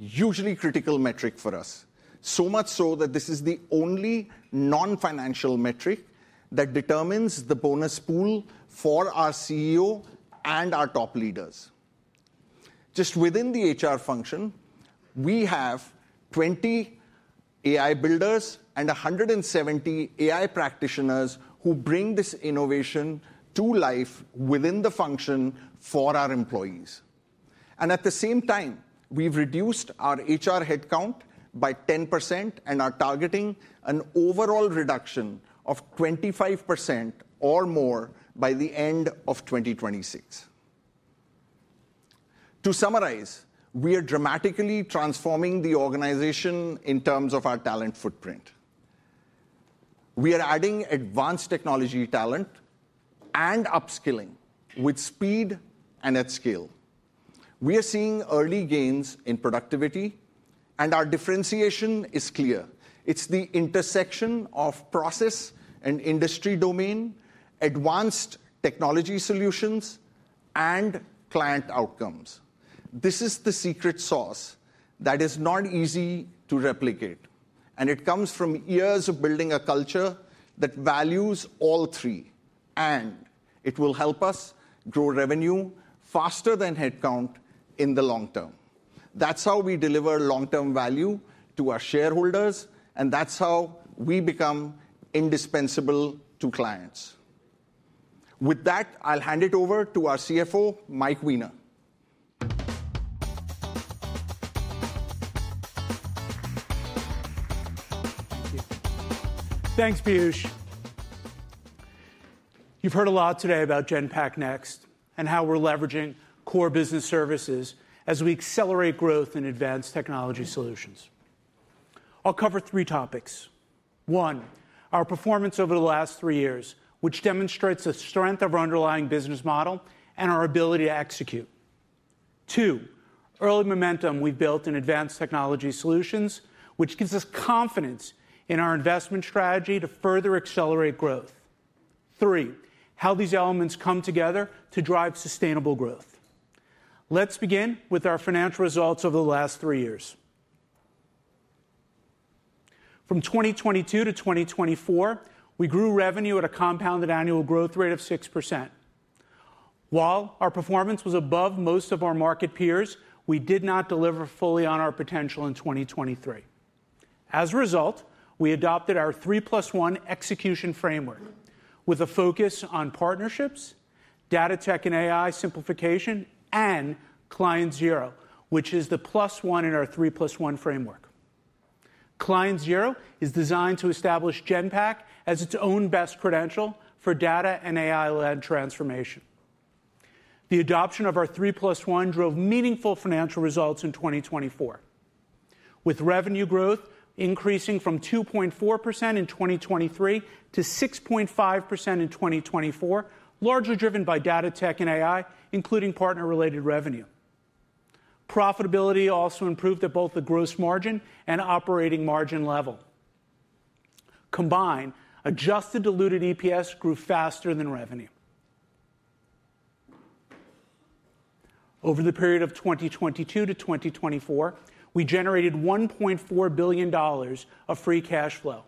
hugely critical metric for us, so much so that this is the only non-financial metric that determines the bonus pool for our CEO and our top leaders. Just within the HR function, we have 20 AI builders and 170 AI practitioners who bring this innovation to life within the function for our employees. At the same time, we've reduced our HR headcount by 10% and are targeting an overall reduction of 25% or more by the end of 2026. To summarize, we are dramatically transforming the organization in terms of our talent footprint. We are adding advanced technology talent and upskilling with speed and at scale. We are seeing early gains in productivity, and our differentiation is clear. It's the intersection of process and industry domain, advanced technology solutions, and client outcomes. This is the secret sauce that is not easy to replicate, and it comes from years of building a culture that values all three. It will help us grow revenue faster than headcount in the long term. That's how we deliver long-term value to our shareholders, and that's how we become indispensable to clients. With that, I'll hand it over to our CFO, Mike Weiner. Thanks, Piyush. You've heard a lot today about Genpact Next and how we're leveraging core business services as we accelerate growth in advanced technology solutions. I'll cover three topics. One, our performance over the last three years, which demonstrates the strength of our underlying business model and our ability to execute. Two, early momentum we've built in advanced technology solutions, which gives us confidence in our investment strategy to further accelerate growth. Three, how these elements come together to drive sustainable growth. Let's begin with our financial results over the last three years. From 2022-2024, we grew revenue at a compounded annual growth rate of 6%. While our performance was above most of our market peers, we did not deliver fully on our potential in 2023. As a result, we adopted our 3+1 execution framework with a focus on partnerships, data tech and AI simplification, and Client Zero, which is the plus one in our 3+1 framework. Client Zero is designed to establish Genpact as its own best credential for data and AI-led transformation. The adoption of our 3+1 drove meaningful financial results in 2024, with revenue growth increasing from 2.4% in 2023 to 6.5% in 2024, largely driven by data tech and AI, including partner-related revenue. Profitability also improved at both the gross margin and operating margin level. Combined, adjusted diluted EPS grew faster than revenue. Over the period of 2022 to 2024, we generated $1.4 billion of free cash flow,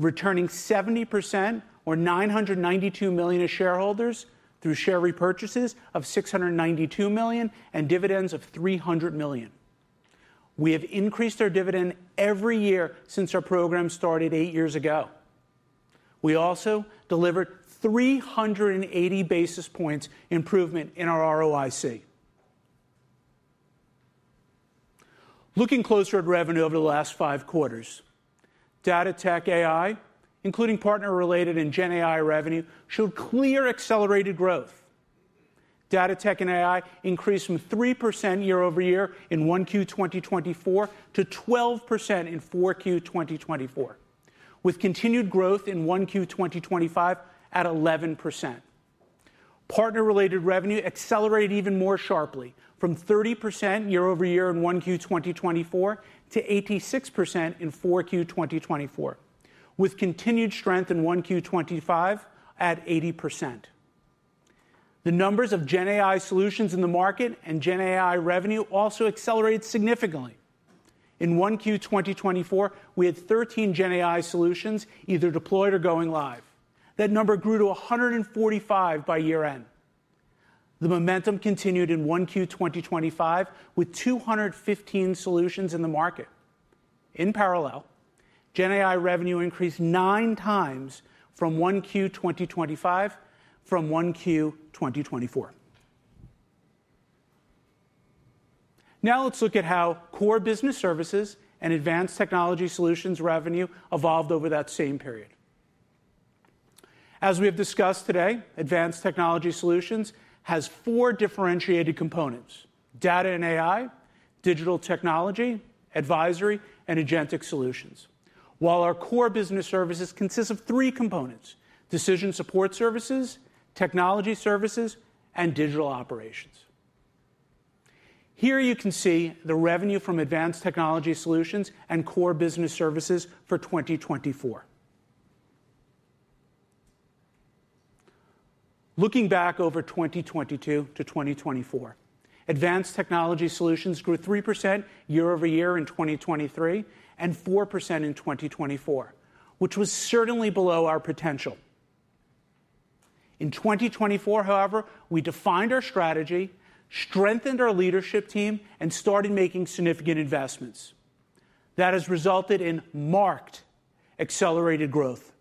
returning 70% or $992 million to shareholders through share repurchases of $692 million and dividends of $300 million. We have increased our dividend every year since our program started eight years ago. We also delivered 380 basis points improvement in our ROIC. Looking closer at revenue over the last five quarters, data tech, AI, including partner-related and GenAI revenue, showed clear accelerated growth. Data tech and AI increased from 3% year-over-year in 1Q 2024 to 12% in 4Q 2024, with continued growth in 1Q 2025 at 11%. Partner-related revenue accelerated even more sharply from 30% year-over-year in 1Q 2024 to 86% in 4Q 2024, with continued strength in 1Q 2025 at 80%. The numbers of GenAI solutions in the market and GenAI revenue also accelerated significantly. In Q1 2024, we had 13 GenAI solutions either deployed or going live. That number grew to 145 by year-end. The momentum continued in Q1 2025 with 215 solutions in the market. In parallel, GenAI revenue increased nine times in Q1 2025 from Q1 2024. Now let's look at how core business services and advanced technology solutions revenue evolved over that same period. As we have discussed today, advanced technology solutions has four differentiated components: data and AI, digital technology, advisory, and agentic solutions. While our core business services consist of three components: decision support services, technology services, and digital operations. Here you can see the revenue from advanced technology solutions and core business services for 2024. Looking back over 2022 to 2024, advanced technology solutions grew 3% year-over-year in 2023 and 4% in 2024, which was certainly below our potential. In 2024, however, we defined our strategy, strengthened our leadership team, and started making significant investments. That has resulted in marked accelerated growth.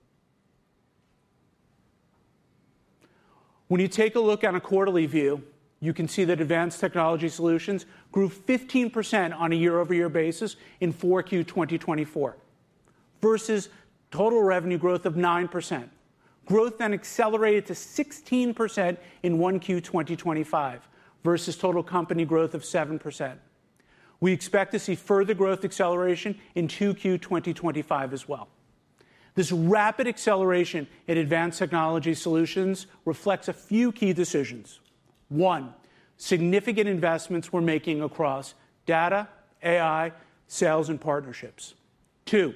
When you take a look at a quarterly view, you can see that advanced technology solutions grew 15% on a year-over-year basis in Q4 2024 versus total revenue growth of 9%. Growth then accelerated to 16% in Q1 2025 versus total company growth of 7%. We expect to see further growth acceleration in Q2 2025 as well. This rapid acceleration in advanced technology solutions reflects a few key decisions. One, significant investments we're making across data, AI, sales, and partnerships. Two,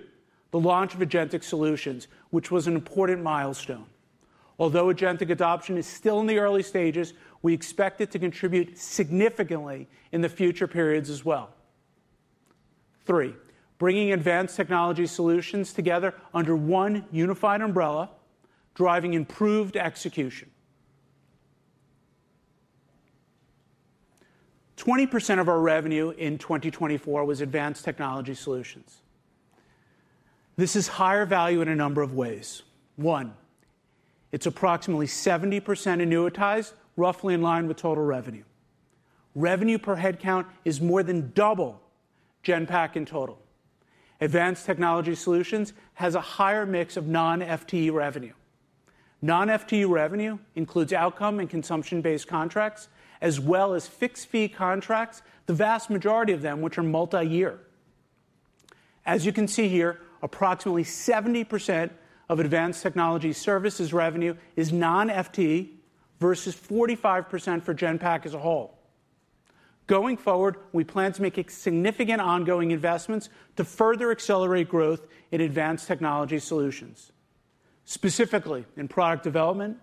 the launch of agentic solutions, which was an important milestone. Although agentic adoption is still in the early stages, we expect it to contribute significantly in the future periods as well. Three, bringing advanced technology solutions together under one unified umbrella, driving improved execution. 20% of our revenue in 2024 was advanced technology solutions. This is higher value in a number of ways. One, it's approximately 70% annuitized, roughly in line with total revenue. Revenue per headcount is more than double Genpact in total. Advanced technology solutions has a higher mix of non-FTE revenue. Non-FTE revenue includes outcome and consumption-based contracts as well as fixed-fee contracts, the vast majority of them which are multi-year. As you can see here, approximately 70% of advanced technology solutions revenue is non-FTE versus 45% for Genpact as a whole. Going forward, we plan to make significant ongoing investments to further accelerate growth in advanced technology solutions, specifically in product development,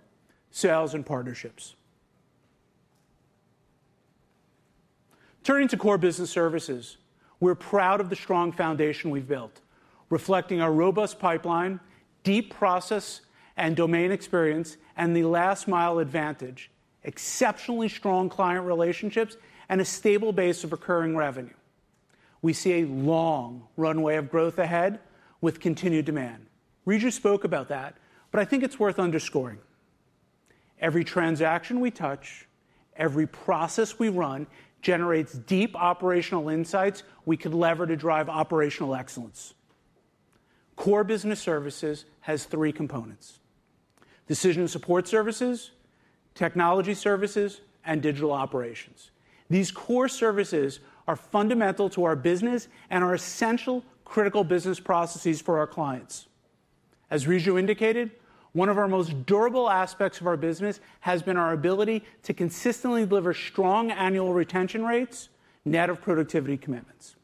sales, and partnerships. Turning to core business services, we're proud of the strong foundation we've built, reflecting our robust pipeline, deep process and domain experience, and the last-mile advantage, exceptionally strong client relationships, and a stable base of recurring revenue. We see a long runway of growth ahead with continued demand. Riju spoke about that, but I think it's worth underscoring. Every transaction we touch, every process we run generates deep operational insights we could lever to drive operational excellence. Core business services has three components: decision support services, technology services, and digital operations. These core services are fundamental to our business and are essential critical business processes for our clients. As Riju indicated, one of our most durable aspects of our business has been our ability to consistently deliver strong annual retention rates, net of productivity commitments.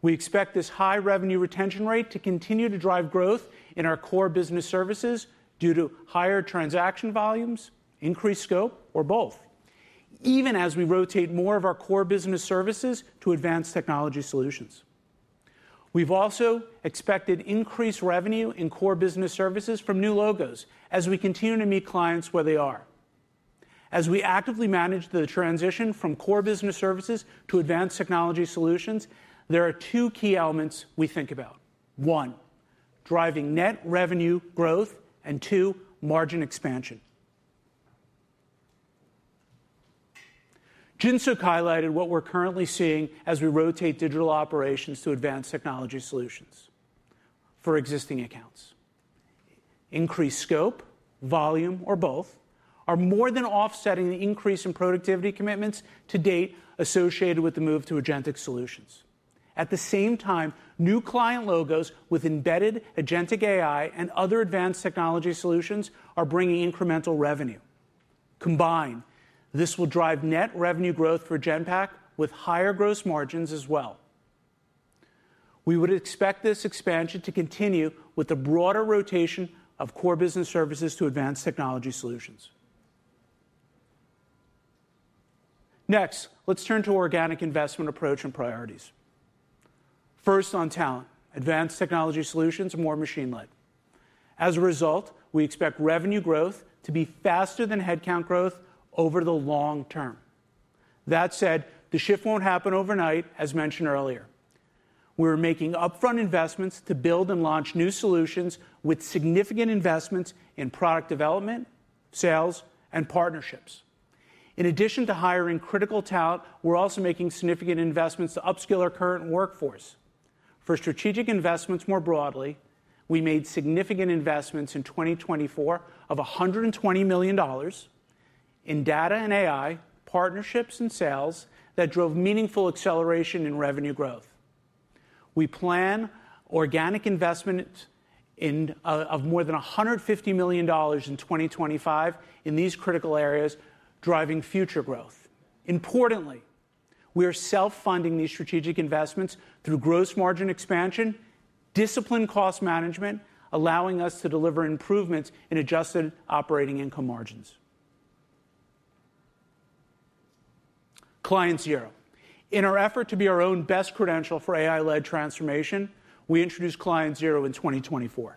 We expect this high revenue retention rate to continue to drive growth in our core business services due to higher transaction volumes, increased scope, or both, even as we rotate more of our core business services to advanced technology solutions. We have also expected increased revenue in core business services from new logos as we continue to meet clients where they are. As we actively manage the transition from core business services to advanced technology solutions, there are two key elements we think about: one, driving net revenue growth, and two, margin expansion. Jinsook highlighted what we are currently seeing as we rotate digital operations to advanced technology solutions for existing accounts. Increased scope, volume, or both are more than offsetting the increase in productivity commitments to date associated with the move to agentic solutions. At the same time, new client logos with embedded agentic AI and other advanced technology solutions are bringing incremental revenue. Combined, this will drive net revenue growth for Genpact with higher gross margins as well. We would expect this expansion to continue with the broader rotation of core business services to advanced technology solutions. Next, let's turn to organic investment approach and priorities. First, on talent, advanced technology solutions are more machine-led. As a result, we expect revenue growth to be faster than headcount growth over the long term. That said, the shift won't happen overnight, as mentioned earlier. We are making upfront investments to build and launch new solutions with significant investments in product development, sales, and partnerships. In addition to hiring critical talent, we're also making significant investments to upskill our current workforce. For strategic investments more broadly, we made significant investments in 2024 of $120 million in data and AI partnerships and sales that drove meaningful acceleration in revenue growth. We plan organic investment of more than $150 million in 2025 in these critical areas, driving future growth. Importantly, we are self-funding these strategic investments through gross margin expansion, disciplined cost management, allowing us to deliver improvements in adjusted operating income margins. Client Zero. In our effort to be our own best credential for AI-led transformation, we introduced Client Zero in 2024,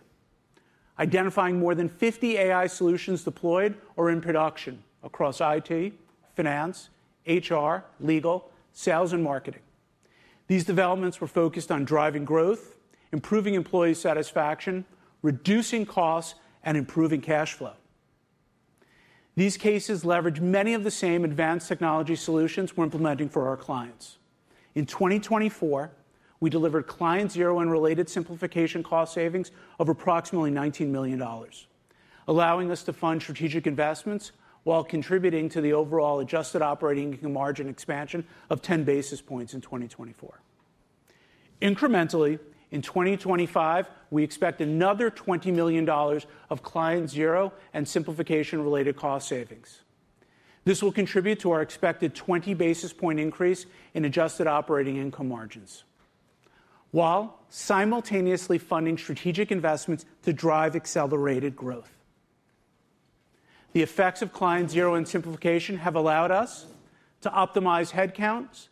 identifying more than 50 AI solutions deployed or in production across IT, finance, HR, legal, sales, and marketing. These developments were focused on driving growth, improving employee satisfaction, reducing costs, and improving cash flow. These cases leverage many of the same advanced technology solutions we're implementing for our clients. In 2024, we delivered Client Zero and related simplification cost savings of approximately $19 million, allowing us to fund strategic investments while contributing to the overall adjusted operating margin expansion of 10 basis points in 2024. Incrementally, in 2025, we expect another $20 million of Client Zero and simplification-related cost savings. This will contribute to our expected 20 basis point increase in adjusted operating income margins while simultaneously funding strategic investments to drive accelerated growth. The effects of Client Zero and simplification have allowed us to optimize headcounts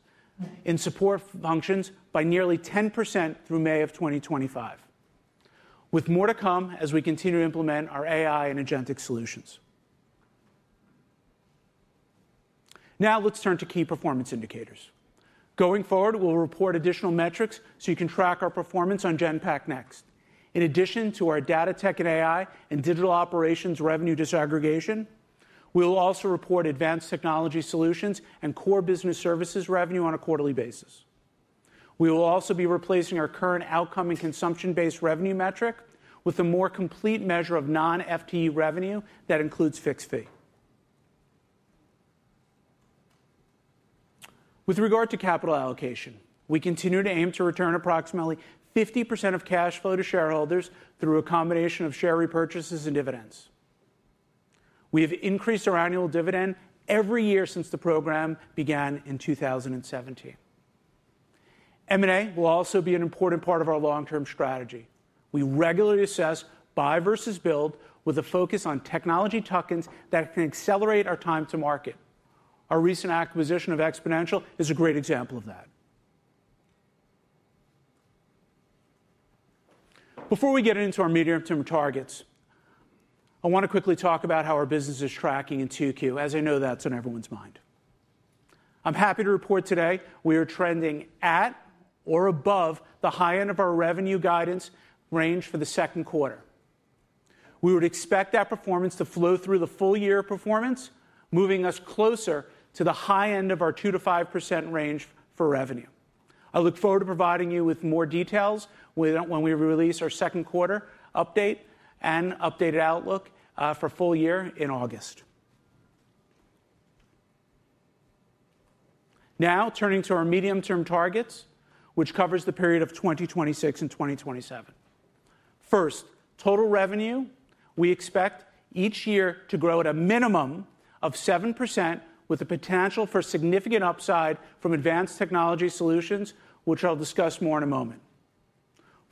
in support functions by nearly 10% through May of 2025, with more to come as we continue to implement our AI and agentic solutions. Now let's turn to key performance indicators. Going forward, we'll report additional metrics so you can track our performance on Genpact Next. In addition to our data tech and AI and digital operations revenue disaggregation, we will also report advanced technology solutions and core business services revenue on a quarterly basis. We will also be replacing our current outcome and consumption-based revenue metric with a more complete measure of non-FTE revenue that includes fixed fee. With regard to capital allocation, we continue to aim to return approximately 50% of cash flow to shareholders through a combination of share repurchases and dividends. We have increased our annual dividend every year since the program began in 2017. M&A will also be an important part of our long-term strategy. We regularly assess buy versus build with a focus on technology tokens that can accelerate our time to market. Our recent acquisition of Exponential Data is a great example of that. Before we get into our medium-term targets, I want to quickly talk about how our business is tracking in 2Q, as I know that's on everyone's mind. I'm happy to report today we are trending at or above the high end of our revenue guidance range for the second quarter. We would expect that performance to flow through the full year performance, moving us closer to the high end of our 2%-5% range for revenue. I look forward to providing you with more details when we release our second quarter update and updated outlook for full year in August. Now turning to our medium-term targets, which covers the period of 2026 and 2027. First, total revenue, we expect each year to grow at a minimum of 7% with a potential for significant upside from advanced technology solutions, which I'll discuss more in a moment.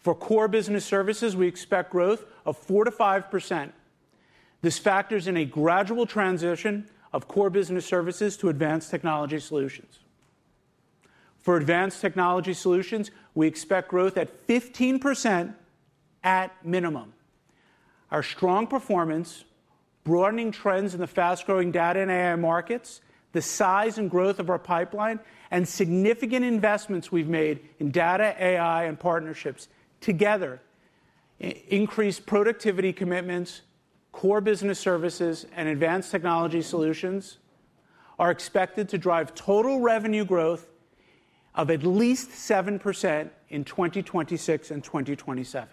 For core business services, we expect growth of 4%-5%. This factors in a gradual transition of core business services to advanced technology solutions. For advanced technology solutions, we expect growth at 15% at minimum. Our strong performance, broadening trends in the fast-growing data and AI markets, the size and growth of our pipeline, and significant investments we've made in data, AI, and partnerships together increase productivity commitments. Core business services and advanced technology solutions are expected to drive total revenue growth of at least 7% in 2026 and 2027.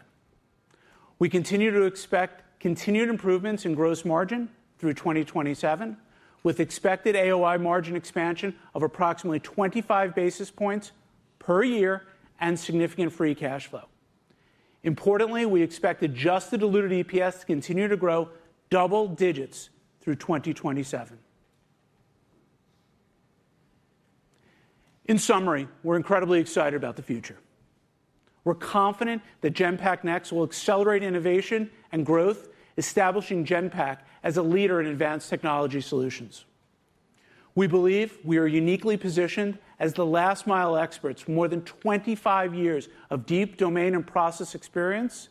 We continue to expect continued improvements in gross margin through 2027, with expected AOI margin expansion of approximately 25 basis points per year and significant free cash flow. Importantly, we expect just the diluted EPS to continue to grow double digits through 2027. In summary, we're incredibly excited about the future. We're confident that Genpact Next will accelerate innovation and growth, establishing Genpact as a leader in advanced technology solutions. We believe we are uniquely positioned as the last-mile experts with more than 25 years of deep domain and process experience,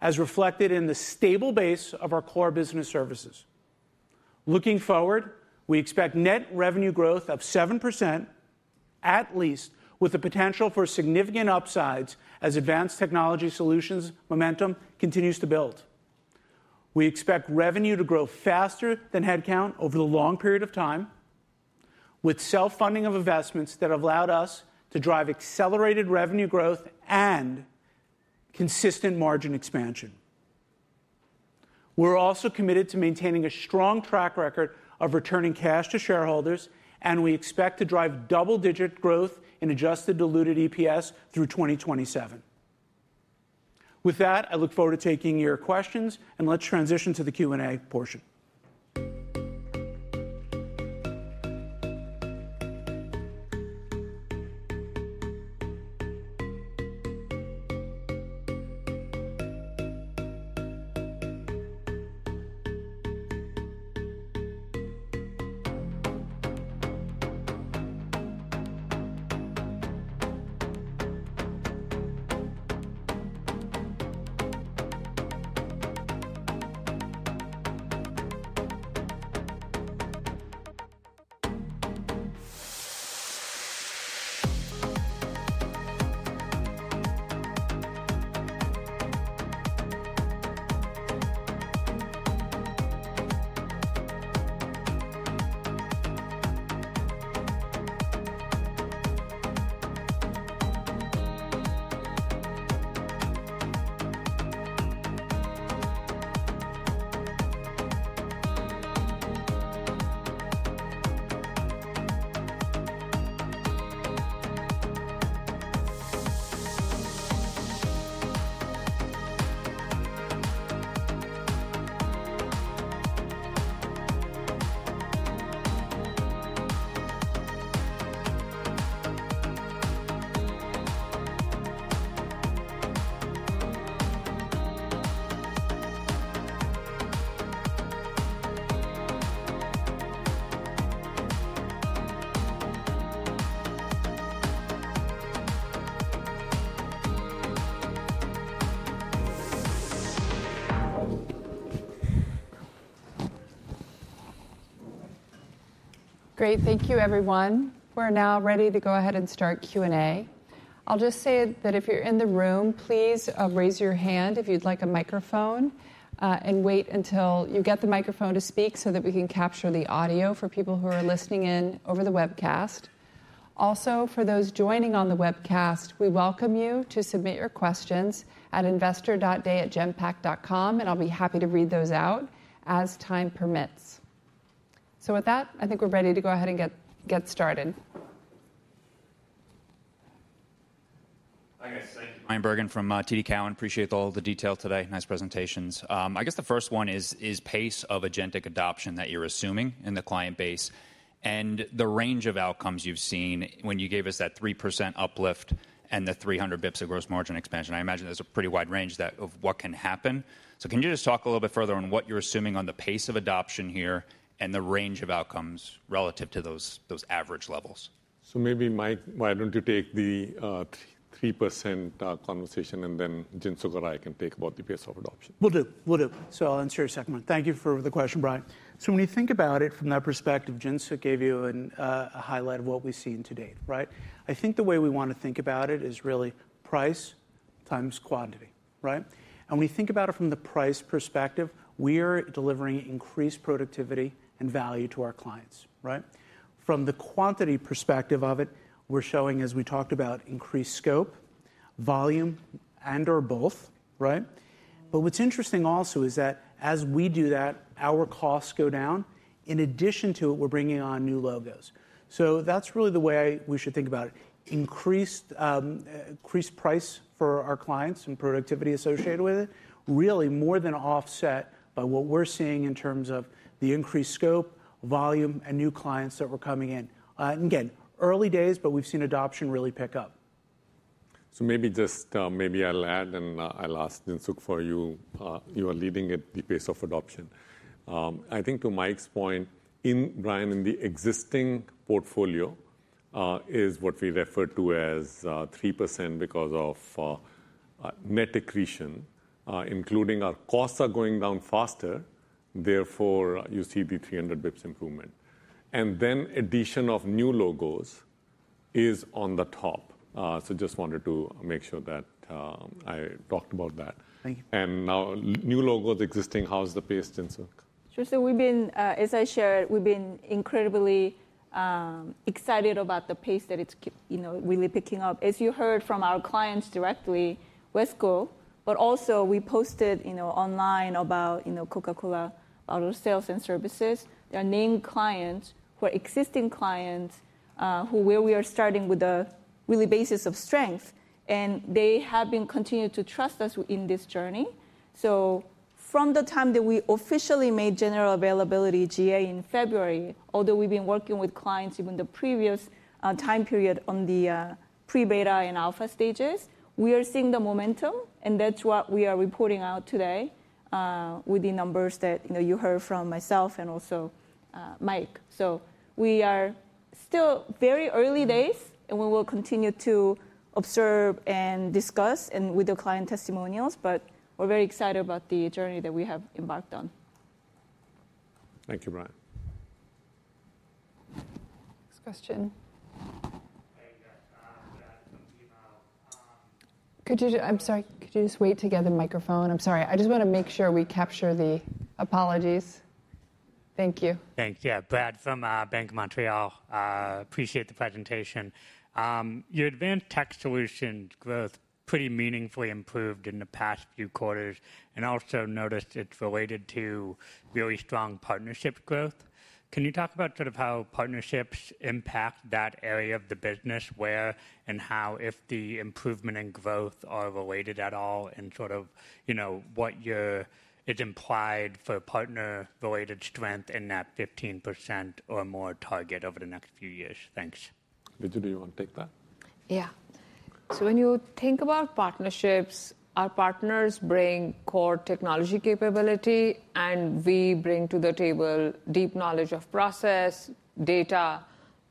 as reflected in the stable base of our core business services. Looking forward, we expect net revenue growth of 7% at least, with the potential for significant upsides as advanced technology solutions momentum continues to build. We expect revenue to grow faster than headcount over the long period of time, with self-funding of investments that have allowed us to drive accelerated revenue growth and consistent margin expansion. We're also committed to maintaining a strong track record of returning cash to shareholders, and we expect to drive double-digit growth in adjusted diluted EPS through 2027. With that, I look forward to taking your questions, and let's transition to the Q&A portion. Great. Thank you, everyone. We're now ready to go ahead and start Q&A. I'll just say that if you're in the room, please raise your hand if you'd like a microphone and wait until you get the microphone to speak so that we can capture the audio for people who are listening in over the webcast. Also, for those joining on the webcast, we welcome you to submit your questions at investor.day@genpact.com, and I'll be happy to read those out as time permits. With that, I think we're ready to go ahead and get started. Thank you, Bryan Bergin from TD Cowen. Appreciate all the detail today. Nice presentations. I guess the first one is pace of agentic adoption that you're assuming in the client base and the range of outcomes you've seen when you gave us that 3% uplift and the 300 basis points of gross margin expansion. I imagine that's a pretty wide range of what can happen. Can you just talk a little bit further on what you're assuming on the pace of adoption here and the range of outcomes relative to those average levels? Maybe, Mike, why don't you take the 3% conversation, and then Jinsook and I can talk about the pace of adoption. We'll do. We'll do. I'll answer your second one. Thank you for the question, Brian. When you think about it from that perspective, Jinsook gave you a highlight of what we've seen to date, right? I think the way we want to think about it is really price times quantity, right? When you think about it from the price perspective, we are delivering increased productivity and value to our clients, right? From the quantity perspective of it, we're showing, as we talked about, increased scope, volume, and/or both, right? What's interesting also is that as we do that, our costs go down in addition to what we're bringing on new logos. That's really the way we should think about it: increased price for our clients and productivity associated with it, really more than offset by what we're seeing in terms of the increased scope, volume, and new clients that are coming in. Again, early days, but we've seen adoption really pick up. Maybe just maybe I'll add, and I'll ask Jinsook for you. You are leading at the pace of adoption. I think to Mike's point, Brian, in the existing portfolio is what we refer to as 3% because of net accretion, including our costs are going down faster. Therefore, you see the 300 basis points improvement. Then addition of new logos is on the top. Just wanted to make sure that I talked about that. Thank you. Now new logos, existing, how's the pace, Jinsook? We've been, as I shared, we've been incredibly excited about the pace that it's really picking up. As you heard from our clients directly, Wesco, but also we posted online about Coca-Cola, our sales and services. There are named clients who are existing clients where we are starting with a really basis of strength, and they have continued to trust us in this journey. From the time that we officially made general availability GA in February, although we have been working with clients even the previous time period on the pre-beta and alpha stages, we are seeing the momentum, and that is what we are reporting out today with the numbers that you heard from myself and also Mike. We are still very early days, and we will continue to observe and discuss and with the client testimonials, but we are very excited about the journey that we have embarked on. Thank you, Brian. Next question. Hey, yes, I had some emails. Could you just, I am sorry, could you just wait to get the microphone? I am sorry. I just want to make sure we capture the apologies. Thank you. Thanks. Yeah, Vlad from Bank of Montreal. Appreciate the presentation. Your advanced tech solution growth pretty meaningfully improved in the past few quarters, and also noticed it's related to very strong partnership growth. Can you talk about sort of how partnerships impact that area of the business, where and how, if the improvement and growth are related at all, and sort of what your it's implied for partner-related strength in that 15% or more target over the next few years? Thanks. Vidya, do you want to take that? Yeah. When you think about partnerships, our partners bring core technology capability, and we bring to the table deep knowledge of process, data,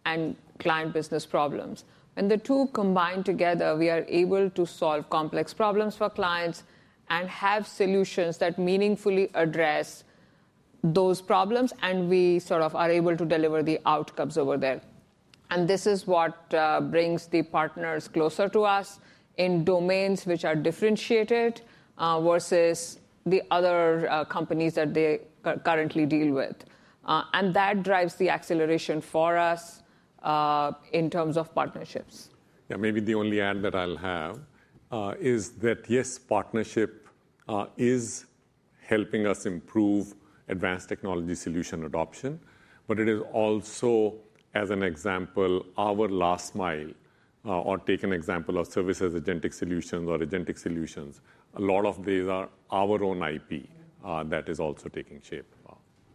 and client business problems. When the two combine together, we are able to solve complex problems for clients and have solutions that meaningfully address those problems, and we sort of are able to deliver the outcomes over there. This is what brings the partners closer to us in domains which are differentiated versus the other companies that they currently deal with. That drives the acceleration for us in terms of partnerships. Yeah, maybe the only add that I'll have is that yes, partnership is helping us improve advanced technology solution adoption, but it is also, as an example, our last mile, or take an example of services, agentic solutions, or agentic solutions. A lot of these are our own IP that is also taking shape.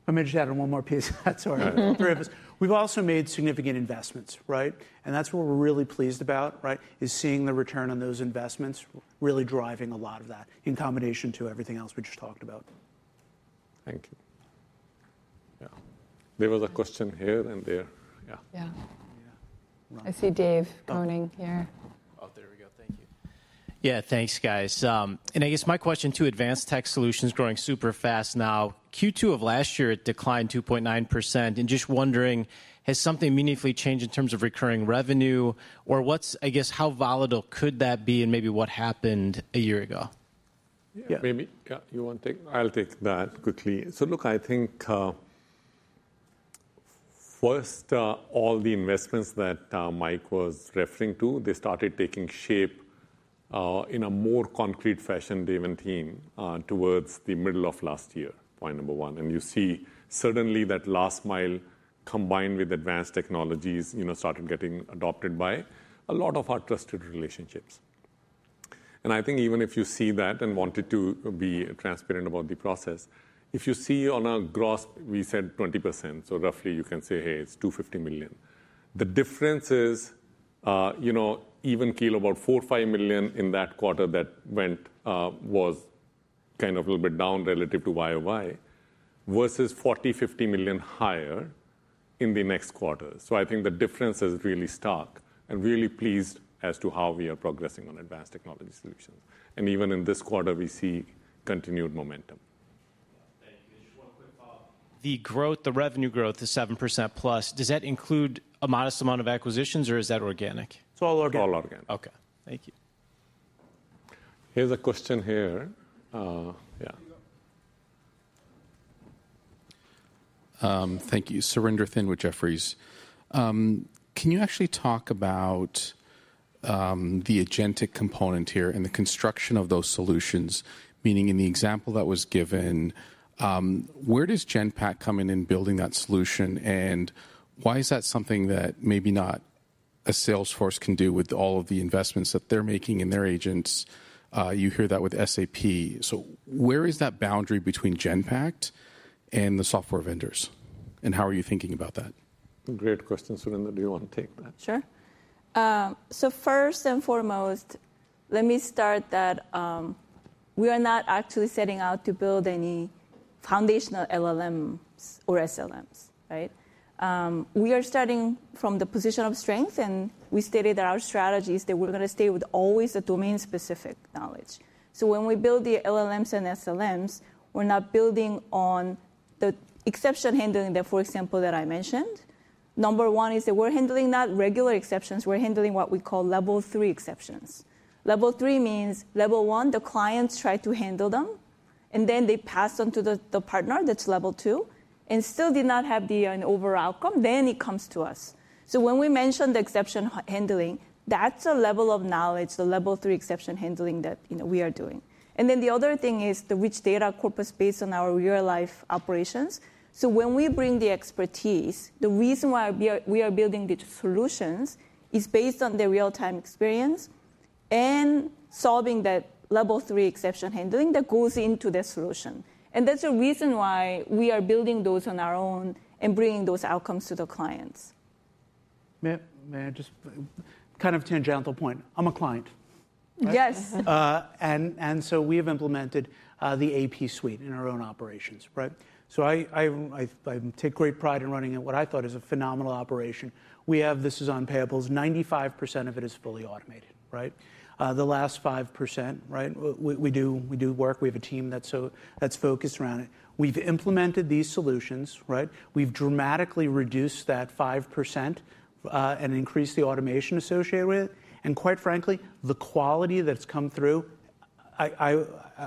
Let me just add one more piece of that sort of purpose. We've also made significant investments, right? That is what we're really pleased about, right, is seeing the return on those investments really driving a lot of that in combination to everything else we just talked about. Thank you. Yeah. There was a question here and there. Yeah. Yeah. I see Dave coming here. Oh, there we go. Thank you. Yeah, thanks, guys. I guess my question to advanced tech solutions growing super fast now. Q2 of last year, it declined 2.9%. Just wondering, has something meaningfully changed in terms of recurring revenue, or what's, I guess, how volatile could that be, and maybe what happened a year ago? Yeah, maybe you want to take? I'll take that quickly. Look, I think first, all the investments that Mike was referring to, they started taking shape in a more concrete fashion, Dave and team, towards the middle of last year, point number one. You see certainly that last mile combined with advanced technologies started getting adopted by a lot of our trusted relationships. I think even if you see that and wanted to be transparent about the process, if you see on a gross, we said 20%, so roughly you can say, hey, it is $250 million. The difference is even keel about $4 million-$5 million in that quarter that went, was kind of a little bit down relative to year-over-year versus $40 million-%50 million higher in the next quarter. I think the difference is really stark and really pleased as to how we are progressing on advanced technology solutions. Even in this quarter, we see continued momentum. Thank you. Just one quick thought. The growth, the revenue growth is 7%+. Does that include a modest amount of acquisitions, or is that organic? It is all organic. It is all organic. Okay. Thank you. Here is a question here. Yeah. Thank you. Surinder Thind with Jefferies. Can you actually talk about the agentic component here and the construction of those solutions, meaning in the example that was given, where does Genpact come in in building that solution, and why is that something that maybe not a Salesforce can do with all of the investments that they're making in their agents? You hear that with SAP. Where is that boundary between Genpact and the software vendors, and how are you thinking about that? Great question. Surinder, do you want to take that? Sure. First and foremost, let me start that we are not actually setting out to build any foundational LLMs or SLMs, right? We are starting from the position of strength, and we stated that our strategy is that we're going to stay with always the domain-specific knowledge. When we build the LLMs and SLMs, we're not building on the exception handling that, for example, that I mentioned. Number one is that we're handling not regular exceptions. We're handling what we call level three exceptions. Level three means level one, the clients try to handle them, and then they pass on to the partner, that's level two, and still did not have the overall outcome. It comes to us. When we mention the exception handling, that's a level of knowledge, the level three exception handling that we are doing. The other thing is the rich data corpus based on our real-life operations. When we bring the expertise, the reason why we are building the solutions is based on the real-time experience and solving that level three exception handling that goes into the solution. That is the reason why we are building those on our own and bringing those outcomes to the clients. May I just kind of tangential point? I am a client. Yes. We have implemented the AP Suite in our own operations, right? I take great pride in running what I thought is a phenomenal operation. We have this in payables. 95% of it is fully automated, right? The last 5%, right? We do work. We have a team that is focused around it. We have implemented these solutions, right? We have dramatically reduced that 5% and increased the automation associated with it. Quite frankly, the quality that has come through, I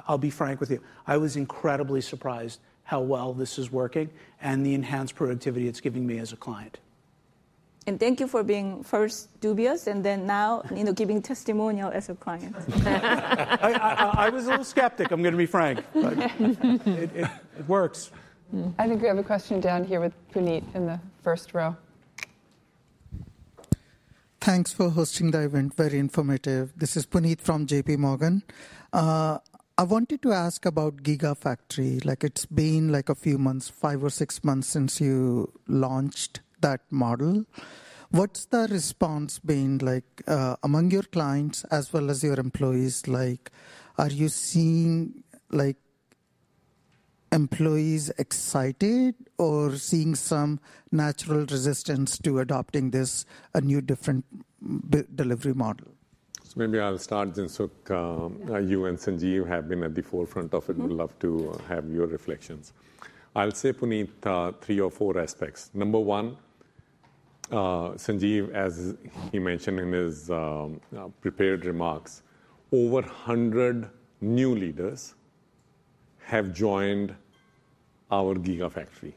will be frank with you, I was incredibly surprised how well this is working and the enhanced productivity it is giving me as a client. Thank you for being first dubious and then now giving testimonial as a client. I was a little skeptic. I'm going to be frank. It works. I think we have a question down here with Puneet in the first row. Thanks for hosting the event. Very informative. This is Puneet from JPMorgan. I wanted to ask about GigaFactory. It's been like a few months, five or six months since you launched that model. What's the response been like among your clients as well as your employees? Are you seeing employees excited or seeing some natural resistance to adopting this new different delivery model? Maybe I'll start, Jinsook. You and Sanjeev have been at the forefront of it. We'd love to have your reflections. I'll say, Puneet, three or four aspects. Number one, Sanjeev, as he mentioned in his prepared remarks, over 100 new leaders have joined our GigaFactory.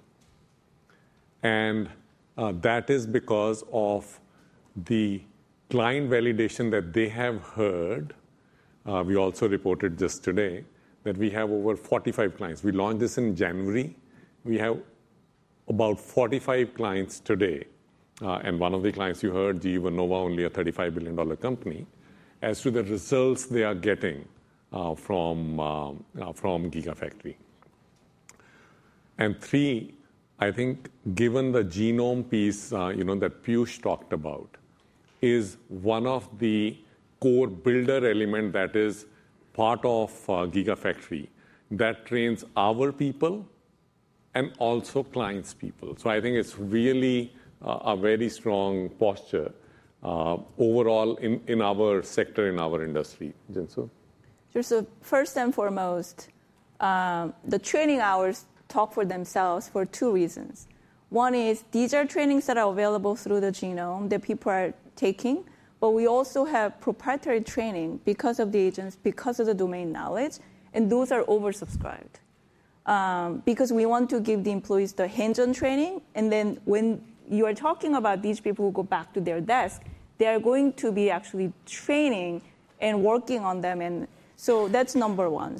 That is because of the client validation that they have heard. We also reported just today that we have over 45 clients. We launched this in January. We have about 45 clients today. One of the clients you heard, GE Vernova, only a $35 billion company. As to the results they are getting from GigaFactory. Three, I think given the Genome piece that Piyush talked about is one of the core builder elements that is part of GigaFactory that trains our people and also clients' people. I think it is really a very strong posture overall in our sector, in our industry. Jinsook? First and foremost, the training hours talk for themselves for two reasons. One is these are trainings that are available through the Genome that people are taking, but we also have proprietary training because of the agents, because of the domain knowledge, and those are oversubscribed. Because we want to give the employees the hands-on training, and then when you are talking about these people who go back to their desk, they are going to be actually training and working on them. That is number one.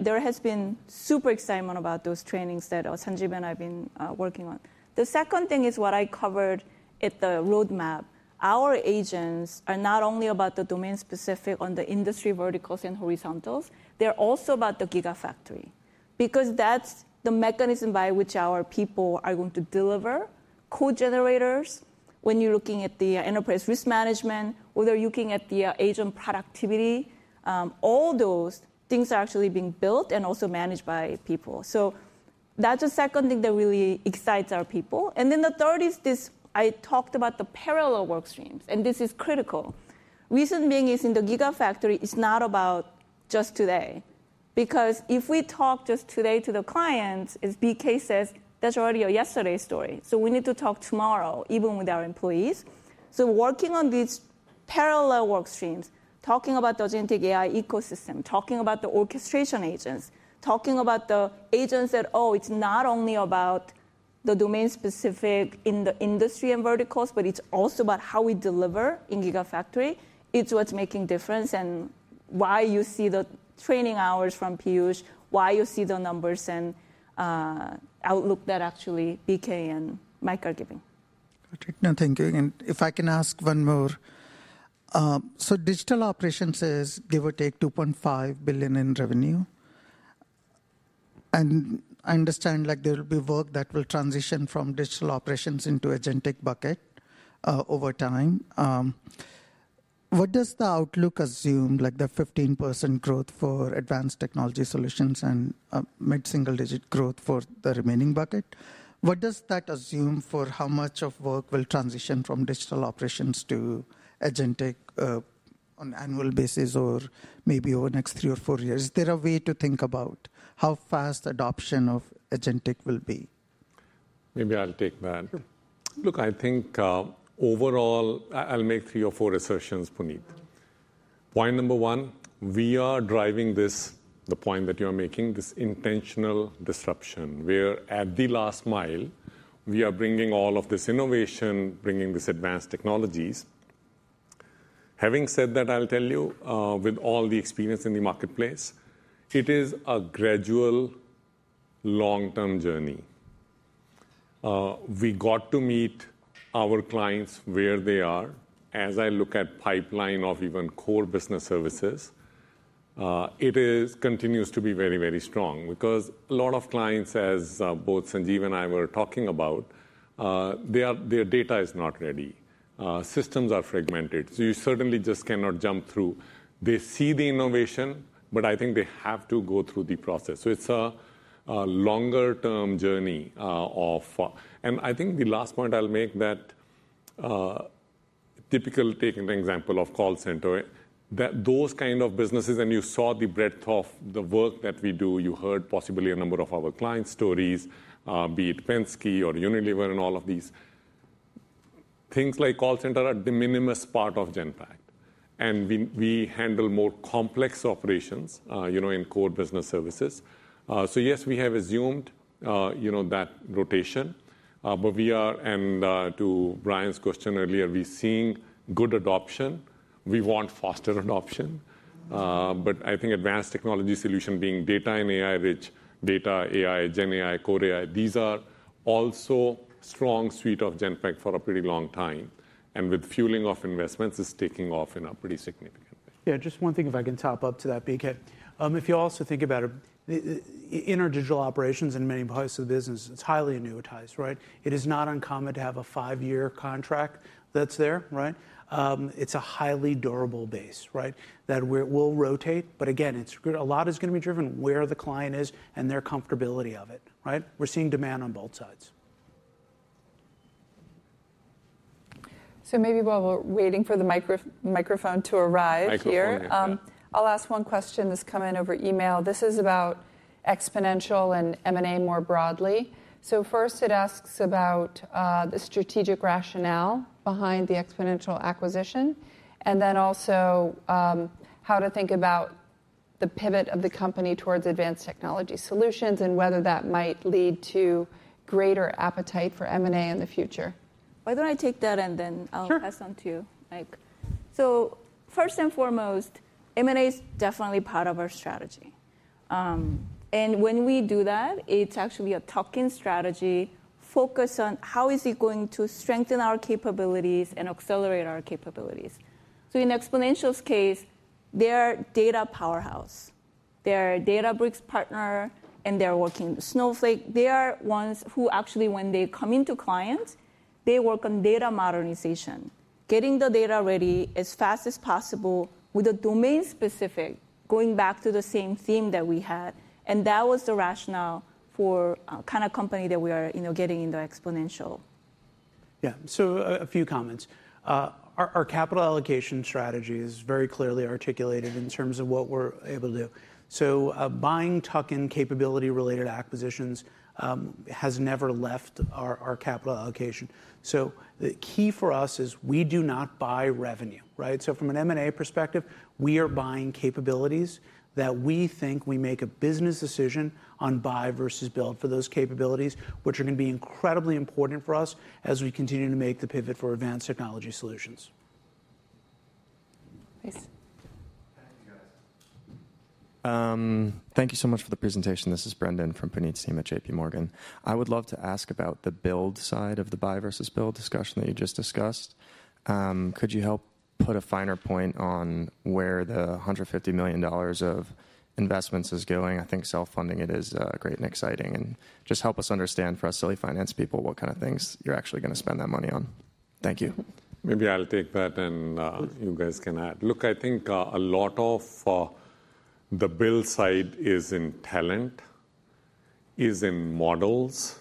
There has been super excitement about those trainings that Sanjeev and I have been working on. The second thing is what I covered at the roadmap. Our agents are not only about the domain-specific on the industry verticals and horizontals. They are also about the AI Gigafactory because that is the mechanism by which our people are going to deliver code generators. When you are looking at the enterprise risk management, whether you are looking at the agent productivity, all those things are actually being built and also managed by people. That is the second thing that really excites our people. The third is this. I talked about the parallel work streams, and this is critical. The reason being is in the AI Gigafactory, it's not about just today. Because if we talk just today to the clients, it's BK says, "That's already a yesterday story." We need to talk tomorrow, even with our employees. Working on these parallel work streams, talking about the agentic AI ecosystem, talking about the orchestration agents, talking about the agents that, oh, it's not only about the domain-specific in the industry and verticals, but it's also about how we deliver in AI Gigafactory. It's what's making difference and why you see the training hours from Piyush, why you see the numbers and outlook that actually BK and Mike are giving. Patrick, nothing good. If I can ask one more. Digital operations is give or take $2.5 billion in revenue. I understand there will be work that will transition from digital operations into agentic bucket over time. What does the outlook assume, like the 15% growth for advanced technology solutions and mid-single-digit growth for the remaining bucket? What does that assume for how much of work will transition from digital operations to agentic on an annual basis or maybe over the next three or four years? Is there a way to think about how fast adoption of agentic will be? Maybe I'll take that. Look, I think overall, I'll make three or four assertions, Puneet. Point number one, we are driving this, the point that you are making, this intentional disruption where at the last mile, we are bringing all of this innovation, bringing these advanced technologies. Having said that, I'll tell you, with all the experience in the marketplace, it is a gradual, long-term journey. We got to meet our clients where they are. As I look at the pipeline of even core business services, it continues to be very, very strong because a lot of clients, as both Sanjeev and I were talking about, their data is not ready. Systems are fragmented. You certainly just cannot jump through. They see the innovation, but I think they have to go through the process. It is a longer-term journey of, and I think the last point I'll make, that typical taking an example of call center, that those kind of businesses, and you saw the breadth of the work that we do. You heard possibly a number of our clients' stories, be it Penske or Unilever and all of these. Things like call center are the minimal part of Genpact. We handle more complex operations in core business services. Yes, we have assumed that rotation. We are, and to Brian's question earlier, we're seeing good adoption. We want faster adoption. I think advanced technology solution being data and AI-rich, data, AI, GenAI, Core AI, these are also a strong suite of Genpact for a pretty long time. With fueling of investments, it's taking off in a pretty significant way. Yeah, just one thing if I can top up to that, BK. If you also think about it, in our digital operations and many parts of the business, it's highly annuitized, right? It is not uncommon to have a five-year contract that's there, right? It's a highly durable base, right, that will rotate. Again, a lot is going to be driven where the client is and their comfortability of it, right? We're seeing demand on both sides. Maybe while we're waiting for the microphone to arrive here, I'll ask one question that's come in over email. This is about Exponential and M&A more broadly. First, it asks about the strategic rationale behind the Exponential acquisition, and then also how to think about the pivot of the company towards advanced technology solutions and whether that might lead to greater appetite for M&A in the future. Why don't I take that and then I'll pass on to you. First and foremost, M&A is definitely part of our strategy. When we do that, it's actually a talking strategy focused on how it is going to strengthen our capabilities and accelerate our capabilities. In Exponential's case, they are a data powerhouse. They are a Databricks partner, and they're working with Snowflake. They are ones who actually, when they come into clients, they work on data modernization, getting the data ready as fast as possible with a domain-specific, going back to the same theme that we had. That was the rationale for kind of company that we are getting into Exponential. Yeah, a few comments. Our capital allocation strategy is very clearly articulated in terms of what we are able to do. Buying token capability-related acquisitions has never left our capital allocation. The key for us is we do not buy revenue, right? From an M&A perspective, we are buying capabilities that we think we make a business decision on buy versus build for those capabilities, which are going to be incredibly important for us as we continue to make the pivot for advanced technology solutions. Thanks. Thank you, guys. Thank you so much for the presentation. This is Brendan from Puneet's team at JPMorgan. I would love to ask about the build side of the buy versus build discussion that you just discussed. Could you help put a finer point on where the $150 million of investments is going? I think self-funding it is great and exciting. Just help us understand for us silly finance people what kind of things you're actually going to spend that money on. Thank you. Maybe I'll take that and you guys can add. Look, I think a lot of the build side is in talent, is in models,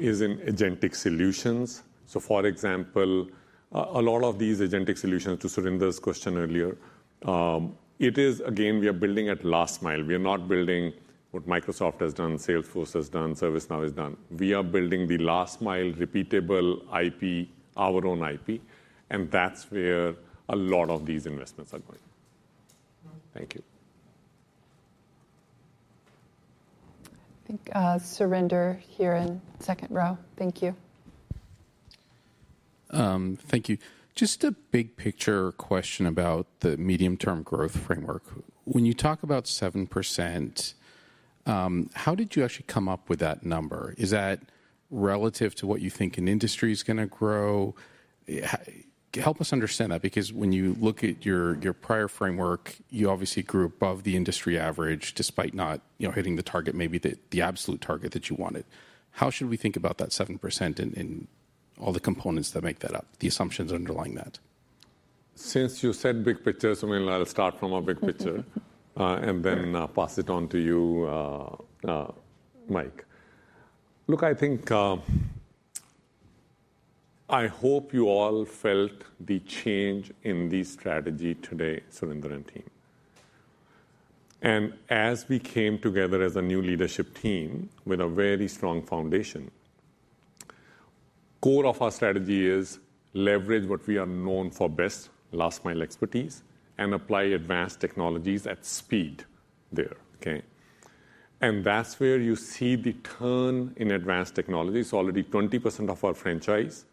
is in agentic solutions. For example, a lot of these agentic solutions to Surinder's question earlier, it is, again, we are building at last mile. We are not building what Microsoft has done, Salesforce has done, ServiceNow has done. We are building the last mile repeatable IP, our own IP. That's where a lot of these investments are going. Thank you. I think Surinder here in the second row. Thank you. Thank you. Just a big picture question about the medium-term growth framework. When you talk about 7%, how did you actually come up with that number? Is that relative to what you think an industry is going to grow? Help us understand that because when you look at your prior framework, you obviously grew above the industry average despite not hitting the target, maybe the absolute target that you wanted. How should we think about that 7% and all the components that make that up, the assumptions underlying that? Since you said big picture, Surinder, I'll start from a big picture and then pass it on to you, Mike. Look, I think I hope you all felt the change in the strategy today, Surinder and team. As we came together as a new leadership team with a very strong foundation, core of our strategy is leverage what we are known for best, last mile expertise, and apply advanced technologies at speed there. That is where you see the turn in advanced technology. It is already 20% of our franchise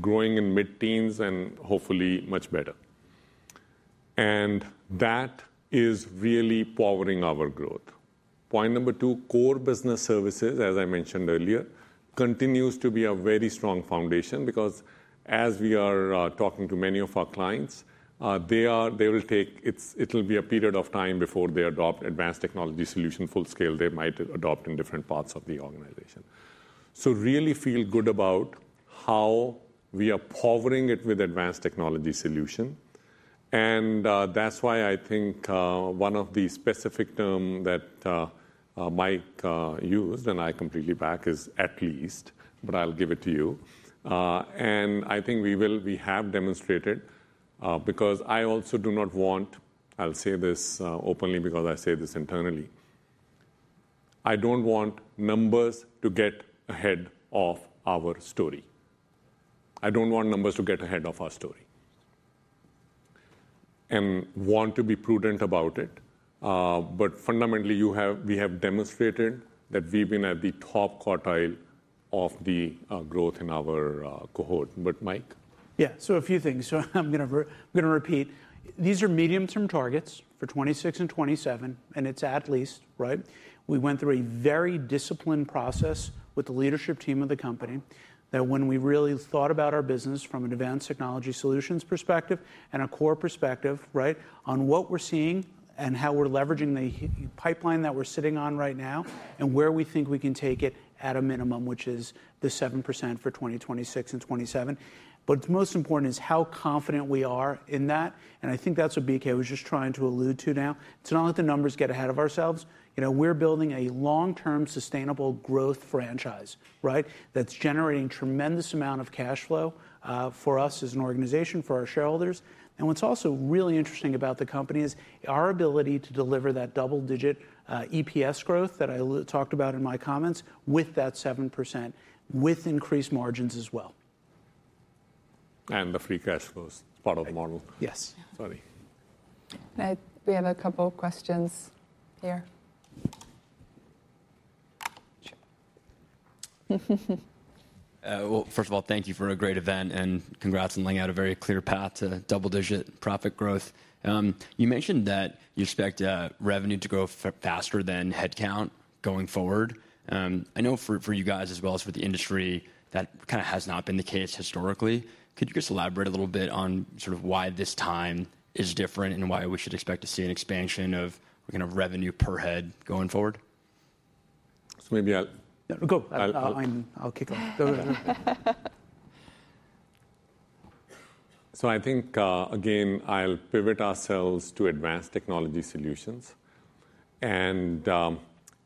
growing in mid-teens and hopefully much better. That is really powering our growth. Point number two, core business services, as I mentioned earlier, continues to be a very strong foundation because as we are talking to many of our clients, they will take it'll be a period of time before they adopt advanced technology solution full scale. They might adopt in different parts of the organization. Really feel good about how we are powering it with advanced technology solution. That is why I think one of the specific terms that Mike used, and I completely back, is at least, but I will give it to you. I think we have demonstrated, because I also do not want, I will say this openly because I say this internally, I do not want numbers to get ahead of our story. I do not want numbers to get ahead of our story and want to be prudent about it. Fundamentally, we have demonstrated that we have been at the top quartile of the growth in our cohort. Mike? Yeah, a few things. I am going to repeat. These are medium-term targets for 2026 and 2027, and it is at least, right? We went through a very disciplined process with the leadership team of the company that when we really thought about our business from an advanced technology solutions perspective and a core perspective on what we're seeing and how we're leveraging the pipeline that we're sitting on right now and where we think we can take it at a minimum, which is the 7% for 2026 and 2027. The most important is how confident we are in that. I think that's what BK was just trying to allude to now. It's not that the numbers get ahead of ourselves. We're building a long-term sustainable growth franchise that's generating tremendous amount of cash flow for us as an organization, for our shareholders. What's also really interesting about the company is our ability to deliver that double-digit EPS growth that I talked about in my comments with that 7% with increased margins as well. The free cash flow is part of the model. Yes. Sorry. We have a couple of questions here. First of all, thank you for a great event and congrats on laying out a very clear path to double-digit profit growth. You mentioned that you expect revenue to grow faster than headcount going forward. I know for you guys as well as for the industry, that kind of has not been the case historically. Could you just elaborate a little bit on sort of why this time is different and why we should expect to see an expansion of revenue per head going forward? Maybe I'll kick off. I think, again, I'll pivot ourselves to advanced technology solutions.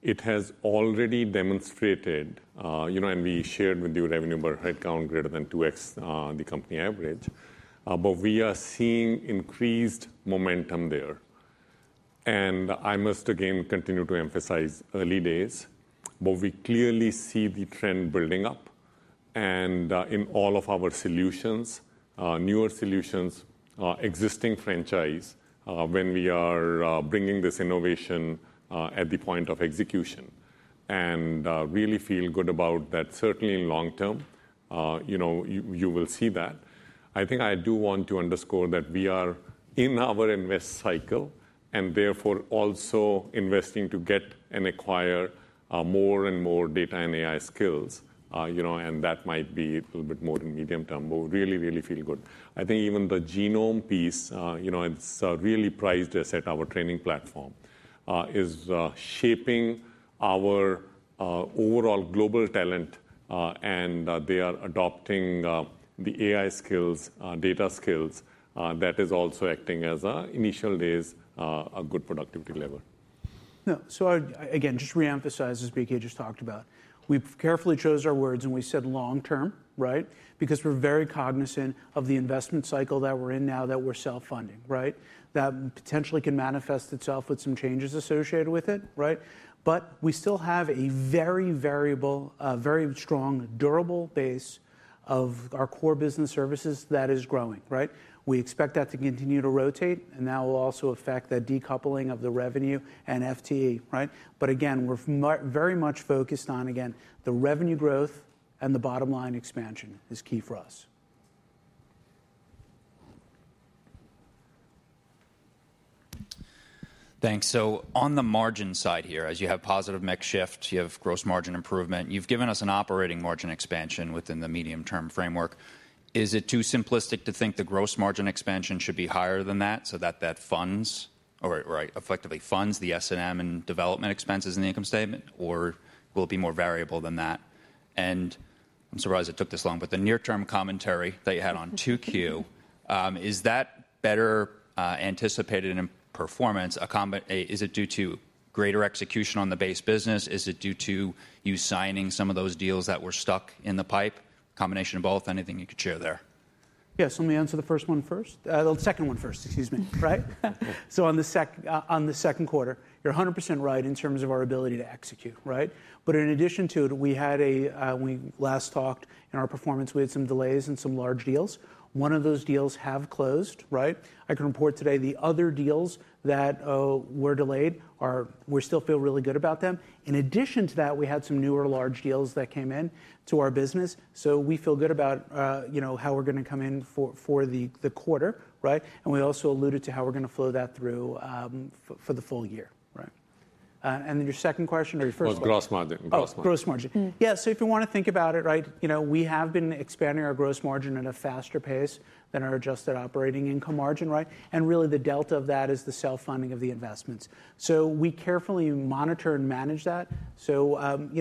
It has already demonstrated, and we shared with you, revenue per headcount greater than 2x the company average. We are seeing increased momentum there. I must again continue to emphasize early days, but we clearly see the trend building up. In all of our solutions, newer solutions, existing franchise, when we are bringing this innovation at the point of execution, I really feel good about that. Certainly in long term, you will see that. I think I do want to underscore that we are in our invest cycle and therefore also investing to get and acquire more and more data and AI skills. That might be a little bit more in medium term, but really, really feel good. I think even the Genome.AI piece, it's really priced as at our training platform, is shaping our overall global talent. And they are adopting the AI skills, data skills that is also acting as initial days, a good productivity level. So again, just reemphasize as BK just talked about. We've carefully chosen our words and we said long term, right? Because we're very cognizant of the investment cycle that we're in now that we're self-funding, right? That potentially can manifest itself with some changes associated with it, right? But we still have a very variable, very strong, durable base of our core business services that is growing, right? We expect that to continue to rotate. And that will also affect the decoupling of the revenue and FTE, right? But again, we're very much focused on, again, the revenue growth and the bottom line expansion is key for us. Thanks. On the margin side here, as you have positive mix shift, you have gross margin improvement. You have given us an operating margin expansion within the medium-term framework. Is it too simplistic to think the gross margin expansion should be higher than that so that that funds, or effectively funds, the S&M and development expenses in the income statement, or will it be more variable than that? I am surprised it took this long, but the near-term commentary that you had on 2Q, is that better anticipated in performance? Is it due to greater execution on the base business? Is it due to you signing some of those deals that were stuck in the pipe? Combination of both, anything you could share there? Yeah, let me answer the first one first. The second one first, excuse me, right? On the second quarter, you're 100% right in terms of our ability to execute, right? In addition to it, we had a, when we last talked in our performance, we had some delays and some large deals. One of those deals have closed, right? I can report today the other deals that were delayed, we still feel really good about them. In addition to that, we had some newer large deals that came into our business. We feel good about how we're going to come in for the quarter, right? We also alluded to how we're going to flow that through for the full year, right? Your second question or your first question? Gross margin. Gross margin. Yeah, if you want to think about it, right? We have been expanding our gross margin at a faster pace than our adjusted operating income margin, right? And really the delta of that is the self-funding of the investments. So we carefully monitor and manage that. So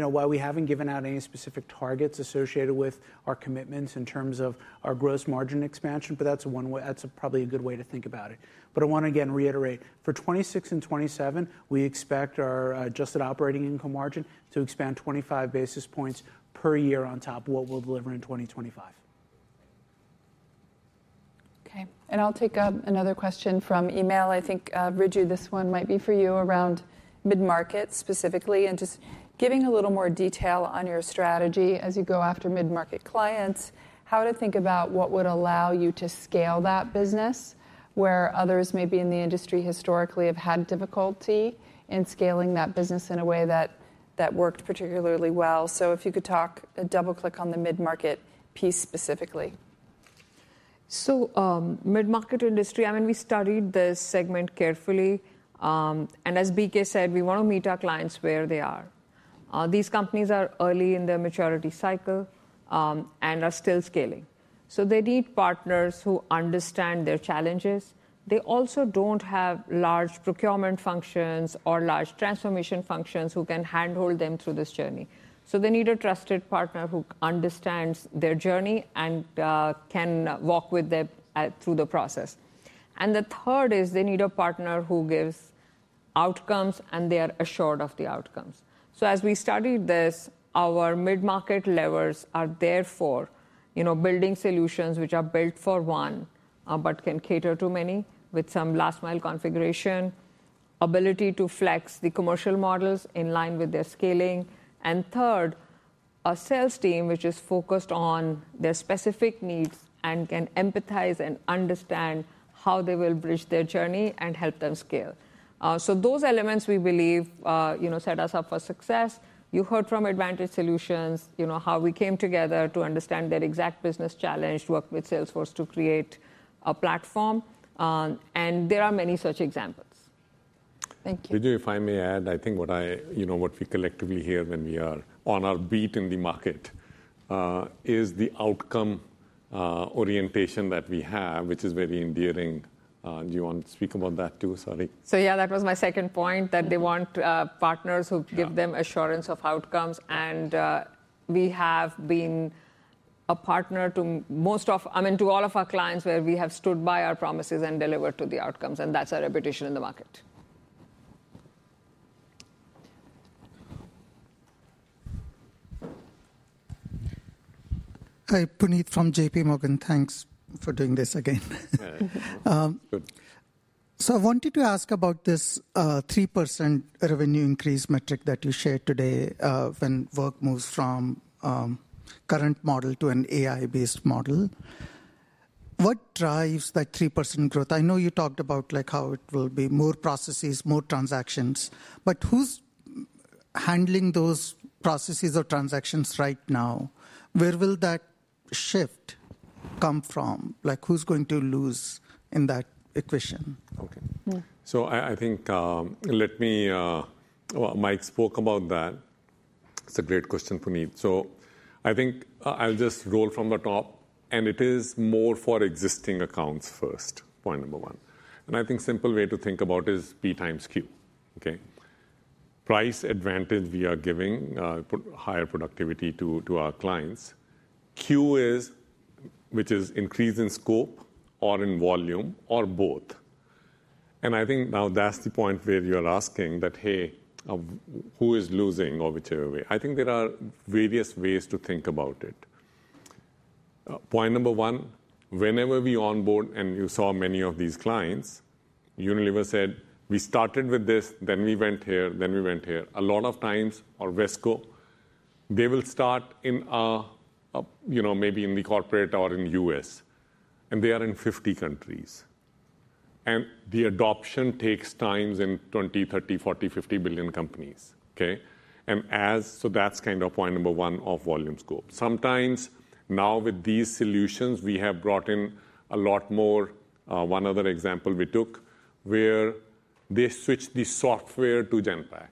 while we have not given out any specific targets associated with our commitments in terms of our gross margin expansion, but that is probably a good way to think about it. But I want to again reiterate, for 2026 and 2027, we expect our adjusted operating income margin to expand 25 basis points per year on top of what we will deliver in 2025. Okay. And I will take another question from email. I think, Riju, this one might be for you around mid-market specifically and just giving a little more detail on your strategy as you go after mid-market clients, how to think about what would allow you to scale that business where others may be in the industry historically have had difficulty in scaling that business in a way that worked particularly well. If you could talk, double-click on the mid-market piece specifically. Mid-market industry, I mean, we studied this segment carefully. As BK said, we want to meet our clients where they are. These companies are early in their maturity cycle and are still scaling. They need partners who understand their challenges. They also do not have large procurement functions or large transformation functions who can handle them through this journey. They need a trusted partner who understands their journey and can walk with them through the process. The third is they need a partner who gives outcomes and they are assured of the outcomes. As we studied this, our mid-market levers are therefore building solutions which are built for one, but can cater to many with some last mile configuration, ability to flex the commercial models in line with their scaling. Third, a sales team which is focused on their specific needs and can empathize and understand how they will bridge their journey and help them scale. Those elements we believe set us up for success. You heard from Advantage Solutions how we came together to understand their exact business challenge, worked with Salesforce to create a platform. There are many such examples. Thank you. Riju, if I may add, I think what we collectively hear when we are on our beat in the market is the outcome orientation that we have, which is very endearing. Do you want to speak about that too? Sorry. Yeah, that was my second point that they want partners who give them assurance of outcomes. We have been a partner to most of, I mean, to all of our clients where we have stood by our promises and delivered to the outcomes. That is our reputation in the market. Hi, Puneet from JPMorgan. Thanks for doing this again. I wanted to ask about this 3% revenue increase metric that you shared today when work moves from current model to an AI-based model. What drives that 3% growth? I know you talked about how it will be more processes, more transactions, but who's handling those processes or transactions right now? Where will that shift come from? Who's going to lose in that equation? Okay. I think Mike spoke about that. It's a great question, Puneet. I think I'll just roll from the top. It is more for existing accounts first, point number one. I think a simple way to think about it is P times Q. Price advantage we are giving, put higher productivity to our clients. Q is, which is increase in scope or in volume or both. I think now that's the point where you're asking that, hey, who is losing or whichever way? I think there are various ways to think about it. Point number one, whenever we onboard and you saw many of these clients, Unilever said, we started with this, then we went here, then we went here. A lot of times, or Wesco, they will start maybe in the corporate or in the US. And they are in 50 countries. The adoption takes time in 20, 30, 40, 50 billion companies. That is kind of point number one of volume scope. Sometimes now with these solutions, we have brought in a lot more. One other example we took where they switched the software to Genpact.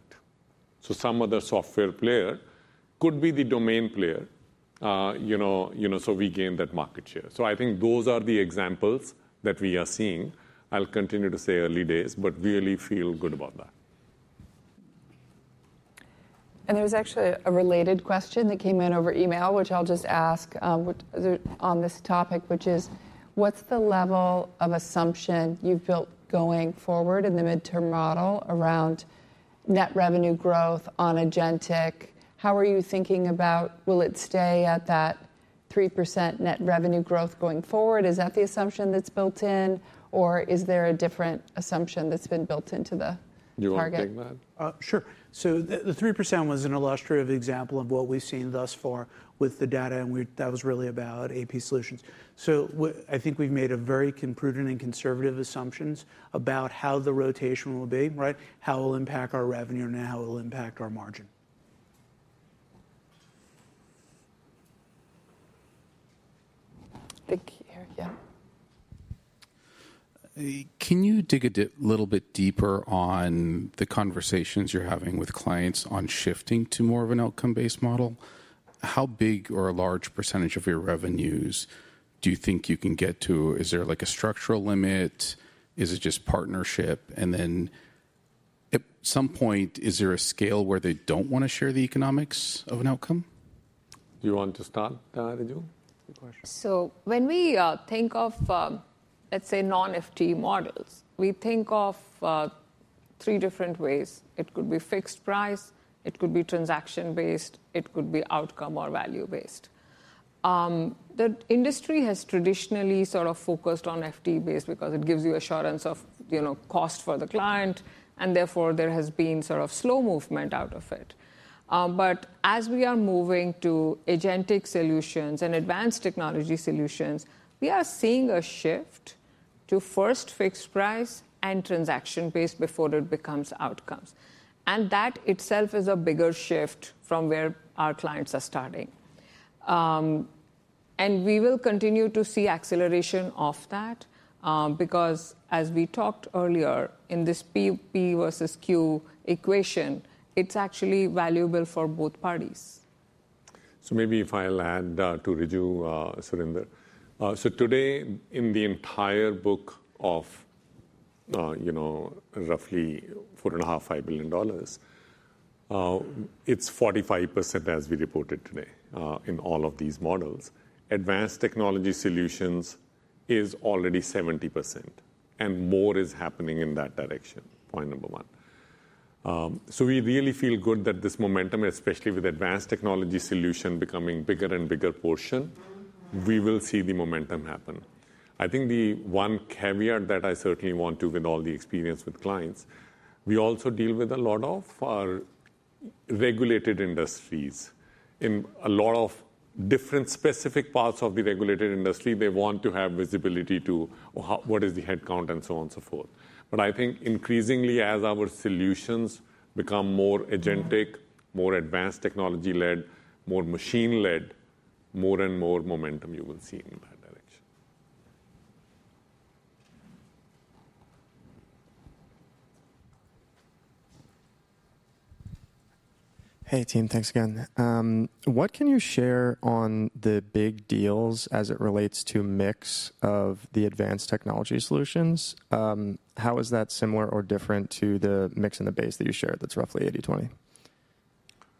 Some other software player could be the domain player. We gained that market share. I think those are the examples that we are seeing. I'll continue to say early days, but really feel good about that. There was actually a related question that came in over email, which I'll just ask on this topic, which is, what's the level of assumption you've built going forward in the mid-term model around net revenue growth on Agentic? How are you thinking about, will it stay at that 3% net revenue growth going forward? Is that the assumption that's built in? Or is there a different assumption that's been built into the target? You want to take that? Sure. The 3% was an illustrative example of what we've seen thus far with the data. That was really about AP Suite. I think we've made very prudent and conservative assumptions about how the rotation will be, how it will impact our revenue, and how it will impact our margin. Can you dig a little bit deeper on the conversations you're having with clients on shifting to more of an outcome-based model? How big or a large percentage of your revenues do you think you can get to? Is there a structural limit? Is it just partnership? At some point, is there a scale where they don't want to share the economics of an outcome? Do you want to start, Riju? When we think of, let's say, non-FTE models, we think of three different ways. It could be fixed price. It could be transaction-based. It could be outcome or value-based. The industry has traditionally sort of focused on FTE-based because it gives you assurance of cost for the client. Therefore, there has been sort of slow movement out of it. As we are moving to Agentic solutions and advanced technology solutions, we are seeing a shift to first fixed price and transaction-based before it becomes outcomes. That itself is a bigger shift from where our clients are starting. We will continue to see acceleration of that because, as we talked earlier, in this P versus Q equation, it is actually valuable for both parties. Maybe if I will add to Riju, Surinder. Today, in the entire book of roughly $4.5 billion, it is 45% as we reported today in all of these models. Advanced technology solutions is already 70%. More is happening in that direction, point number one. We really feel good that this momentum, especially with advanced technology solution becoming bigger and bigger portion, we will see the momentum happen. I think the one caveat that I certainly want to, with all the experience with clients, we also deal with a lot of regulated industries. In a lot of different specific parts of the regulated industry, they want to have visibility to what is the headcount and so on and so forth. I think increasingly, as our solutions become more Agentic, more advanced technology-led, more machine-led, more and more momentum you will see in that direction. Hey, team, thanks again. What can you share on the big deals as it relates to mix of the advanced technology solutions? How is that similar or different to the mix in the base that you shared that's roughly 80/20?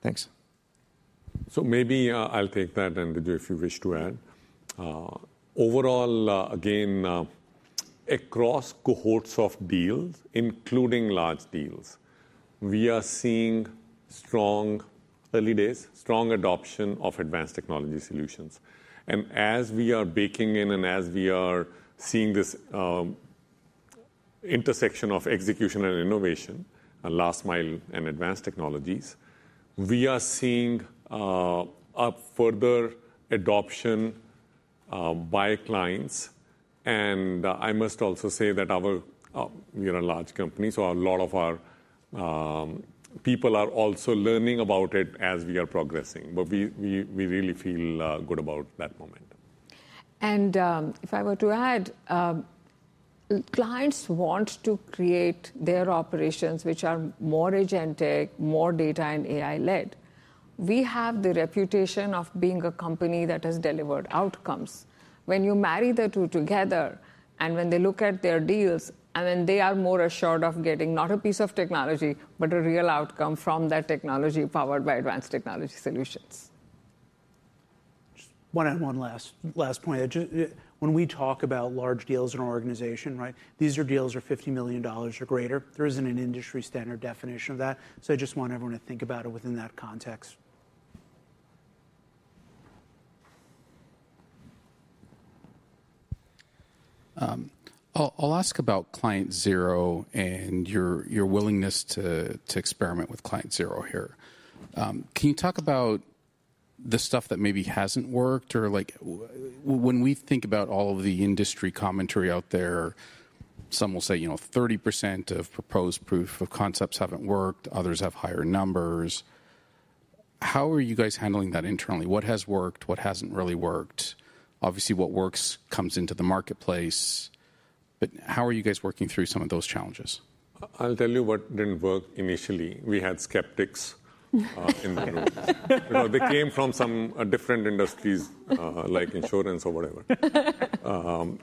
Thanks. Maybe I'll take that, and Riju, if you wish to add. Overall, again, across cohorts of deals, including large deals, we are seeing early days, strong adoption of advanced technology solutions. As we are baking in and as we are seeing this intersection of execution and innovation, last mile and advanced technologies, we are seeing a further adoption by clients. I must also say that we are a large company, so a lot of our people are also learning about it as we are progressing. We really feel good about that moment. If I were to add, clients want to create their operations, which are more Agentic, more data and AI-led. We have the reputation of being a company that has delivered outcomes. When you marry the two together and when they look at their deals, they are more assured of getting not a piece of technology, but a real outcome from that technology powered by advanced technology solutions. One last point. When we talk about large deals in our organization, these are deals that are $50 million or greater. There isn't an industry standard definition of that. I just want everyone to think about it within that context. I'll ask about client zero and your willingness to experiment with client zero here. Can you talk about the stuff that maybe hasn't worked? Or when we think about all of the industry commentary out there, some will say 30% of proposed proof of concepts haven't worked. Others have higher numbers. How are you guys handling that internally? What has worked? What hasn't really worked? Obviously, what works comes into the marketplace. How are you guys working through some of those challenges? I'll tell you what didn't work initially. We had skeptics in the room. They came from some different industries, like insurance or whatever, on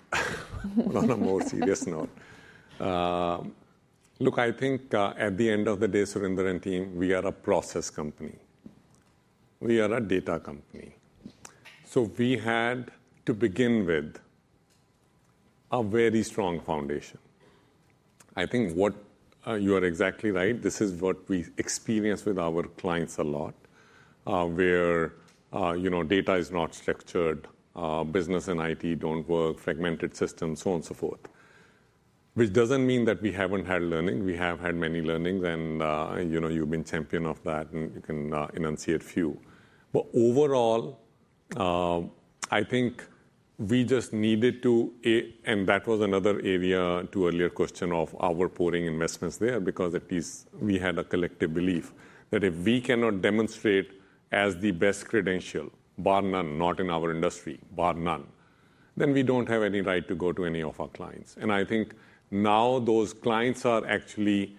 a more serious note. Look, I think at the end of the day, Surinder and team, we are a process company. We are a data company. So we had, to begin with, a very strong foundation. I think you are exactly right. This is what we experience with our clients a lot, where data is not structured, business and IT do not work, fragmented systems, so on and so forth. Which does not mean that we have not had learning. We have had many learnings. And you have been champion of that, and you can enunciate a few. Overall, I think we just needed to, and that was another area to earlier question of our pouring investments there, because at least we had a collective belief that if we cannot demonstrate as the best credential, bar none, not in our industry, bar none, then we do not have any right to go to any of our clients. I think now those clients are actually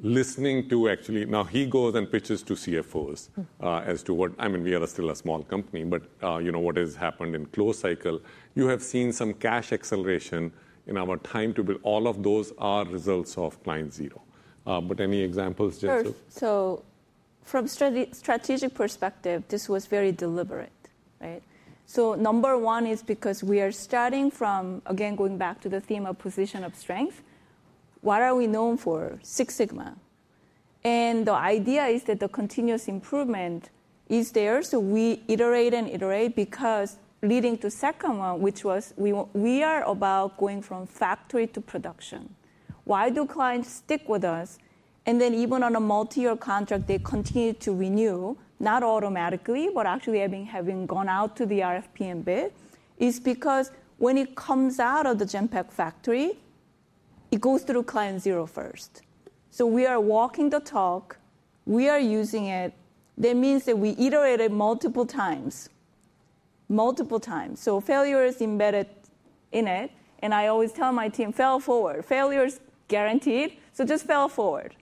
listening to, actually, now he goes and pitches to CFOs as to what, I mean, we are still a small company, but what has happened in closed cycle, you have seen some cash acceleration in our time to build. All of those are results of client zero. Any examples, Jessica? From a strategic perspective, this was very deliberate. Number one is because we are starting from, again, going back to the theme of position of strength. What are we known for? Six Sigma. The idea is that the continuous improvement is there. We iterate and iterate because leading to second one, which was we are about going from factory to production. Why do clients stick with us? Even on a multi-year contract, they continue to renew, not automatically, but actually having gone out to the RFP and bid is because when it comes out of the Genpact factory, it goes through client zero first. We are walking the talk. We are using it. That means that we iterated multiple times, multiple times. Failure is embedded in it. I always tell my team, fail forward. Failure is guaranteed. Just fail forward.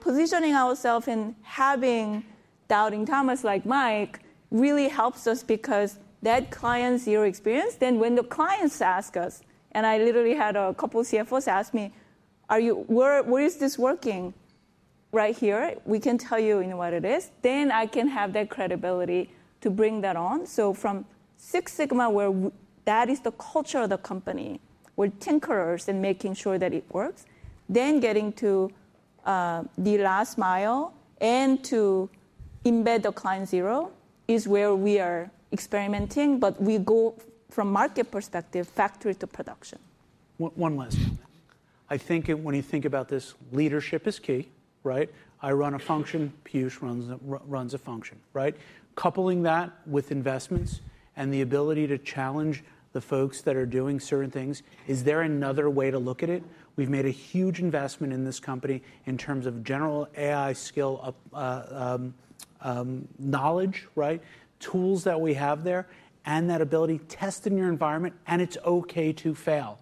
Positioning ourselves and having doubting Thomases like Mike really helps us because that client zero experience, then when the clients ask us, and I literally had a couple of CFOs ask me, where is this working right here? We can tell you what it is. Then I can have that credibility to bring that on. From Six Sigma, where that is the culture of the company, we're tinkerers in making sure that it works, then getting to the last mile and to embed the client zero is where we are experimenting. We go from market perspective, factory to production. One last thing. I think when you think about this, leadership is key. I run a function. Piyush runs a function. Coupling that with investments and the ability to challenge the folks that are doing certain things, is there another way to look at it? We've made a huge investment in this company in terms of general AI skill knowledge, tools that we have there, and that ability test in your environment. It's OK to fail.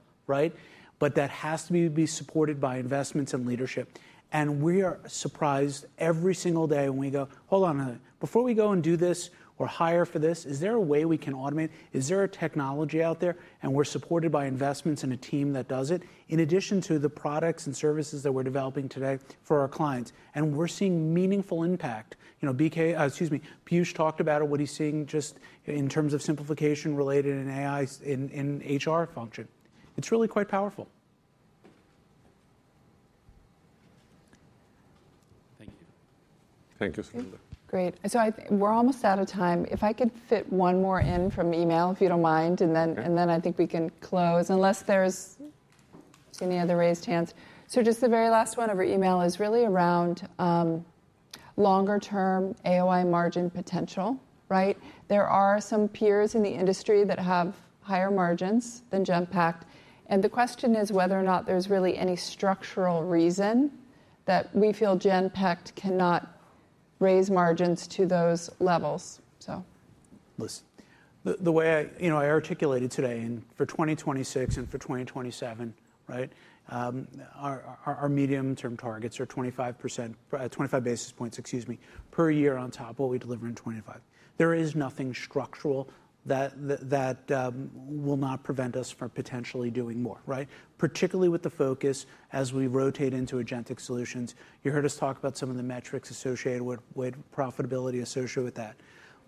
That has to be supported by investments and leadership. We are surprised every single day when we go, hold on a minute. Before we go and do this or hire for this, is there a way we can automate? Is there a technology out there? We are supported by investments and a team that does it, in addition to the products and services that we are developing today for our clients. We are seeing meaningful impact. Piyush talked about what he is seeing just in terms of simplification related in HR function. It is really quite powerful. Thank you. Thank you, Surinder. Great. We are almost out of time. If I could fit one more in from email, if you do not mind, and then I think we can close, unless there are any other raised hands. The very last one of our email is really around longer-term AOI margin potential. There are some peers in the industry that have higher margins than Genpact. The question is whether or not there is really any structural reason that we feel Genpact cannot raise margins to those levels. The way I articulated today, and for 2026 and for 2027, our medium-term targets are 25 basis points per year on top of what we deliver in 2025. There is nothing structural that will not prevent us from potentially doing more, particularly with the focus as we rotate into Agentic solutions. You heard us talk about some of the metrics associated with profitability associated with that.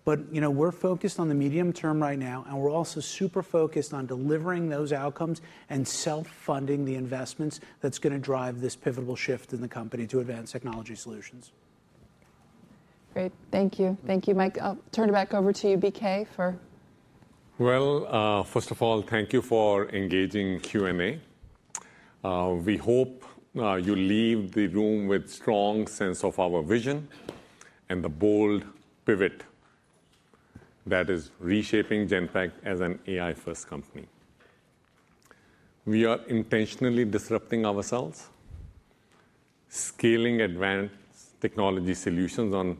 We are focused on the medium term right now. We are also super focused on delivering those outcomes and self-funding the investments that are going to drive this pivotal shift in the company to advanced technology solutions. Great. Thank you. Thank you, Mike. I will turn it back over to you, BK, for. First of all, thank you for engaging Q&A. We hope you leave the room with a strong sense of our vision and the bold pivot that is reshaping Genpact as an AI-first company. We are intentionally disrupting ourselves, scaling advanced technology solutions on the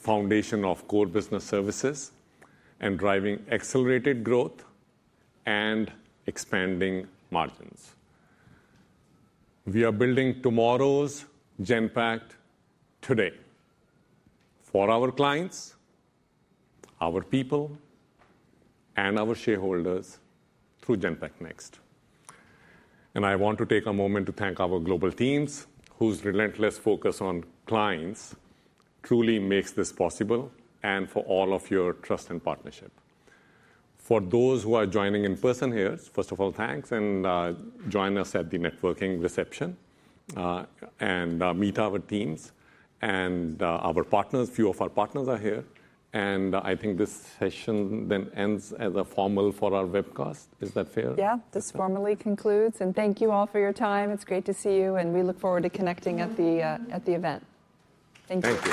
foundation of core business services, and driving accelerated growth and expanding margins. We are building tomorrow's Genpact today for our clients, our people, and our shareholders through Genpact Next. I want to take a moment to thank our global teams, whose relentless focus on clients truly makes this possible and for all of your trust and partnership. For those who are joining in person here, first of all, thanks. Join us at the networking reception and meet our teams and a few of our partners are here. I think this session then ends as a formal for our webcast. Is that fair? Yeah, this formally concludes. Thank you all for your time. It's great to see you. We look forward to connecting at the event. Thank you.